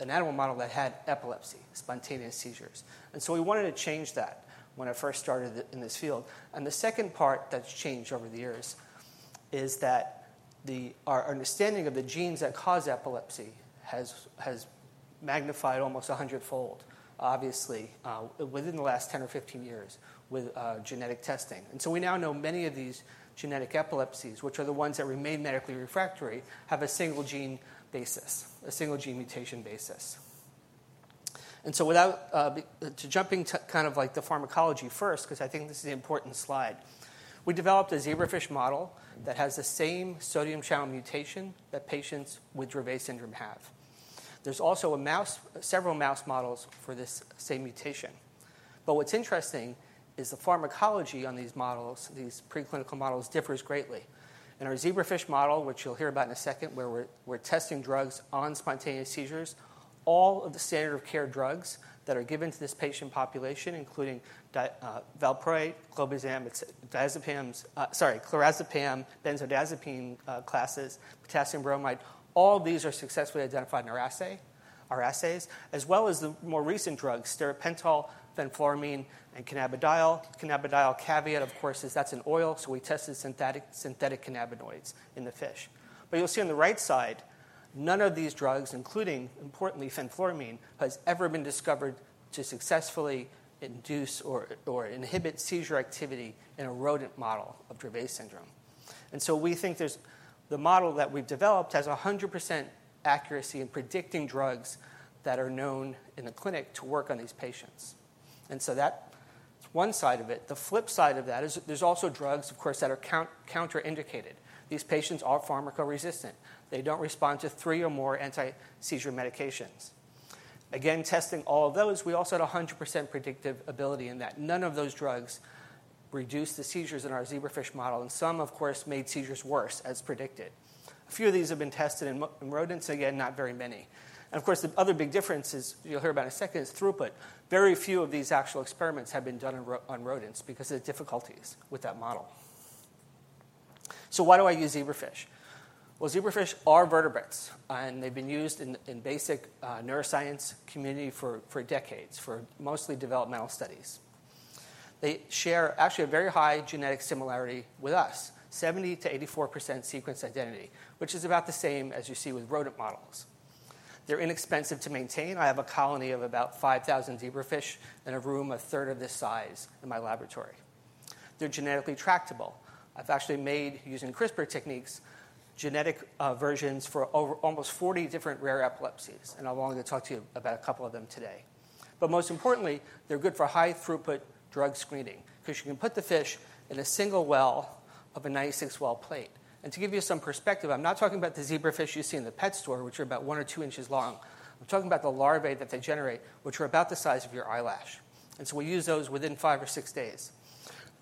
an animal model that had epilepsy, spontaneous seizures, and so we wanted to change that when I first started in this field. The second part that's changed over the years is that our understanding of the genes that cause epilepsy has magnified almost one hundred fold, obviously, within the last 10 or 15 years with genetic testing. So we now know many of these genetic epilepsies, which are the ones that remain medically refractory, have a single gene basis, a single gene mutation basis. Without jumping to kind of like the pharmacology first, 'cause I think this is an important slide, we developed a zebrafish model that has the same sodium channel mutation that patients with Dravet syndrome have. There's also a mouse, several mouse models for this same mutation. But what's interesting is the pharmacology on these models, these preclinical models, differs greatly. In our zebrafish model, which you'll hear about in a second, where we're testing drugs on spontaneous seizures, all of the standard of care drugs that are given to this patient population, including valproate, clobazam, diazepam, clonazepam, benzodiazepine classes, potassium bromide, all these are successfully identified in our assay, our assays, as well as the more recent drugs, stiripentol, fenfluramine, and cannabidiol. Cannabidiol caveat, of course, is that's an oil, so we tested synthetic cannabinoids in the fish. But you'll see on the right side, none of these drugs, including, importantly, fenfluramine, has ever been discovered to successfully induce or inhibit seizure activity in a rodent model of Dravet syndrome. And so we think there's the model that we've developed has 100% accuracy in predicting drugs that are known in the clinic to work on these patients. And so that's one side of it. The flip side of that is there's also drugs, of course, that are contraindicated. These patients are pharmacoresistant. They don't respond to three or more anti-seizure medications. Again, testing all of those, we also had 100% predictive ability in that none of those drugs reduced the seizures in our zebrafish model, and some, of course, made seizures worse, as predicted. A few of these have been tested in rodents, again, not very many. And of course, the other big difference is, you'll hear about in a second, is throughput. Very few of these actual experiments have been done on rodents because of the difficulties with that model. So why do I use zebrafish? Well, zebrafish are vertebrates, and they've been used in basic neuroscience community for decades, for mostly developmental studies. They share actually a very high genetic similarity with us, 70%-84% sequence identity, which is about the same as you see with rodent models. They're inexpensive to maintain. I have a colony of about 5,000 zebrafish in a room a third of this size in my laboratory. They're genetically tractable. I've actually made, using CRISPR techniques, genetic versions for over almost 40 different rare epilepsies, and I'm going to talk to you about a couple of them today, but most importantly, they're good for high-throughput drug screening, 'cause you can put the fish in a single well of a 96-well plate, and to give you some perspective, I'm not talking about the zebrafish you see in the pet store, which are about 1 or 2 inches long. I'm talking about the larvae that they generate, which are about the size of your eyelash, and so we use those within five or six days.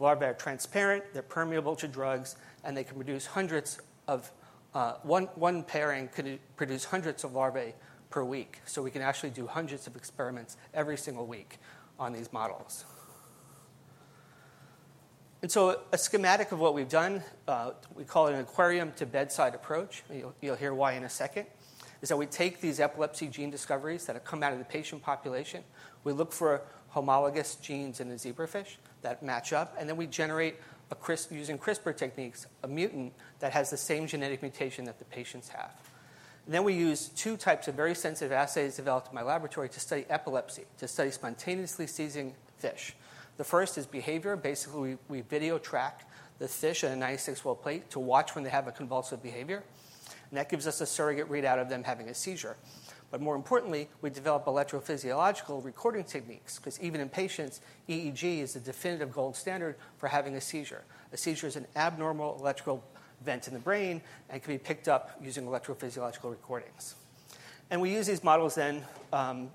Larvae are transparent, they're permeable to drugs, and one pairing can produce hundreds of larvae per week, so we can actually do hundreds of experiments every single week on these models. And so a schematic of what we've done, we call it an aquarium-to-bedside approach, you'll hear why in a second, is that we take these epilepsy gene discoveries that have come out of the patient population, we look for homologous genes in the zebrafish that match up, and then we generate a CRISPR mutant using CRISPR techniques that has the same genetic mutation that the patients have. We use two types of very sensitive assays developed in my laboratory to study epilepsy, to study spontaneously seizing fish. The first is behavior. Basically, we video track the fish in a 96-well plate to watch when they have a convulsive behavior, and that gives us a surrogate readout of them having a seizure, but more importantly, we develop electrophysiological recording techniques, 'cause even in patients, EEG is the definitive gold standard for having a seizure. A seizure is an abnormal electrical event in the brain and can be picked up using electrophysiological recordings, and we use these models then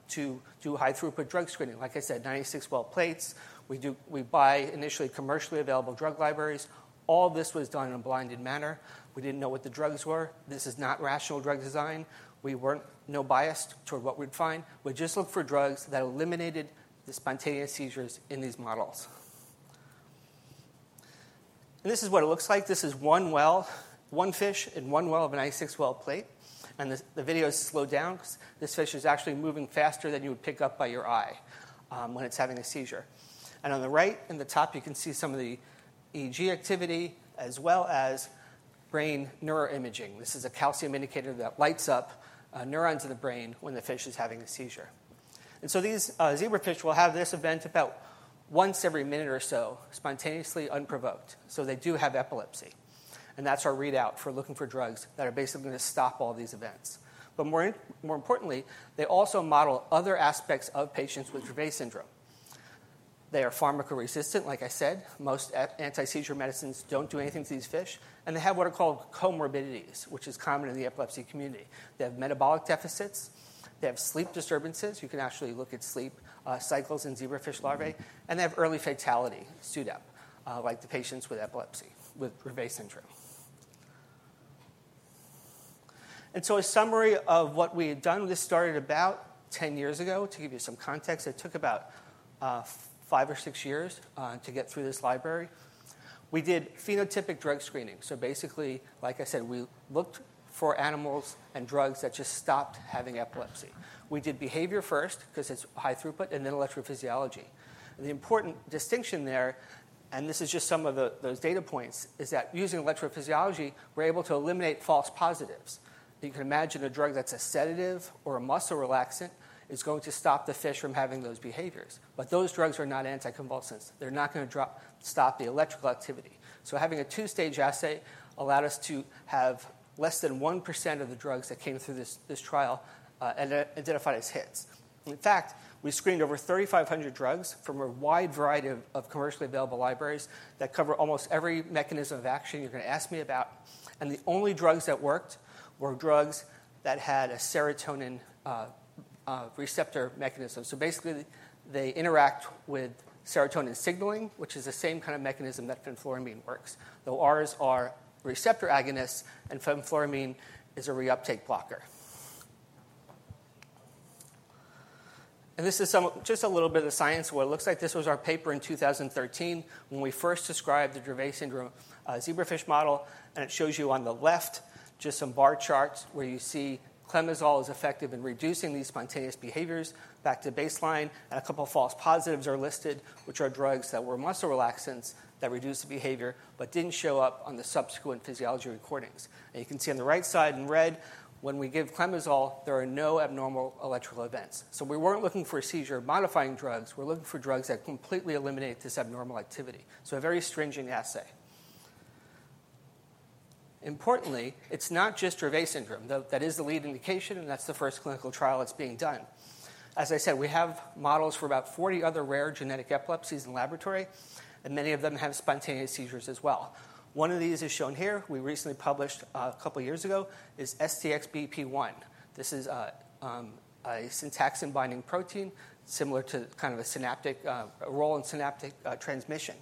to do high-throughput drug screening. Like I said, 96-well plates. We buy initially commercially available drug libraries. All this was done in a blinded manner. We didn't know what the drugs were. This is not rational drug design. We weren't no biased toward what we'd find. We just looked for drugs that eliminated the spontaneous seizures in these models. This is what it looks like. This is one well, one fish in one well of a 96-well plate, and the video is slowed down 'cause this fish is actually moving faster than you would pick up by your eye when it's having a seizure. On the right, in the top, you can see some of the EEG activity, as well as brain neuroimaging. This is a calcium indicator that lights up neurons in the brain when the fish is having a seizure. These zebrafish will have this event about once every minute or so, spontaneously unprovoked. They do have epilepsy, and that's our readout for looking for drugs that are basically gonna stop all these events. But more importantly, they also model other aspects of patients with Dravet syndrome. They are pharmacoresistant, like I said. Most anti-seizure medicines don't do anything to these fish, and they have what are called comorbidities, which is common in the epilepsy community. They have metabolic deficits, they have sleep disturbances, you can actually look at sleep cycles in zebrafish larvae, and they have early fatality, SUDEP, like the patients with epilepsy, with Dravet syndrome. And so a summary of what we had done, this started about ten years ago. To give you some context, it took about five or six years to get through this library. We did phenotypic drug screening, so basically, like I said, we looked for animals and drugs that just stopped having epilepsy. We did behavior first, 'cause it's high throughput, and then electrophysiology. The important distinction there, and this is just some of the, those data points, is that using electrophysiology, we're able to eliminate false positives. You can imagine a drug that's a sedative or a muscle relaxant is going to stop the fish from having those behaviors, but those drugs are not anticonvulsants. They're not gonna stop the electrical activity. So having a two-stage assay allowed us to have less than 1% of the drugs that came through this trial identified as hits. In fact, we screened over 3,500 drugs from a wide variety of commercially available libraries that cover almost every mechanism of action you're gonna ask me about, and the only drugs that worked were drugs that had a serotonin receptor mechanism. So basically, they interact with serotonin signaling, which is the same kind of mechanism that fenfluramine works, though ours are receptor agonists and fenfluramine is a reuptake blocker. And this is some, just a little bit of the science, what it looks like. This was our paper in 2013, when we first described the Dravet syndrome zebrafish model, and it shows you on the left just some bar charts where you see clemizole is effective in reducing these spontaneous behaviors back to baseline, and a couple of false positives are listed, which are drugs that were muscle relaxants that reduced the behavior, but didn't show up on the subsequent physiology recordings. And you can see on the right side in red, when we give clemizole, there are no abnormal electrical events. So we weren't looking for seizure-modifying drugs, we're looking for drugs that completely eliminate this abnormal activity. A very stringent assay. Importantly, it's not just Dravet syndrome, though that is the lead indication, and that's the first clinical trial that's being done. As I said, we have models for about forty other rare genetic epilepsies in the laboratory, and many of them have spontaneous seizures as well. One of these is shown here. We recently published a couple of years ago is STXBP1. This is a syntaxin-binding protein similar to kind of a synaptic role in synaptic transmission.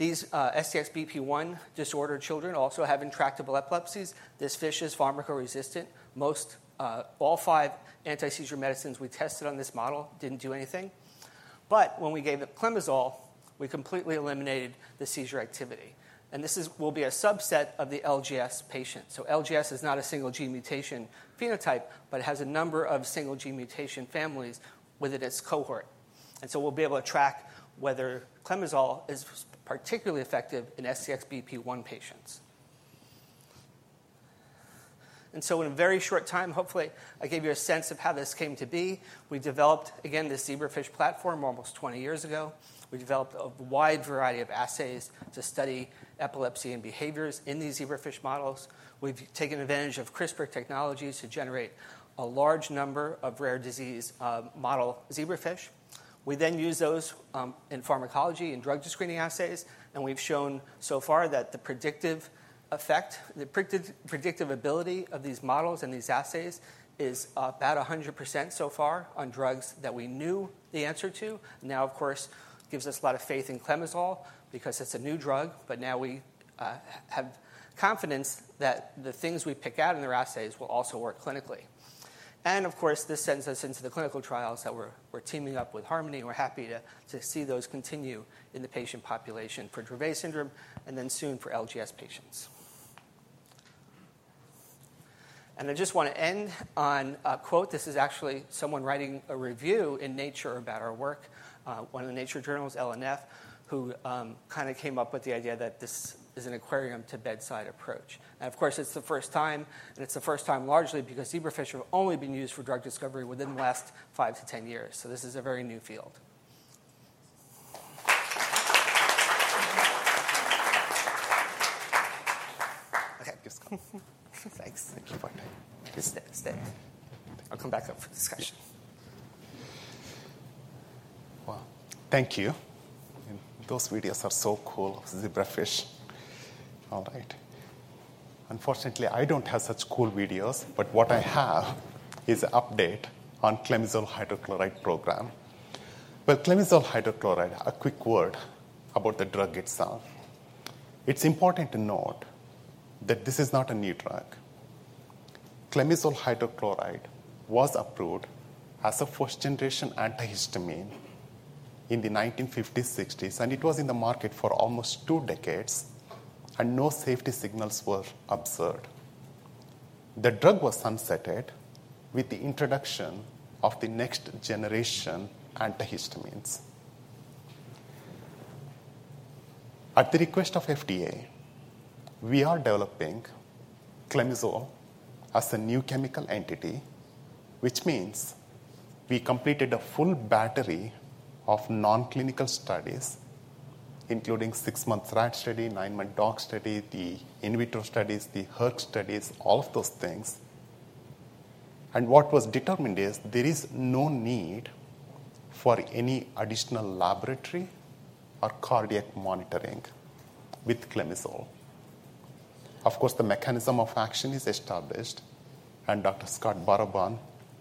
These STXBP1 disorder children also have intractable epilepsies. This fish is pharmacoresistant. Most all five anti-seizure medicines we tested on this model didn't do anything. But when we gave it clemizole, we completely eliminated the seizure activity, and this is will be a subset of the LGS patients. LGS is not a single gene mutation phenotype, but it has a number of single gene mutation families within its cohort. We'll be able to track whether clemizole is particularly effective in STXBP1 patients. In a very short time, hopefully, I gave you a sense of how this came to be. We developed, again, this zebrafish platform almost twenty years ago. We developed a wide variety of assays to study epilepsy and behaviors in these zebrafish models. We've taken advantage of CRISPR technologies to generate a large number of rare disease model zebrafish. We then use those in pharmacology and drug screening assays, and we've shown so far that the predictive effect, the predictive ability of these models and these assays is about 100% so far on drugs that we knew the answer to. Now, of course, gives us a lot of faith in clemizole because it's a new drug, but now we have confidence that the things we pick out in our assays will also work clinically. Of course, this sends us into the clinical trials that we're teaming up with Harmony, and we're happy to see those continue in the patient population for Dravet syndrome and then soon for LGS patients. I just want to end on a quote. This is actually someone writing a review in Nature about our work, one of the Nature journals, Ellen F., who kind of came up with the idea that this is an aquarium-to-bedside approach. Of course, it's the first time largely because zebrafish have only been used for drug discovery within the last five to ten years. So this is a very new field. Okay, thanks. Thank you. Stay. I'll come back up for discussion. Thank you. Those videos are so cool, zebrafish. All right. Unfortunately, I don't have such cool videos, but what I have is an update on clemizole hydrochloride program. But clemizole hydrochloride, a quick word about the drug itself. It's important to note that this is not a new drug. Clemizole hydrochloride was approved as a first-generation antihistamine in the nineteen fifties, sixties, and it was in the market for almost two decades, and no safety signals were observed. The drug was sunsetted with the introduction of the next generation antihistamines. At the request of FDA, we are developing clemizole as a new chemical entity, which means we completed a full battery of non-clinical studies, including six-month rat study, nine-month dog study, the in vitro studies, the hERG studies, all of those things. What was determined is there is no need for any additional laboratory or cardiac monitoring with clemizole. Of course, the mechanism of action is established, and Dr. Scott Baraban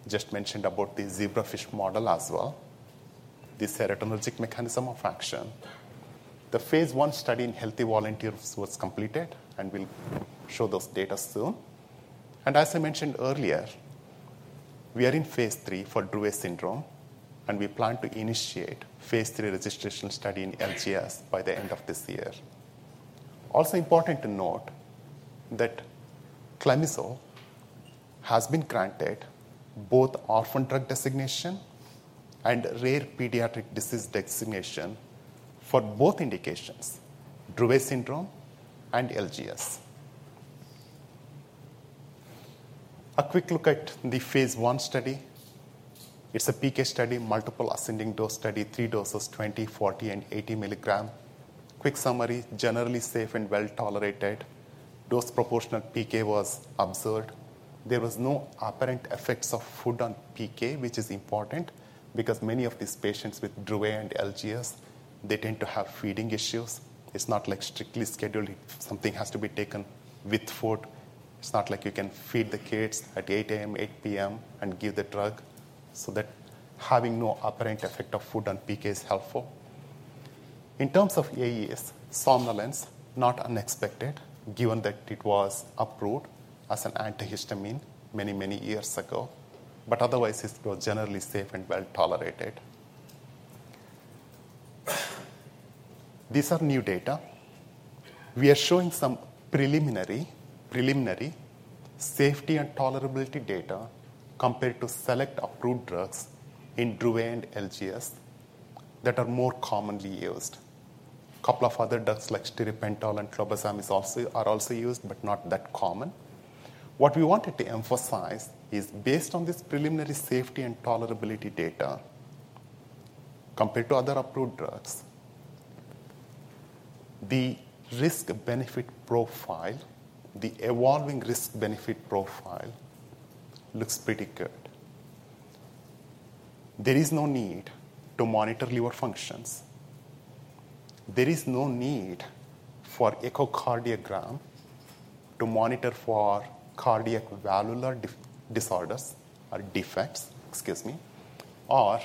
just mentioned about the zebrafish model as well, the serotonergic mechanism of action. The phase I study in healthy volunteers was completed, and we'll show those data soon. As I mentioned earlier, we are in phase III for Dravet syndrome, and we plan to initiate phase III registration study in LGS by the end of this year. Also important to note that clemizole has been granted both orphan drug designation and rare pediatric disease designation for both indications, Dravet syndrome and LGS. A quick look at the phase I study. It's a PK study, multiple ascending dose study, three doses, 20, 40, and 80 milligram. Quick summary, generally safe and well-tolerated. Dose proportional PK was observed. There was no apparent effects of food on PK, which is important because many of these patients with Dravet and LGS, they tend to have feeding issues. It's not like strictly scheduled. If something has to be taken with food, it's not like you can feed the kids at 8:00 A.M., 8:00 P.M. and give the drug. So that having no apparent effect of food on PK is helpful. In terms of AE is somnolence, not unexpected, given that it was approved as an antihistamine many, many years ago, but otherwise, it was generally safe and well-tolerated. These are new data. We are showing some preliminary, preliminary safety and tolerability data compared to select approved drugs in Dravet and LGS that are more commonly used. A couple of other drugs like stiripentol and clobazam is also, are also used, but not that common. What we wanted to emphasize is, based on this preliminary safety and tolerability data compared to other approved drugs, the risk-benefit profile, the evolving risk-benefit profile, looks pretty good. There is no need to monitor liver functions. There is no need for echocardiogram to monitor for cardiac valvular disorders or defects, excuse me, or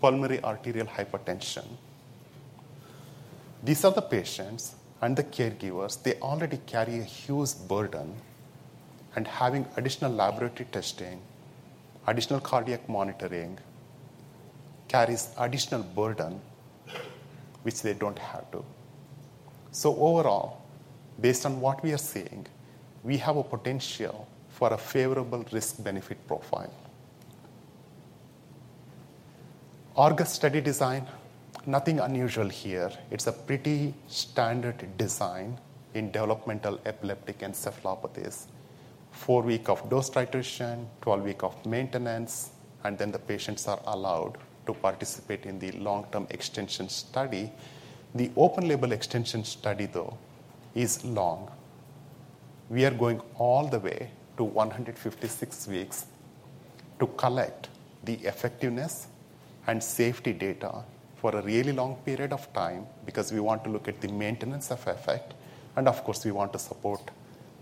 pulmonary arterial hypertension. These are the patients and the caregivers, they already carry a huge burden, and having additional laboratory testing, additional cardiac monitoring, carries additional burden, which they don't have to. So overall, based on what we are seeing, we have a potential for a favorable risk-benefit profile. ARGUS study design, nothing unusual here. It is a pretty standard design in developmental epileptic encephalopathies: four week of dose titration, twelve week of maintenance, and then the patients are allowed to participate in the long-term extension study. The open-label extension study, though, is long. We are going all the way to one hundred and fifty-six weeks to collect the effectiveness and safety data for a really long period of time because we want to look at the maintenance of effect, and of course, we want to support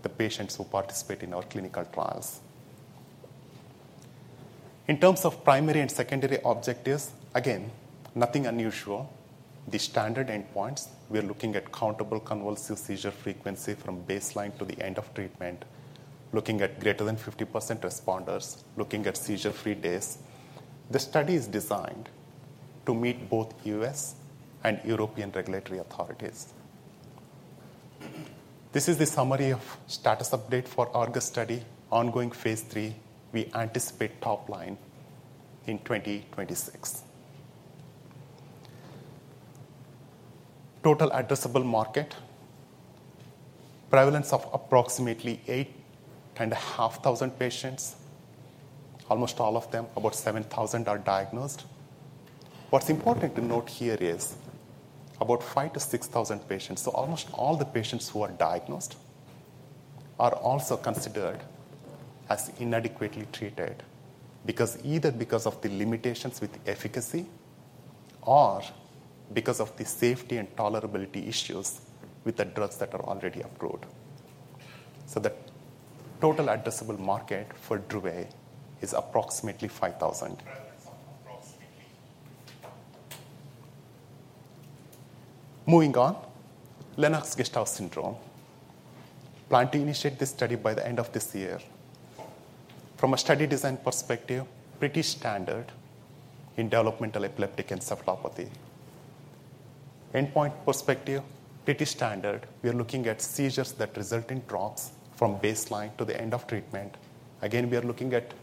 the patients who participate in our clinical trials. In terms of primary and secondary objectives, again, nothing unusual. The standard endpoints, we are looking at countable convulsive seizure frequency from baseline to the end of treatment, looking at greater than 50% responders, looking at seizure-free days. The study is designed to meet both U.S. and European regulatory authorities. This is the summary of status update for ARGUS study, ongoing phase III. We anticipate top line in 2026. Total addressable market, prevalence of approximately 8,500 patients. Almost all of them, about 7,000, are diagnosed. What's important to note here is about five to six thousand patients, so almost all the patients who are diagnosed, are also considered as inadequately treated, because either because of the limitations with efficacy or because of the safety and tolerability issues with the drugs that are already approved. So the total addressable market for Dravet is approximately five thousand. Prevalence of approximately- Moving on, Lennox-Gastaut syndrome. Plan to initiate this study by the end of this year. From a study design perspective, pretty standard in developmental epileptic encephalopathy. Endpoint perspective, pretty standard. We are looking at seizures that result in drops from baseline to the end of treatment. Again, we are looking at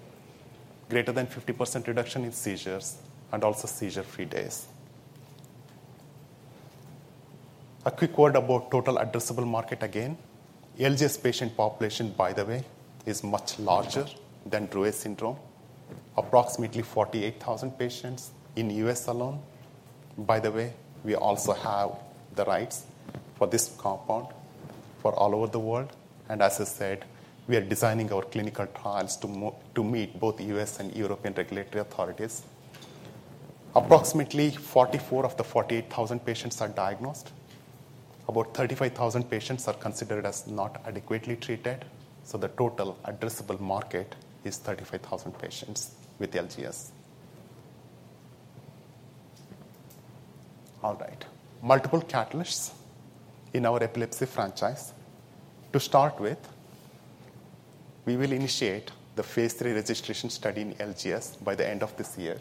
greater than 50% reduction in seizures and also seizure-free days. A quick word about total addressable market again. LGS patient population, by the way, is much larger than Dravet syndrome, approximately 48,000 patients in U.S. alone. By the way, we also have the rights for this compound for all over the world, and as I said, we are designing our clinical trials to meet both U.S. and European regulatory authorities. Approximately 44 of the 48,000 patients are diagnosed. About 35,000 patients are considered as not adequately treated, so the total addressable market is 35,000 patients with LGS. All right. Multiple catalysts in our epilepsy franchise. To start with, we will initiate the phase three registration study in LGS by the end of this year.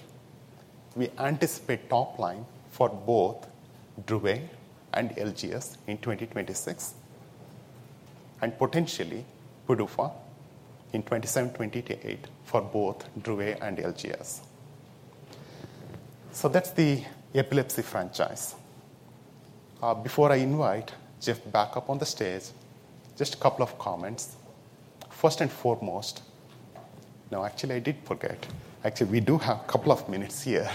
We anticipate top line for both Dravet and LGS in 2026, and potentially PDUFA in 2027, 2028 for both Dravet and LGS. So that's the epilepsy franchise. Before I invite Jeffrey back up on the stage, just a couple of comments. First and foremost... No, actually, I did forget. Actually, we do have a couple of minutes here.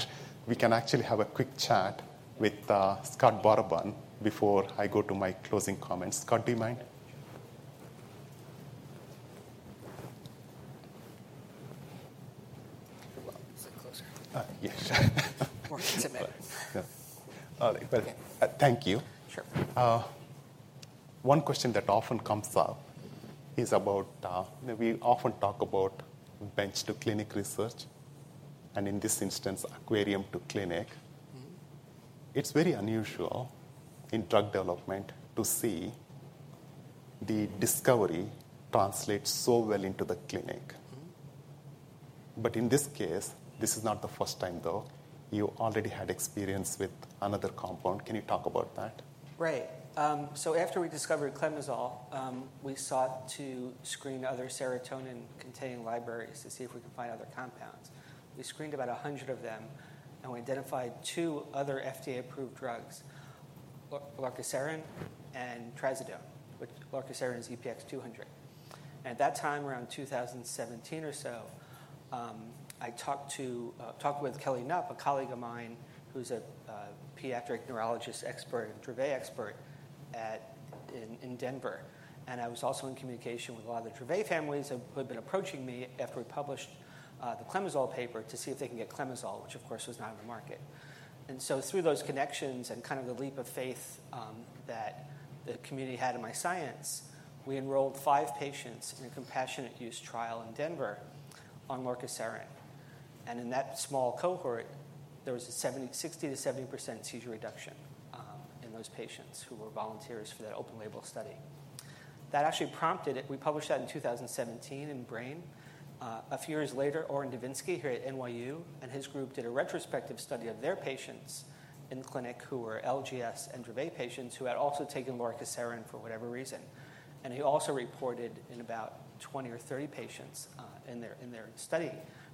We can actually have a quick chat with Scott Baraban before I go to my closing comments. Scott, do you mind? Sit closer. Uh, yes. More intimate. Yeah. All right, well, thank you. Sure. One question that often comes up is about. We often talk about bench-to-clinic research, and in this instance, aquarium to clinic. Mm-hmm. It's very unusual in drug development to see the discovery translate so well into the clinic. Mm-hmm. But in this case, this is not the first time, though. You already had experience with another compound. Can you talk about that? Right, so after we discovered clemizole, we sought to screen other serotonin-containing libraries to see if we could find other compounds. We screened about 100 of them, and we identified two other FDA-approved drugs... lorcaserin and trazodone, which lorcaserin is EPX-200. At that time, around 2017 or so, I talked with Kelly Knupp, a colleague of mine, who's a pediatric neurologist expert and Dravet expert in Denver, and I was also in communication with a lot of the Dravet families who had been approaching me after we published the clemizole paper to see if they can get clemizole, which of course, was not on the market. And so through those connections and kind of the leap of faith, that the community had in my science, we enrolled five patients in a compassionate use trial in Denver on lorcaserin. And in that small cohort, there was a 60%-70% seizure reduction, in those patients who were volunteers for that open label study. That actually prompted it. We published that in two thousand and seventeen in Brain. A few years later, Orrin Devinsky, here at NYU, and his group did a retrospective study of their patients in the clinic who were LGS and Dravet patients, who had also taken lorcaserin for whatever reason. And he also reported in about 20 or 30 patients, in their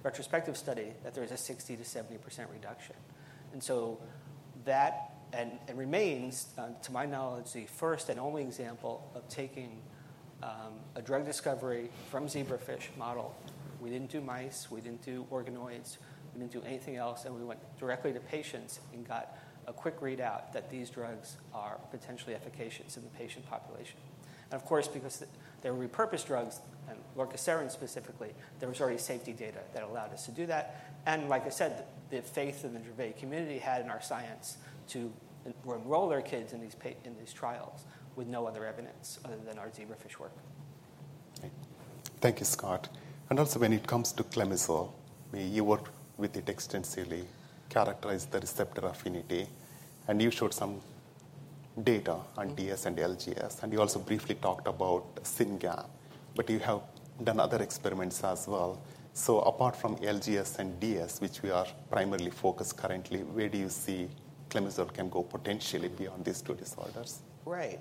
retrospective study, that there was a 60%-70% reduction. It remains, to my knowledge, the first and only example of taking a drug discovery from zebrafish model. We didn't do mice, we didn't do organoids, we didn't do anything else, and we went directly to patients and got a quick readout that these drugs are potentially efficacious in the patient population. Of course, because they were repurposed drugs, and lorcaserin specifically, there was already safety data that allowed us to do that. Like I said, the faith in the Dravet community had in our science to enroll their kids in these trials with no other evidence other than our zebrafish work. Thank you, Scott. And also, when it comes to clemizole, you worked with it extensively, characterized the receptor affinity, and you showed some data on DS and LGS, and you also briefly talked about SYNGAP, but you have done other experiments as well. So apart from LGS and DS, which we are primarily focused currently, where do you see clemizole can go potentially beyond these two disorders? Right.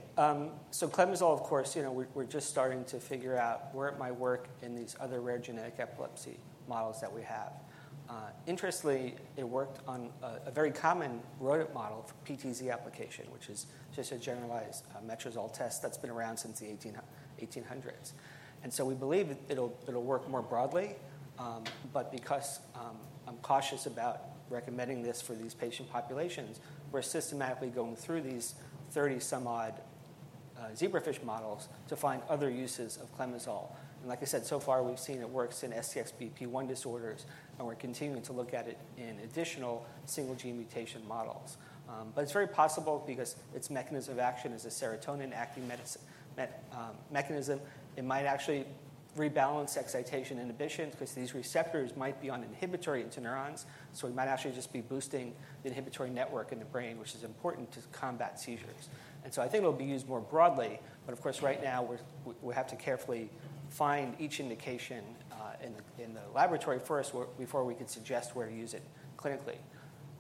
So clemizole, of course, you know, we're just starting to figure out where it might work in these other rare genetic epilepsy models that we have. Interestingly, it worked on a very common rodent model for PTZ application, which is just a generalized Metrazol test that's been around since the eighteen hundreds. And so we believe it'll work more broadly, but because I'm cautious about recommending this for these patient populations, we're systematically going through these thirty-some-odd zebrafish models to find other uses of clemizole. And like I said, so far, we've seen it works in STXBP1 disorders, and we're continuing to look at it in additional single gene mutation models. But it's very possible because its mechanism of action is a serotonin acting mechanism. It might actually rebalance excitation inhibition because these receptors might be on inhibitory interneurons, so we might actually just be boosting the inhibitory network in the brain, which is important to combat seizures. And so I think it'll be used more broadly, but of course, right now, we have to carefully find each indication in the laboratory first before we can suggest where to use it clinically.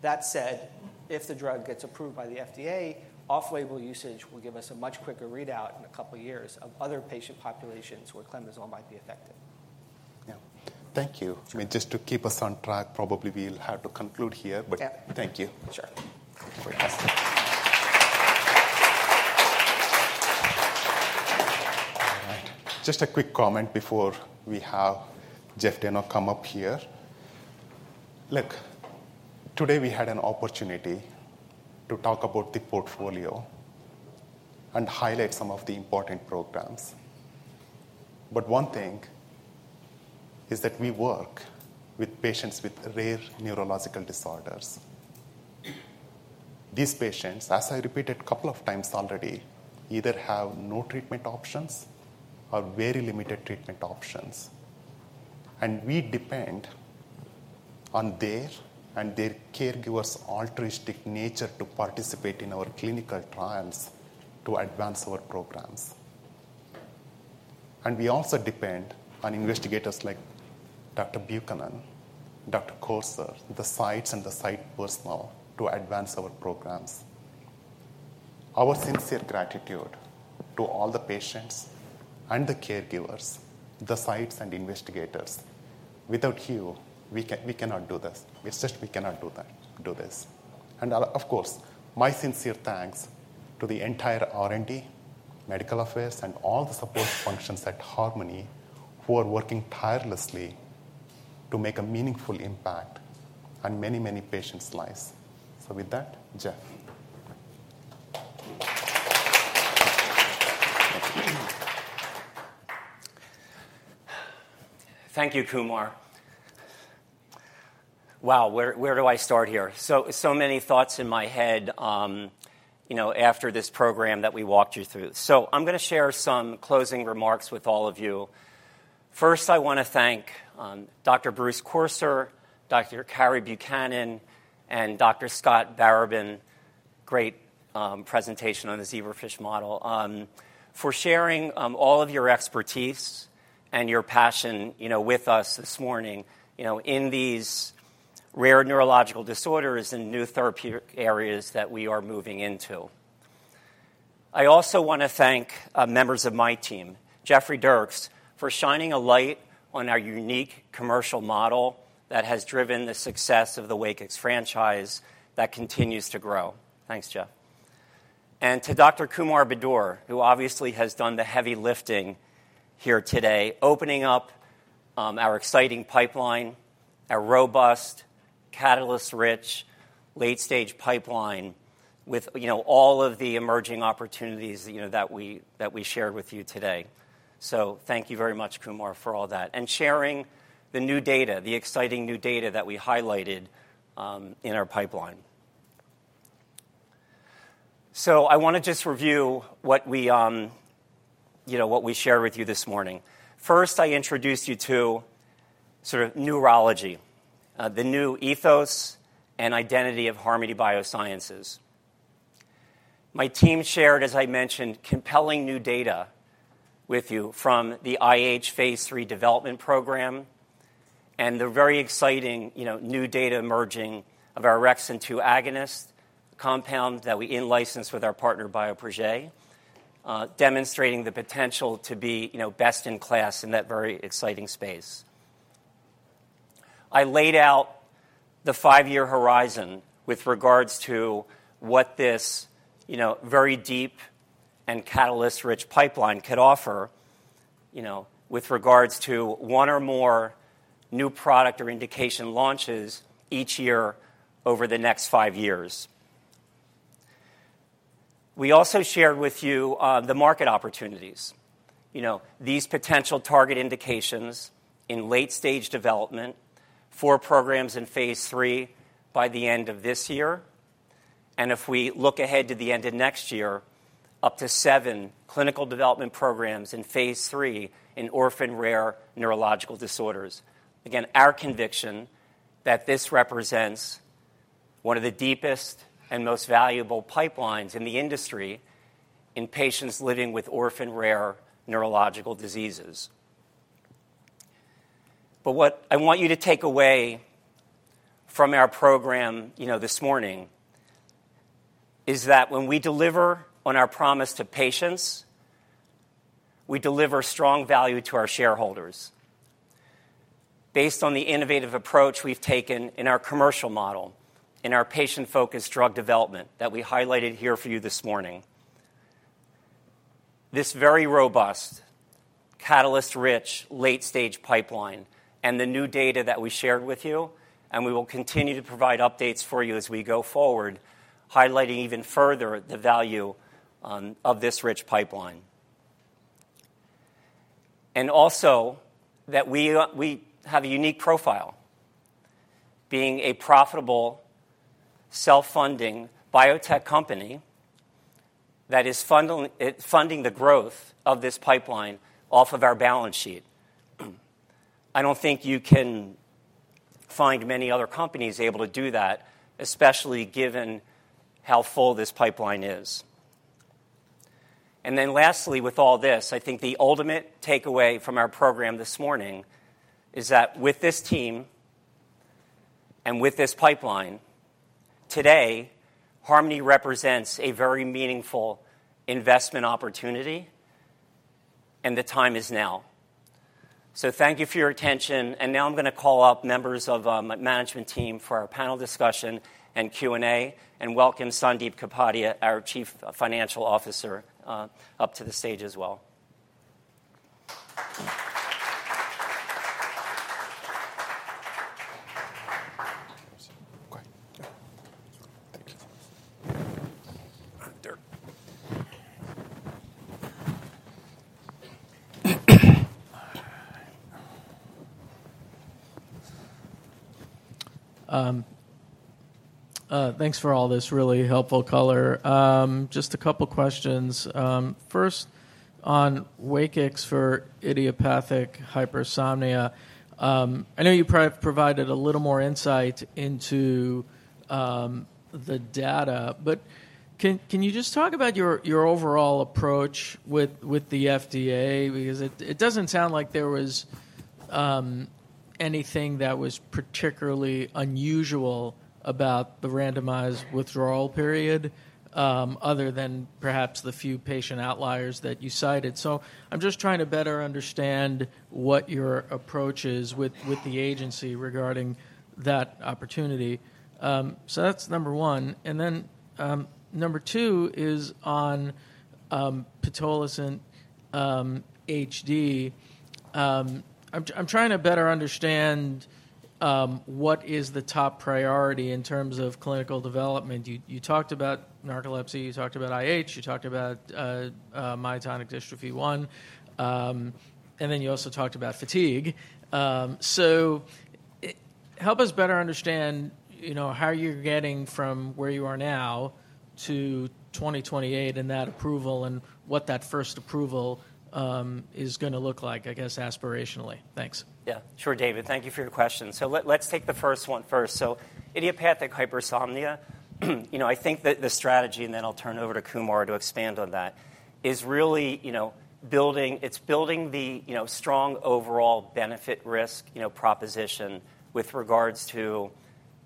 That said, if the drug gets approved by the FDA, off-label usage will give us a much quicker readout in a couple of years of other patient populations where clemizole might be effective. Yeah. Thank you. Sure. I mean, just to keep us on track, probably we'll have to conclude here, but- Yeah. Thank you. Sure. All right. Just a quick comment before we have Jeffrey Dayno come up here. Look, today we had an opportunity to talk about the portfolio and highlight some of the important programs. But one thing is that we work with patients with rare neurological disorders. These patients, as I repeated a couple of times already, either have no treatment options or very limited treatment options, and we depend on their and their caregivers' altruistic nature to participate in our clinical trials to advance our programs. And we also depend on investigators like Dr. Buchanan, Dr. Corser, the sites, and the site personnel to advance our programs. Our sincere gratitude to all the patients and the caregivers, the sites, and investigators. Without you, we cannot do this. It's just we cannot do this. And, of course, my sincere thanks to the entire R&D, medical affairs, and all the support functions at Harmony, who are working tirelessly to make a meaningful impact on many, many patients' lives. So with that, Jeffrey. Thank you, Kumar. Wow! Where, where do I start here? So, so many thoughts in my head, you know, after this program that we walked you through. So I'm gonna share some closing remarks with all of you. First, I wanna thank, Dr. Bruce Corser, Dr. Carrie Buchanan, and Dr. Scott Baraban, great, presentation on the zebrafish model, for sharing, all of your expertise and your passion, you know, with us this morning, you know, in these rare neurological disorders and new therapeutic areas that we are moving into.... I also want to thank, members of my team, Jeffrey Dierks, for shining a light on our unique commercial model that has driven the success of the WAKIX franchise that continues to grow. Thanks, Jeffrey. And to Dr. Kumar Budur, who obviously has done the heavy lifting here today, opening up our exciting pipeline, a robust, catalyst-rich, late-stage pipeline with, you know, all of the emerging opportunities, you know, that we shared with you today. So thank you very much, Kumar, for all that, and sharing the new data, the exciting new data that we highlighted in our pipeline. So I want to just review what we, you know, shared with you this morning. First, I introduced you to sort of neurology, the new ethos and identity of Harmony Biosciences. My team shared, as I mentioned, compelling new data with you from the IH phase III development program and the very exciting, you know, new data emerging of our orexin agonist compound that we in-licensed with our partner, Bioprojet, demonstrating the potential to be, you know, best in class in that very exciting space. I laid out the five-year horizon with regards to what this, you know, very deep and catalyst-rich pipeline could offer, you know, with regards to one or more new product or indication launches each year over the next five years. We also shared with you the market opportunities. You know, these potential target indications in late-stage development, four programs in phase III by the end of this year, and if we look ahead to the end of next year, up to seven clinical development programs in phase III in orphan rare neurological disorders. Again, our conviction that this represents one of the deepest and most valuable pipelines in the industry in patients living with orphan rare neurological diseases. But what I want you to take away from our program, you know, this morning is that when we deliver on our promise to patients, we deliver strong value to our shareholders. Based on the innovative approach we've taken in our commercial model, in our patient-focused drug development that we highlighted here for you this morning, this very robust, catalyst-rich, late-stage pipeline and the new data that we shared with you, and we will continue to provide updates for you as we go forward, highlighting even further the value of this rich pipeline. And also, that we have a unique profile, being a profitable, self-funding biotech company that is funding the growth of this pipeline off of our balance sheet. I don't think you can find many other companies able to do that, especially given how full this pipeline is. And then lastly, with all this, I think the ultimate takeaway from our program this morning is that with this team and with this pipeline, today, Harmony represents a very meaningful investment opportunity, and the time is now. So thank you for your attention, and now I'm going to call up members of management team for our panel discussion and Q&A, and welcome Sandip Kapadia, our Chief Financial Officer, up to the stage as well. Go ahead. Thank you. Dierks. Thanks for all this really helpful color. Just a couple questions. First, on WAKIX for idiopathic hypersomnia, I know you provided a little more insight into the data, but can you just talk about your overall approach with the FDA? Because it doesn't sound like there was anything that was particularly unusual about the randomized withdrawal period, other than perhaps the few patient outliers that you cited. So I'm just trying to better understand what your approach is with the agency regarding that opportunity. So that's number one. And then number two is on pitolisant HD. I'm trying to better understand what is the top priority in terms of clinical development. You talked about narcolepsy, you talked about IH, you talked about myotonic dystrophy one, and then you also talked about fatigue. So help us better understand, you know, how you're getting from where you are now to 2028 and that approval and what that first approval is gonna look like, I guess, aspirationally. Thanks. Yeah, sure, David. Thank you for your question. So let's take the first one first. So idiopathic hypersomnia, you know, I think that the strategy, and then I'll turn it over to Kumar to expand on that, is really, you know, building the, you know, strong overall benefit-risk, you know, proposition with regards to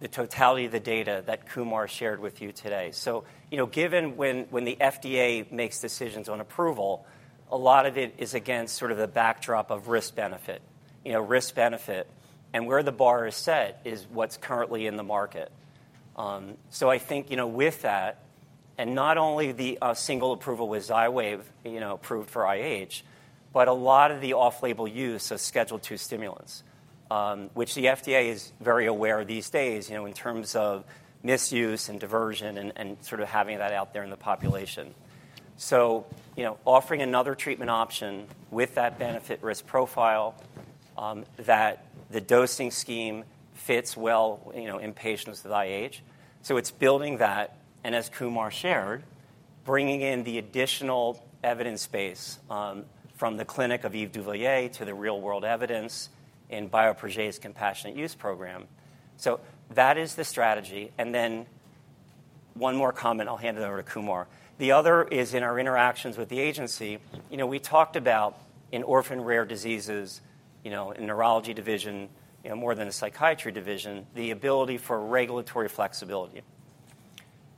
the totality of the data that Kumar shared with you today. So, you know, given when the FDA makes decisions on approval, a lot of it is against sort of the backdrop of risk-benefit, and where the bar is set is what's currently in the market. So I think, you know, with that, and not only the single approval with XYWAV, you know, approved for IH, but a lot of the off-label use of Schedule II stimulants, which the FDA is very aware these days, you know, in terms of misuse and diversion and sort of having that out there in the population. So, you know, offering another treatment option with that benefit-risk profile, that the dosing scheme fits well, you know, in patients with IH. So it's building that, and as Kumar shared, bringing in the additional evidence base, from the clinic of Yves Dauvilliers to the real-world evidence in Bioprojet's compassionate use program. So that is the strategy, and then one more comment, I'll hand it over to Kumar. The other is in our interactions with the agency. You know, we talked about in orphan rare diseases, you know, in neurology division, you know, more than a psychiatry division, the ability for regulatory flexibility.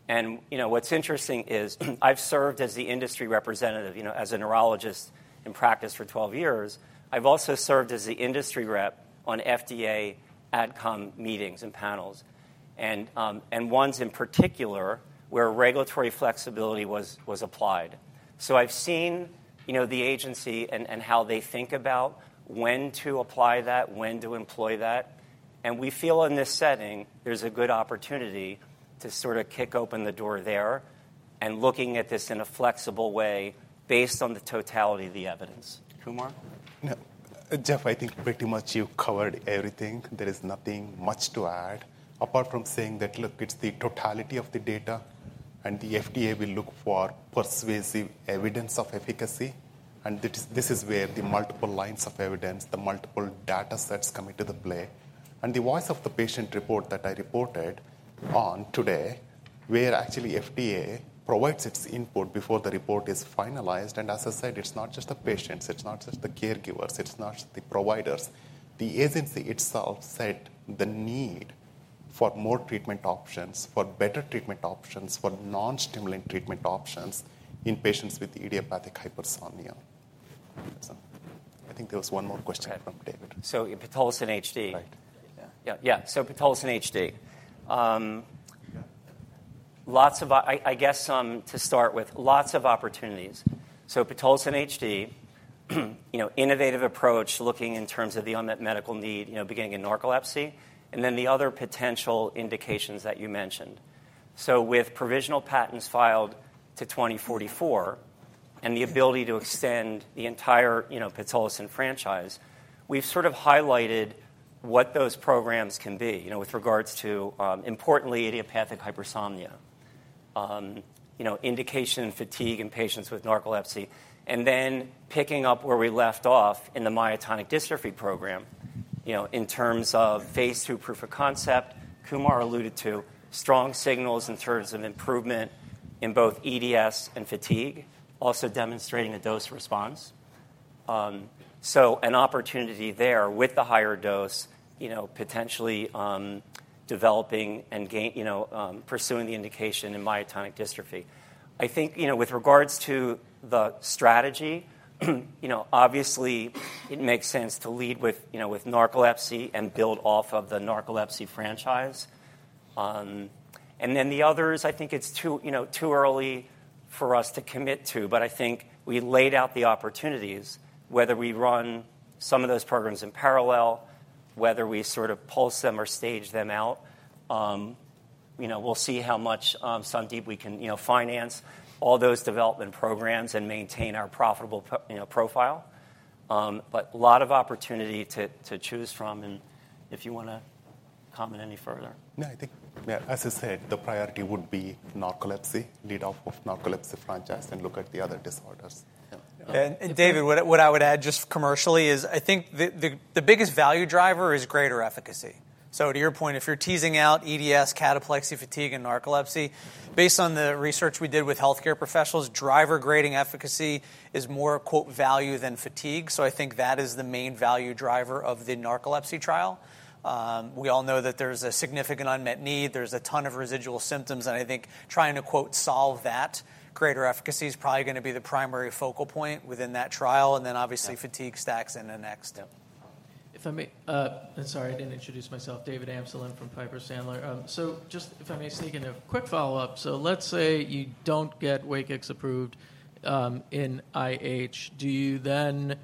And, you know, what's interesting is I've served as the industry representative, you know, as a neurologist in practice for 12 years. I've also served as the industry rep on FDA AdCom meetings and panels and, and ones in particular where regulatory flexibility was applied. So I've seen, you know, the agency and, and how they think about when to apply that, when to employ that, and we feel in this setting, there's a good opportunity to sort of kick open the door there and looking at this in a flexible way based on the totality of the evidence. Kumar? Yeah. Jeffrey, I think pretty much you covered everything. There is nothing much to add, apart from saying that, look, it's the totality of the data, and the FDA will look for persuasive evidence of efficacy. And this, this is where the multiple lines of evidence, the multiple datasets come into play. And the voice of the patient report that I reported on today, where actually FDA provides its input before the report is finalized, and as I said, it's not just the patients, it's not just the caregivers, it's not the providers. The agency itself said the need for more treatment options, for better treatment options, for non-stimulant treatment options in patients with idiopathic hypersomnia. So I think there was one more question from David. pitolisant HD. Right. Yeah. Yeah, so pitolisant HD. Lots of opportunities to start with. So pitolisant HD, you know, innovative approach, looking in terms of the unmet medical need, you know, beginning in narcolepsy, and then the other potential indications that you mentioned. So with provisional patents filed to 2044 and the ability to extend the entire, you know, pitolisant franchise, we've sort of highlighted what those programs can be, you know, with regards to importantly, idiopathic hypersomnia. You know, indication and fatigue in patients with narcolepsy, and then picking up where we left off in the myotonic dystrophy program, you know, in terms of phase II proof of concept, Kumar alluded to strong signals in terms of improvement in both EDS and fatigue, also demonstrating a dose response. So an opportunity there with the higher dose, you know, potentially developing and pursuing the indication in myotonic dystrophy. I think, you know, with regards to the strategy, you know, obviously, it makes sense to lead with, you know, with narcolepsy and build off of the narcolepsy franchise. And then the others, I think it's too, you know, too early for us to commit to, but I think we laid out the opportunities, whether we run some of those programs in parallel, whether we sort of pulse them or stage them out. You know, we'll see how much, Sandip, we can, you know, finance all those development programs and maintain our profitable profile. But a lot of opportunity to choose from, and if you wanna comment any further. No, I think, yeah, as I said, the priority would be narcolepsy, lead off of narcolepsy franchise and look at the other disorders. Yeah. And David, what I would add just commercially is I think the biggest value driver is greater efficacy. So to your point, if you're teasing out EDS, cataplexy, fatigue, and narcolepsy, based on the research we did with healthcare professionals, driver grading efficacy is more, quote, "value than fatigue." So I think that is the main value driver of the narcolepsy trial. We all know that there's a significant unmet need, there's a ton of residual symptoms, and I think trying to, quote, "solve that," greater efficacy is probably gonna be the primary focal point within that trial, and then obviously Yep. If I may, and sorry, I didn't introduce myself, David Amsellem from Piper Sandler. So just if I may sneak in a quick follow-up, so let's say you don't get WAKIX approved in IH, do you then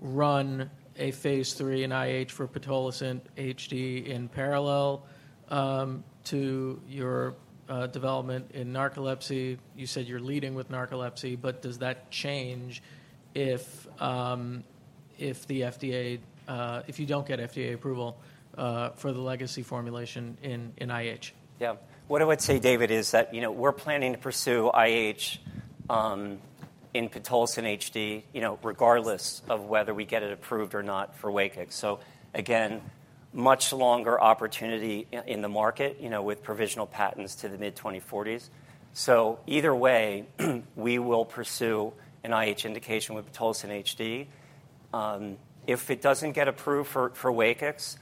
run a phase III in IH for pitolisant HD in parallel to your development in narcolepsy? You said you're leading with narcolepsy, but does that change if the FDA if you don't get FDA approval for the legacy formulation in IH? Yeah. What I would say, David, is that, you know, we're planning to pursue IH in pitolisant HD, you know, regardless of whether we get it approved or not for WAKIX. So again, much longer opportunity in the market, you know, with provisional patents to the mid-2040s. So either way, we will pursue an IH indication with pitolisant HD. If it doesn't get approved for WAKIX,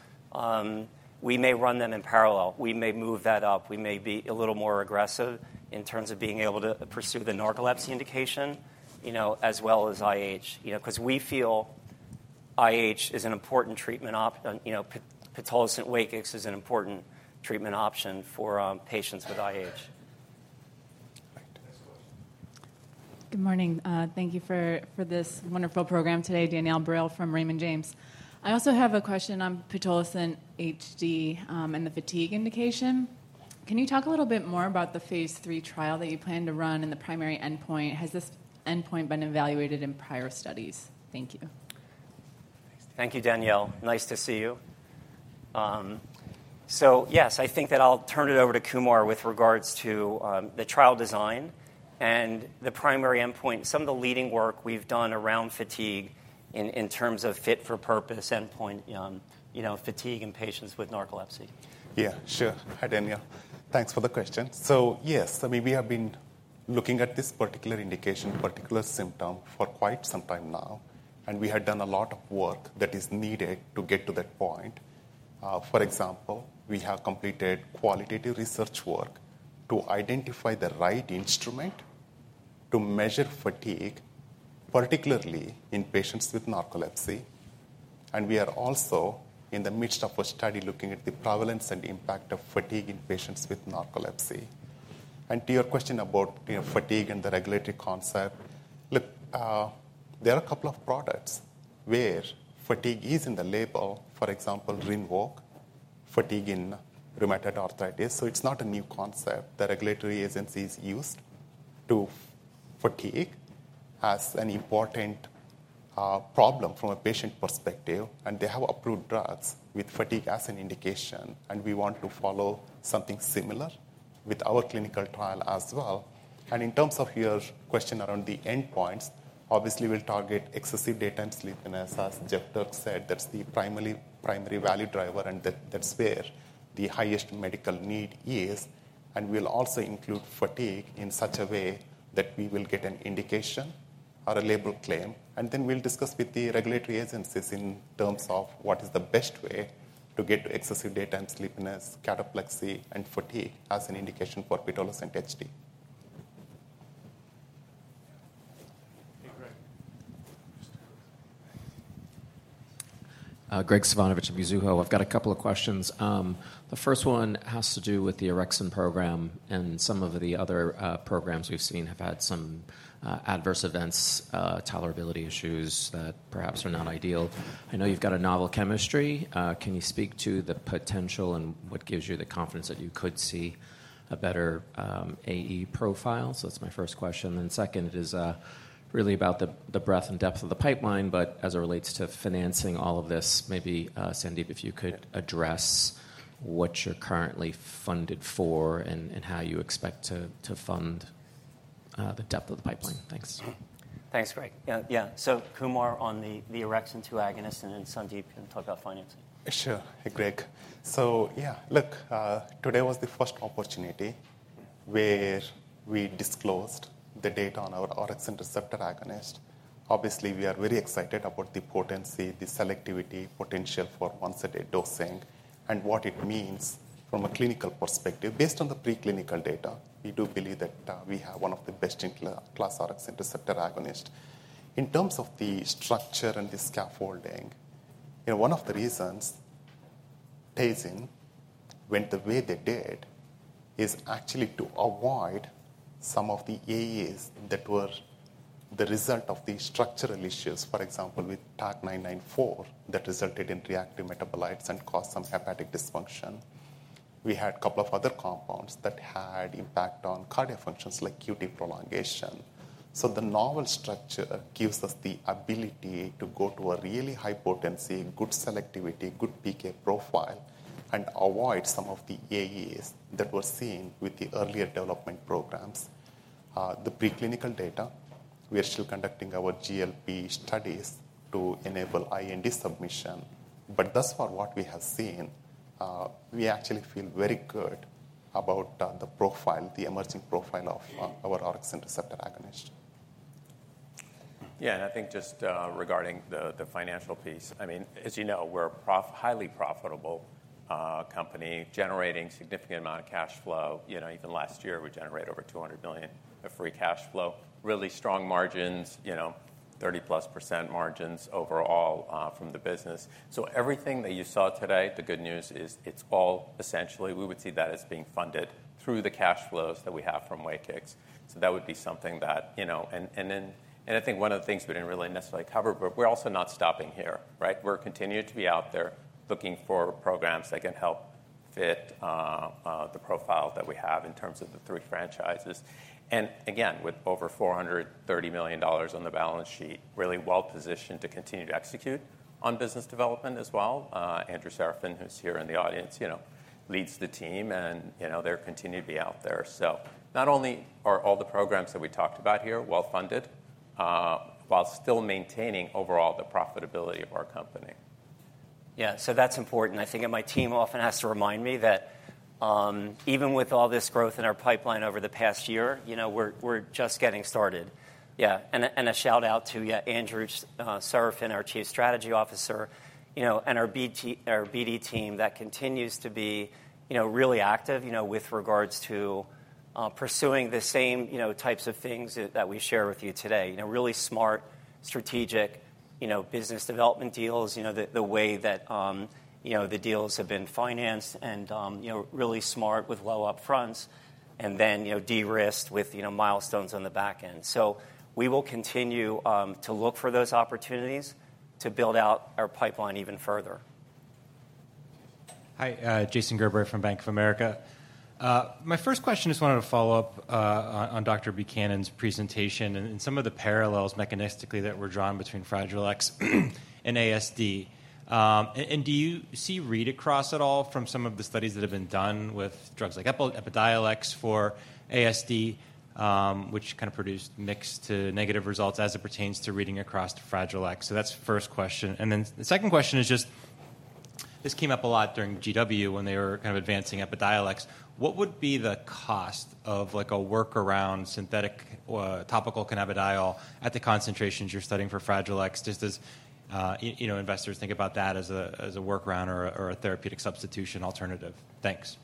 we may run them in parallel. We may move that up. We may be a little more aggressive in terms of being able to pursue the narcolepsy indication, you know, as well as IH. You know, 'cause we feel IH is an important treatment option, you know, pitolisant WAKIX is an important treatment option for patients with IH. Next question. Good morning. Thank you for this wonderful program today, Danielle Brill from Raymond James. I also have a question on pitolisant HD and the fatigue indication. Can you talk a little bit more about the phase three trial that you plan to run and the primary endpoint? Has this endpoint been evaluated in prior studies? Thank you. Thank you, Danielle. Nice to see you. So yes, I think that I'll turn it over to Kumar with regards to the trial design and the primary endpoint, some of the leading work we've done around fatigue in terms of fit for purpose endpoint, you know, fatigue in patients with narcolepsy. Yeah, sure. Hi, Danielle. Thanks for the question. So yes, I mean, we have been looking at this particular indication, particular symptom for quite some time now, and we have done a lot of work that is needed to get to that point. For example, we have completed qualitative research work to identify the right instrument to measure fatigue, particularly in patients with narcolepsy, and we are also in the midst of a study looking at the prevalence and impact of fatigue in patients with narcolepsy, and to your question about, you know, fatigue and the regulatory concept, look, there are a couple of products where fatigue is in the label, for example, RINVOQ, fatigue in rheumatoid arthritis. So it's not a new concept. The regulatory agencies used to fatigue as an important problem from a patient perspective, and they have approved drugs with fatigue as an indication, and we want to follow something similar with our clinical trial as well. In terms of your question around the endpoints, obviously, we'll target excessive daytime sleepiness. As Jeffrey Dierks said, that's the primary value driver, and that's where the highest medical need is, and we'll also include fatigue in such a way that we will get an indication or a label claim, and then we'll discuss with the regulatory agencies in terms of what is the best way to get excessive daytime sleepiness, cataplexy, and fatigue as an indication for pitolisant HD. Hey, Greg. Graig Suvannavejh of Mizuho. I've got a couple of questions. The first one has to do with the orexin program, and some of the other programs we've seen have had some adverse events, tolerability issues that perhaps are not ideal. I know you've got a novel chemistry. Can you speak to the potential and what gives you the confidence that you could see a better AE profile? So that's my first question, then second is really about the breadth and depth of the pipeline, but as it relates to financing all of this, maybe Sandip, if you could address what you're currently funded for and how you expect to fund the depth of the pipeline. Thanks. Thanks, Greg. Yeah, yeah. So Kumar, on the orexin-2 agonist, and then Sandip, you can talk about financing. Sure. Hey, Greg. So yeah, look, today was the first opportunity where we disclosed the data on our orexin receptor agonist. Obviously, we are very excited about the potency, the selectivity, potential for once a day dosing and what it means from a clinical perspective. Based on the preclinical data, we do believe that we have one of the best-in-class orexin receptor agonist. In terms of the structure and the scaffolding, you know, one of the reasons Teijin went the way they did is actually to avoid some of the AEs that were the result of the structural issues, for example, with TAK-994, that resulted in reactive metabolites and caused some hepatic dysfunction. We had a couple of other compounds that had impact on cardiac functions like QT prolongation. So the novel structure gives us the ability to go to a really high potency, good selectivity, good PK profile, and avoid some of the AEs that were seen with the earlier development programs. The preclinical data, we are still conducting our GLP studies to enable IND submission, but thus far, what we have seen, we actually feel very good about, the profile, the emerging profile of our orexin receptor agonist. Yeah, and I think just regarding the financial piece, I mean, as you know, we're highly profitable company, generating significant amount of cash flow. You know, even last year, we generated over $200 million of free cash flow. Really strong margins, you know, 30+% margins overall from the business. So everything that you saw today, the good news is it's all essentially we would see that as being funded through the cash flows that we have from WAKIX. So that would be something that, you know. And then I think one of the things we didn't really necessarily cover, but we're also not stopping here, right? We're continuing to be out there, looking for programs that can help fit the profile that we have in terms of the three franchises. And again, with over $430 million on the balance sheet, really well-positioned to continue to execute on business development as well. Andrew Serafin, who's here in the audience, you know, leads the team, and, you know, they're continuing to be out there. So not only are all the programs that we talked about here well-funded.... while still maintaining overall the profitability of our company. Yeah, so that's important. I think, and my team often has to remind me that, even with all this growth in our pipeline over the past year, you know, we're, we're just getting started. Yeah, and a shout-out to, yeah, Andrew Serafin, our Chief Strategy Officer, you know, and our BD team that continues to be, you know, really active, you know, with regards to, pursuing the same, you know, types of things that, that we share with you today. You know, really smart, strategic, you know, business development deals. You know, the way that, you know, the deals have been financed and, you know, really smart with low up fronts and then, you know, de-risked with, you know, milestones on the back end. We will continue to look for those opportunities to build out our pipeline even further. Hi, Jason Gerberry from Bank of America. My first question, just wanted to follow up on Dr. Buchanan's presentation and some of the parallels mechanistically that were drawn between Fragile X and ASD. And do you see read-across at all from some of the studies that have been done with drugs like Epidiolex for ASD, which kind of produced mixed to negative results as it pertains to reading across to Fragile X? So that's the first question. And then the second question is just, this came up a lot during GW when they were kind of advancing Epidiolex. What would be the cost of, like, a workaround synthetic or topical cannabidiol at the concentrations you're studying for Fragile X? Just as, you know, investors think about that as a workaround or a therapeutic substitution alternative. Thanks.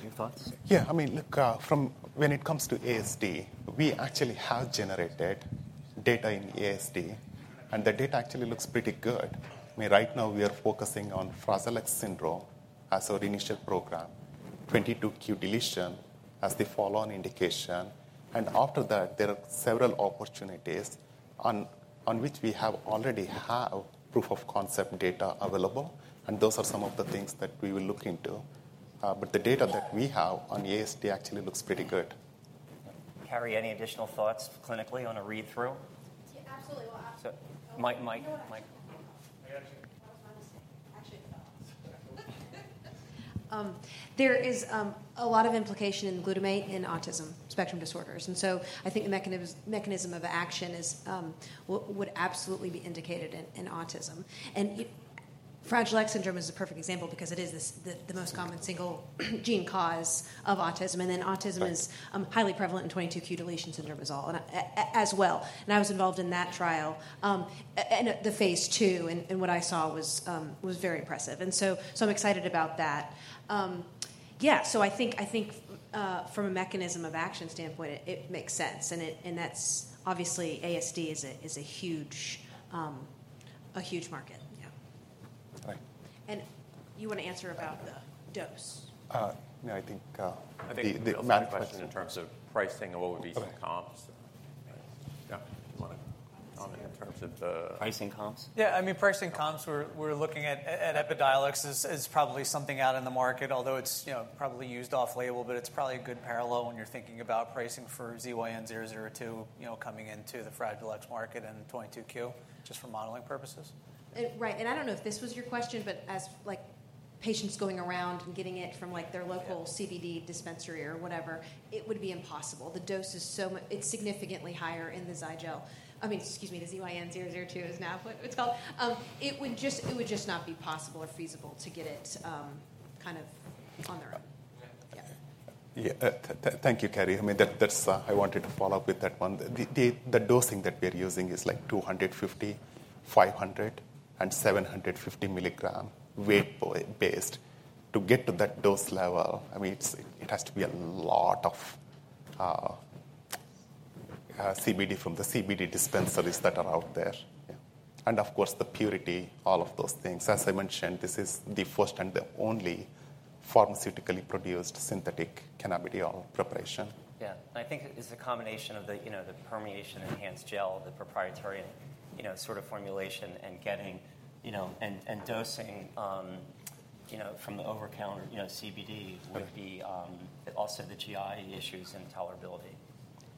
Any thoughts? Yeah. I mean, look, from when it comes to ASD, we actually have generated data in ASD, and the data actually looks pretty good. I mean, right now, we are focusing on Fragile X syndrome as our initial program, 22q deletion as the follow-on indication, and after that, there are several opportunities on which we have already have proof of concept data available, and those are some of the things that we will look into. But the data that we have on ASD actually looks pretty good. Carrie, any additional thoughts clinically on a read-through? Yeah, absolutely. Well, actually- Mic, mic, mic. I got you. That's what I was saying. Actually, there is a lot of implication in glutamate in autism spectrum disorders, and so I think the mechanism of action would absolutely be indicated in autism. Fragile X syndrome is a perfect example because it is the most common single gene cause of autism, and then autism is highly prevalent in 22q11.2 deletion syndrome as well. I was involved in that trial and the phase II, and what I saw was very impressive. So I'm excited about that. Yeah, so I think from a mechanism of action standpoint, it makes sense, and that's. Obviously, ASD is a huge market. Yeah. Right. You want to answer about the dose? No, I think the... I think the last question in terms of pricing and what would be some comps. Yeah, you want to comment in terms of the- Pricing comps? Yeah. I mean, pricing comps, we're looking at EPIDIOLEX, which is probably something out in the market, although it's, you know, probably used off-label, but it's probably a good parallel when you're thinking about pricing for ZYN002, you know, coming into the Fragile X market and 22q11.2, just for modeling purposes. Right. And I don't know if this was your question, but as, like, patients going around and getting it from, like, their local- Yeah... CBD dispensary or whatever, it would be impossible. The dose is so. It's significantly higher in the Zygel. I mean, excuse me, the ZYN002 is now what it's called. It would just not be possible or feasible to get it, kind of on their own. Yeah. Yeah. Thank you, Carrie. I mean, that's, I wanted to follow up with that one. The dosing that we're using is like 250, 500, and 750 mg weight-based. To get to that dose level, I mean, it has to be a lot of CBD from the CBD dispensaries that are out there. Yeah. And of course, the purity, all of those things. As I mentioned, this is the first and the only pharmaceutically produced synthetic cannabidiol preparation. Yeah. And I think it's a combination of the, you know, the permeation-enhanced gel, the proprietary, you know, sort of formulation, and getting, you know, and dosing from the over-the-counter, you know, CBD would be... Also, the GI issues and tolerability.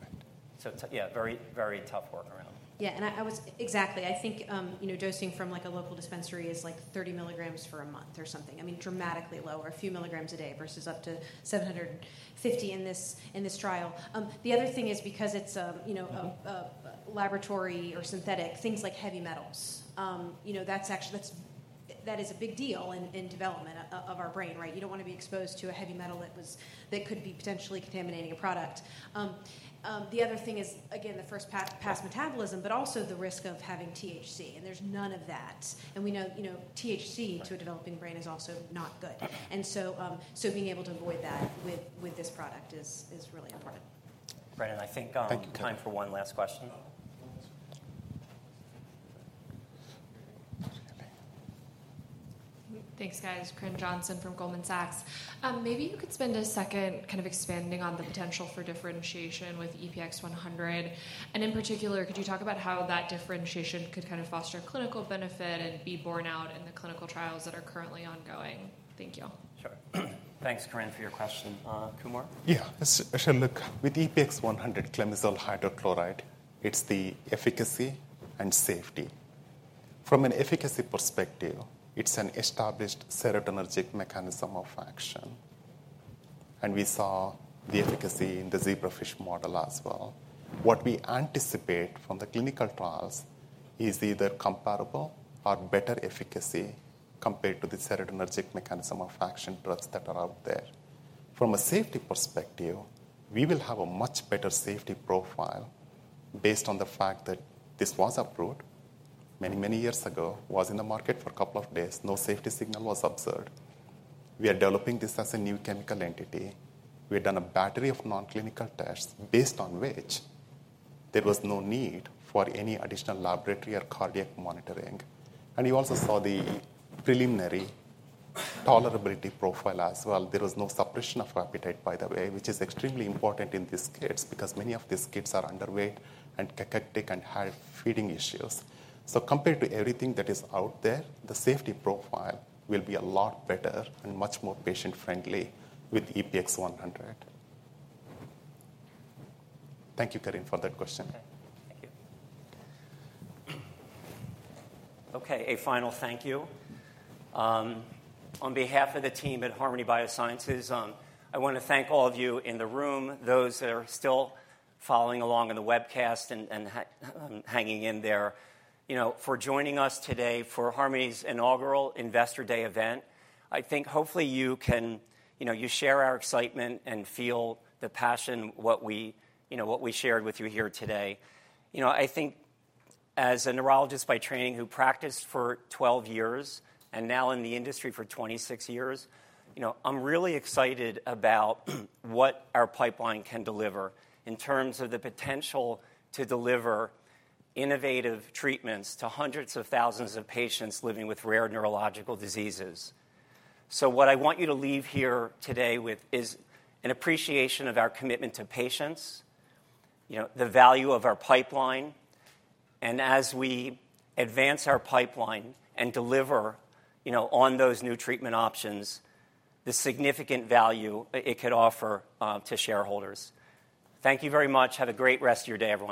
Right. So it's, yeah, very, very tough workaround. Yeah, and I was. Exactly. I think, you know, dosing from, like, a local dispensary is, like, thirty milligrams for a month or something. I mean, dramatically lower, a few milligrams a day versus up to seven hundred and fifty in this, in this trial. The other thing is because it's, you know, a- Mm-hmm... a laboratory or synthetic, things like heavy metals. You know, that's actually that is a big deal in development of our brain, right? You don't want to be exposed to a heavy metal that could be potentially contaminating a product. The other thing is, again, the first pass metabolism, but also the risk of having THC, and there's none of that. And we know, you know, THC- Right To a developing brain is also not good. Okay. And so, being able to avoid that with this product is really important. Brennan, I think, Thank you... time for one last question. Thanks, guys. Corinne Jenkins from Goldman Sachs. Maybe you could spend a second kind of expanding on the potential for differentiation with EPX-100, and in particular, could you talk about how that differentiation could kind of foster clinical benefit and be borne out in the clinical trials that are currently ongoing? Thank you. Sure. Thanks, Corinne, for your question. Kumar? Yeah. So look, with EPX-100 clemizole hydrochloride, it's the efficacy and safety. From an efficacy perspective, it's an established serotonergic mechanism of action... and we saw the efficacy in the zebrafish model as well. What we anticipate from the clinical trials is either comparable or better efficacy compared to the serotonergic mechanism of action drugs that are out there. From a safety perspective, we will have a much better safety profile based on the fact that this was approved many, many years ago, was in the market for a couple of days. No safety signal was observed. We are developing this as a new chemical entity. We have done a battery of non-clinical tests based on which there was no need for any additional laboratory or cardiac monitoring. And you also saw the preliminary tolerability profile as well. There was no suppression of appetite, by the way, which is extremely important in this case because many of these kids are underweight and cachectic and have feeding issues. So compared to everything that is out there, the safety profile will be a lot better and much more patient-friendly with EPX-100. Thank you, Corinne, for that question. Thank you. Okay, a final thank you. On behalf of the team at Harmony Biosciences, I want to thank all of you in the room, those that are still following along on the webcast and hanging in there, you know, for joining us today for Harmony's inaugural Investor Day event. I think hopefully you can you know, you share our excitement and feel the passion, what we, you know, what we shared with you here today. You know, I think as a neurologist by training who practiced for 12 years and now in the industry for 26 years, you know, I'm really excited about what our pipeline can deliver in terms of the potential to deliver innovative treatments to hundreds of thousands of patients living with rare neurological diseases. What I want you to leave here today with is an appreciation of our commitment to patients, you know, the value of our pipeline, and as we advance our pipeline and deliver, you know, on those new treatment options, the significant value it could offer to shareholders. Thank you very much. Have a great rest of your day, everyone.